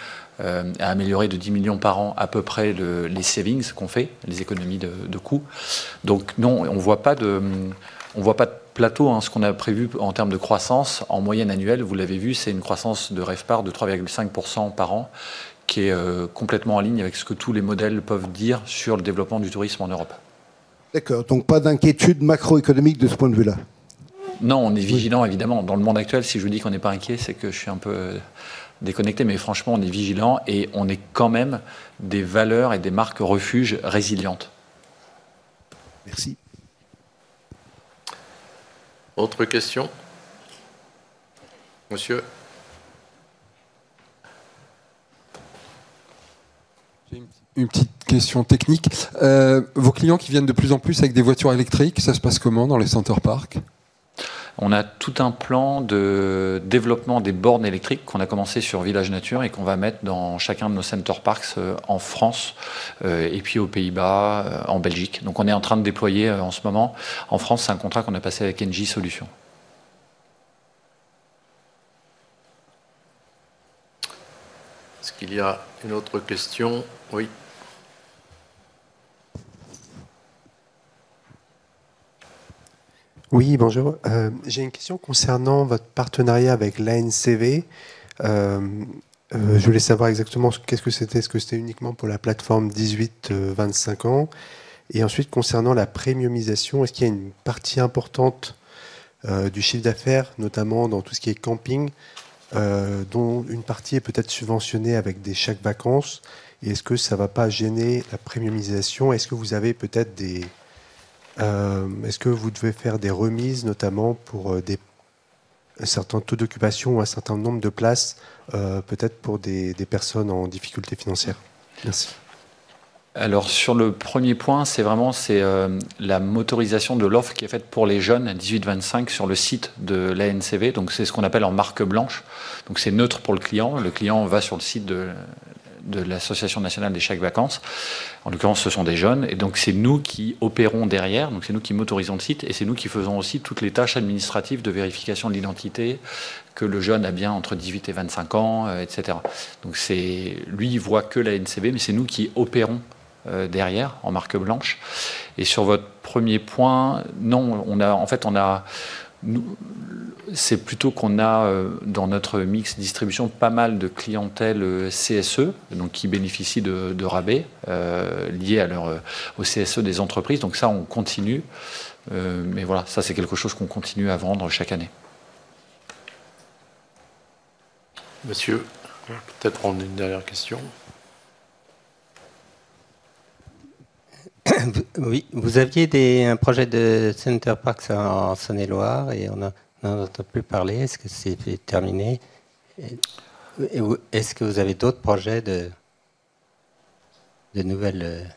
à améliorer de €10 millions par an, à peu près, les savings, ce qu'on fait, les économies de coûts. Donc non, on ne voit pas de, on ne voit pas de plateau, ce qu'on a prévu en termes de croissance. En moyenne annuelle, vous l'avez vu, c'est une croissance de RevPAR de 3,5% par an, qui est complètement en ligne avec ce que tous les modèles peuvent dire sur le développement du tourisme en Europe.
D'accord. Donc pas d'inquiétude macroéconomique de ce point de vue-là?
Non, on est vigilant, évidemment. Dans le monde actuel, si je vous dis qu'on n'est pas inquiet, c'est que je suis un peu déconnecté, mais franchement, on est vigilant et on est quand même des valeurs et des marques refuges résilientes.
Merci.
Autre question? Monsieur.
J'ai une petite question technique. Vos clients qui viennent de plus en plus avec des voitures électriques, ça se passe comment dans les Center Parcs?
On a tout un plan de développement des bornes électriques qu'on a commencé sur Village Nature et qu'on va mettre dans chacun de nos Center Parcs en France, et puis aux Pays-Bas, en Belgique. Donc, on est en train de déployer en ce moment. En France, c'est un contrat qu'on a passé avec Engie Solutions.
Est-ce qu'il y a une autre question? Oui.
Oui, bonjour. J'ai une question concernant votre partenariat avec l'ANCV. Je voulais savoir exactement qu'est-ce que c'était. Est-ce que c'était uniquement pour la plateforme dix-huit, vingt-cinq ans? Et ensuite, concernant la prémiumisation, est-ce qu'il y a une partie importante du chiffre d'affaires, notamment dans tout ce qui est camping, dont une partie est peut-être subventionnée avec des chèques vacances? Et est-ce que ça ne va pas gêner la prémiumisation? Est-ce que vous avez peut-être des... est-ce que vous devez faire des remises, notamment pour un certain taux d'occupation ou un certain nombre de places, peut-être pour des personnes en difficulté financière? Merci.
Alors, sur le premier point, c'est vraiment, c'est la motorisation de l'offre qui est faite pour les jeunes, dix-huit, vingt-cinq ans, sur le site de l'ANCV. Donc, c'est ce qu'on appelle en marque blanche. Donc, c'est neutre pour le client. Le client va sur le site de l'Association nationale des chèques vacances. En l'occurrence, ce sont des jeunes. C'est nous qui opérons derrière. Donc c'est nous qui motorisons le site et c'est nous qui faisons aussi toutes les tâches administratives de vérification de l'identité, que le jeune a bien entre dix-huit et vingt-cinq ans, etc. Donc lui, il ne voit que l'ANCV, mais c'est nous qui opérons derrière, en marque blanche. Et sur votre premier point, non, on a, en fait, nous, c'est plutôt qu'on a, dans notre mix distribution, pas mal de clientèles CSE, donc qui bénéficient de rabais liés à leur, au CSE des entreprises. Donc ça, on continue. Mais voilà, ça, c'est quelque chose qu'on continue à vendre chaque année.
Monsieur, on va peut-être prendre une dernière question.
Oui, vous aviez un projet de Center Parcs en Saône-et-Loire et on n'en entend plus parler. Est-ce que c'est terminé? Est-ce que vous avez d'autres projets de nouvelles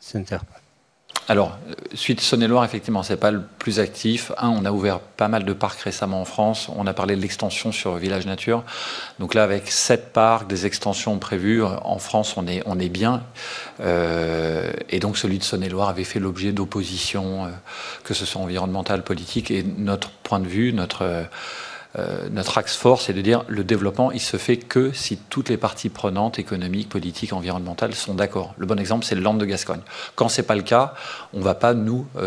Center Parcs?
Alors, suite Saône-et-Loire, effectivement, ce n'est pas le plus actif. On a ouvert pas mal de parcs récemment en France. On a parlé de l'extension sur Village Nature. Donc là, avec sept parcs, des extensions prévues en France, on est bien. Et donc celui de Saône-et-Loire avait fait l'objet d'oppositions, que ce soit environnemental, politique. Et notre point de vue, notre axe fort, c'est de dire: le développement, il se fait que si toutes les parties prenantes, économiques, politiques, environnementales, sont d'accord. Le bon exemple, c'est le Landes de Gascogne. Quand ce n'est pas le cas, on ne va pas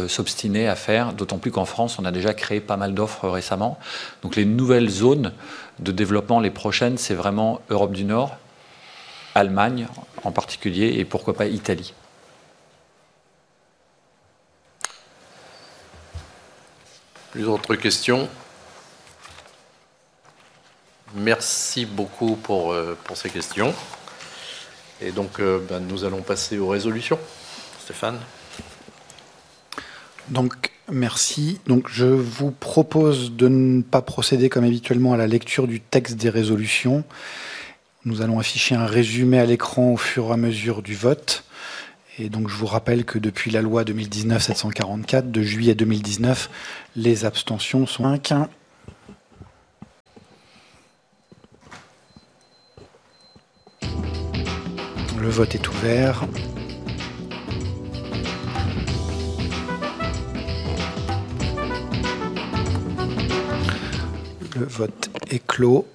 s'obstiner à faire, d'autant plus qu'en France, on a déjà créé pas mal d'offres récemment. Donc les nouvelles zones de développement, les prochaines, c'est vraiment Europe du Nord, Allemagne en particulier, et pourquoi pas Italie.
Plus d'autres questions? Merci beaucoup pour ces questions. Et donc, nous allons passer aux résolutions. Stéphane?
Donc, merci. Donc, je vous propose de ne pas procéder comme habituellement à la lecture du texte des résolutions. Nous allons afficher un résumé à l'écran au fur et à mesure du vote. Et donc, je vous rappelle que depuis la loi 2019-744 de juillet 2019, les abstentions sont un cas. Le vote est ouvert. Le vote est clos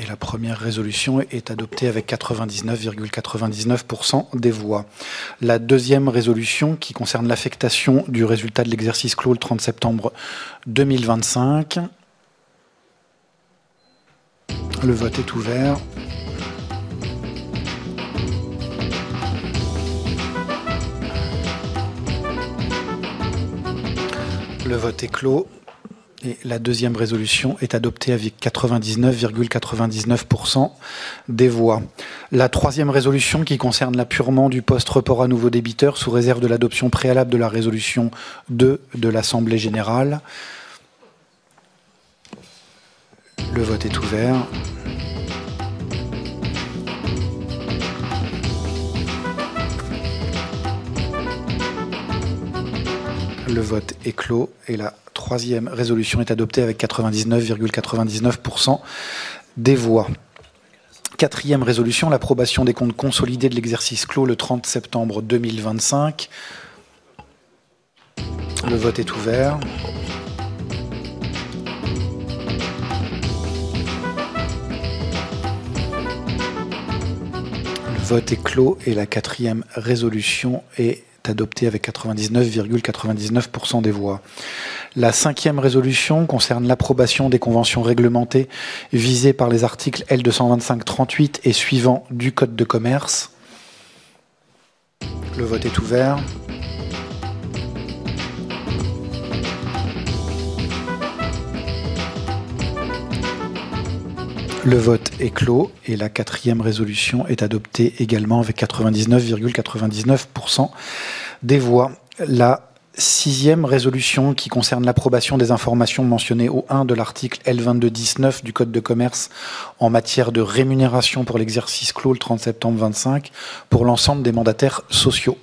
et la première résolution est adoptée avec 99,99% des voix. La deuxième résolution, qui concerne l'affectation du résultat de l'exercice clos le 30 septembre 2025. Le vote est ouvert. Le vote est clos et la deuxième résolution est adoptée avec 99,99% des voix. La troisième résolution, qui concerne l'apurement du poste report à nouveau débiteur, sous réserve de l'adoption préalable de la résolution 2 de l'Assemblée générale. Le vote est ouvert. Le vote est clos et la troisième résolution est adoptée avec 99,99% des voix. Quatrième résolution, l'approbation des comptes consolidés de l'exercice clos le 30 septembre 2025. Le vote est ouvert. Le vote est clos et la quatrième résolution est adoptée avec 99,99% des voix. La cinquième résolution concerne l'approbation des conventions réglementées visées par les articles L. 225-38 et suivants du Code de commerce. Le vote est ouvert. Le vote est clos et la cinquième résolution est adoptée également avec 99,99% des voix. La sixième résolution, qui concerne l'approbation des informations mentionnées au 1° de l'article L. 22-10-9 du Code de commerce en matière de rémunération pour l'exercice clos le 30 septembre 2025 pour l'ensemble des mandataires sociaux.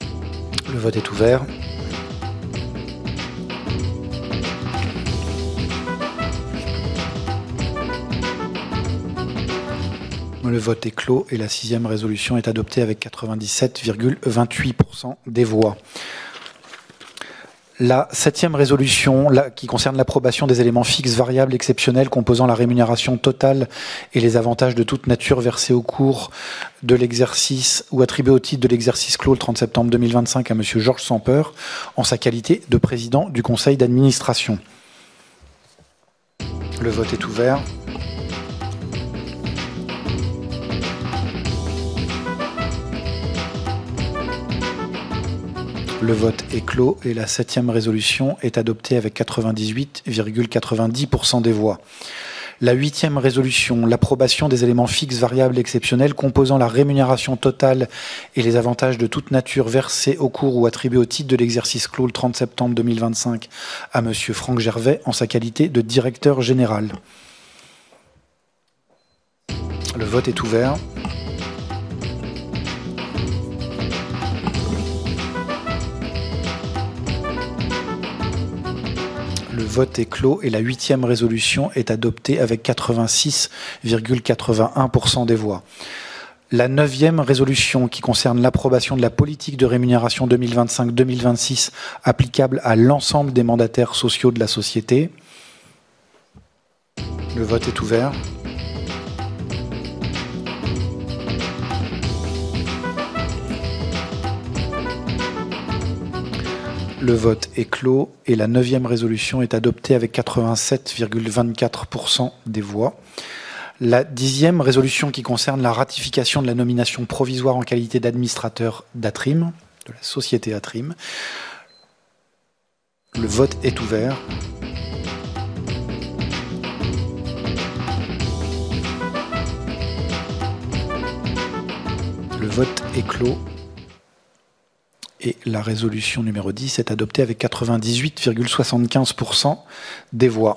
Le vote est ouvert. Le vote est clos et la sixième résolution est adoptée avec 97,28% des voix. La septième résolution, qui concerne l'approbation des éléments fixes, variables, exceptionnels, composant la rémunération totale et les avantages de toute nature versés au cours de l'exercice ou attribués au titre de l'exercice clos le 30 septembre 2025 à Monsieur Georges Sampeur, en sa qualité de Président du Conseil d'Administration. Le vote est ouvert. Le vote est clos et la septième résolution est adoptée avec 98,90% des voix. La huitième résolution, l'approbation des éléments fixes, variables, exceptionnels, composant la rémunération totale et les avantages de toute nature versés au cours ou attribués au titre de l'exercice clos le 30 septembre 2025 à Monsieur Franck Gervais, en sa qualité de Directeur Général. Le vote est ouvert. Le vote est clos et la huitième résolution est adoptée avec 86,81% des voix. La neuvième résolution, qui concerne l'approbation de la politique de rémunération 2025-2026, applicable à l'ensemble des mandataires sociaux de la société. Le vote est ouvert. Le vote est clos et la neuvième résolution est adoptée avec 87,24% des voix. La dixième résolution, qui concerne la ratification de la nomination provisoire en qualité d'administrateur d'ATRIM, de la société ATRIM. Le vote est ouvert. Le vote est clos et la résolution numéro dix est adoptée avec 98,75% des voix.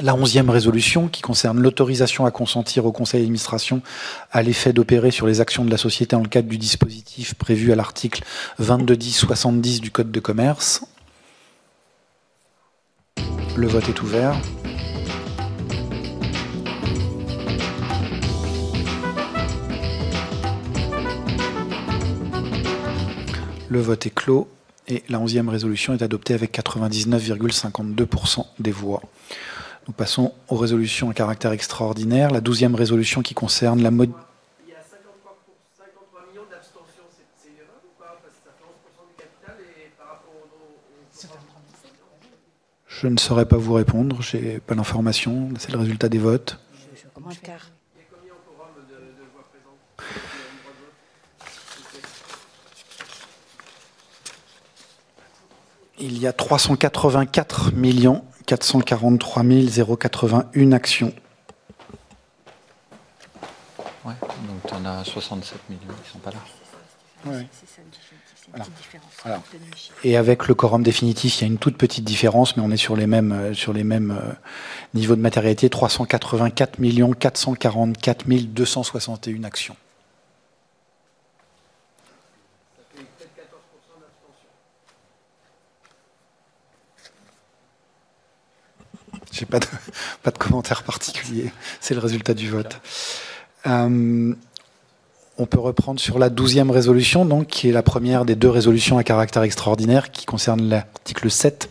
La onzième résolution, qui concerne l'autorisation à consentir au conseil d'administration, à l'effet d'opérer sur les actions de la société dans le cadre du dispositif prévu à l'article L. 22-10-70 du Code de commerce. Le vote est ouvert. Le vote est clos et la onzième résolution est adoptée avec 99,52% des voix. Nous passons aux résolutions à caractère extraordinaire. La douzième résolution qui concerne la mod-
Il y a cinquante-trois pour cent, cinquante-trois millions d'abstentions, c'est normal ou pas? Parce que ça fait 11% du capital et par rapport aux nombreux...
Je ne saurais pas vous répondre. Je n'ai pas l'information, c'est le résultat des votes.
Moins le quart.
Il y a trois cent quatre-vingt-quatre millions quatre cent quarante-trois mille quatre-vingt-une actions. Donc vous en avez soixante-sept mille qui ne sont pas là. Voilà. Et avec le quorum définitif, il y a une toute petite différence, mais nous sommes sur les mêmes niveaux de matérialité, trois cent quatre-vingt-quatre millions quatre cent quarante-quatre mille deux cent soixante-et-une actions. Je n'ai pas de commentaire particulier, c'est le résultat du vote. Nous pouvons reprendre sur la douzième résolution donc, qui est la première des deux résolutions à caractère extraordinaire, qui concerne l'article sept,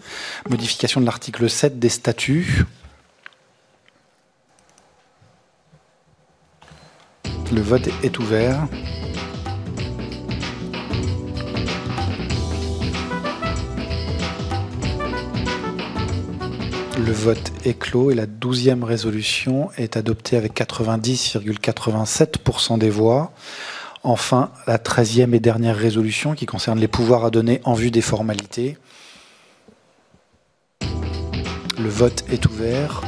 modification de l'article sept des statuts. Le vote est ouvert. Le vote est clos et la douzième résolution est adoptée avec 90,87% des voix. Enfin, la treizième et dernière résolution qui concerne les pouvoirs à donner en vue des formalités. Le vote est ouvert.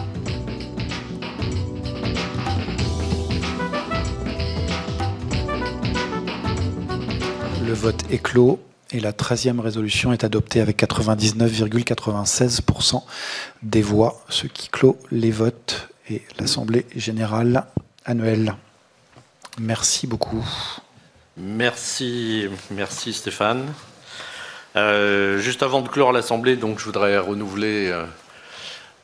Le vote est clos et la treizième résolution est adoptée avec 99,96% des voix, ce qui clôt les votes et l'assemblée générale annuelle. Merci beaucoup.
Merci, merci Stéphane. Juste avant de clore l'assemblée donc, je voudrais renouveler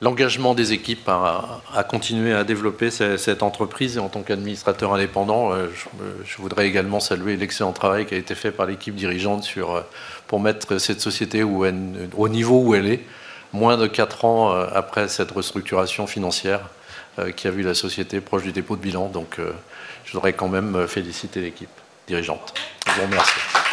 l'engagement des équipes à continuer à développer cette entreprise. Et en tant qu'administrateur indépendant, je voudrais également saluer l'excellent travail qui a été fait par l'équipe dirigeante pour mettre cette société au niveau où elle est, moins de quatre ans après cette restructuration financière qui a vu la société proche du dépôt de bilan. Donc, je voudrais quand même féliciter l'équipe dirigeante. Je vous remercie.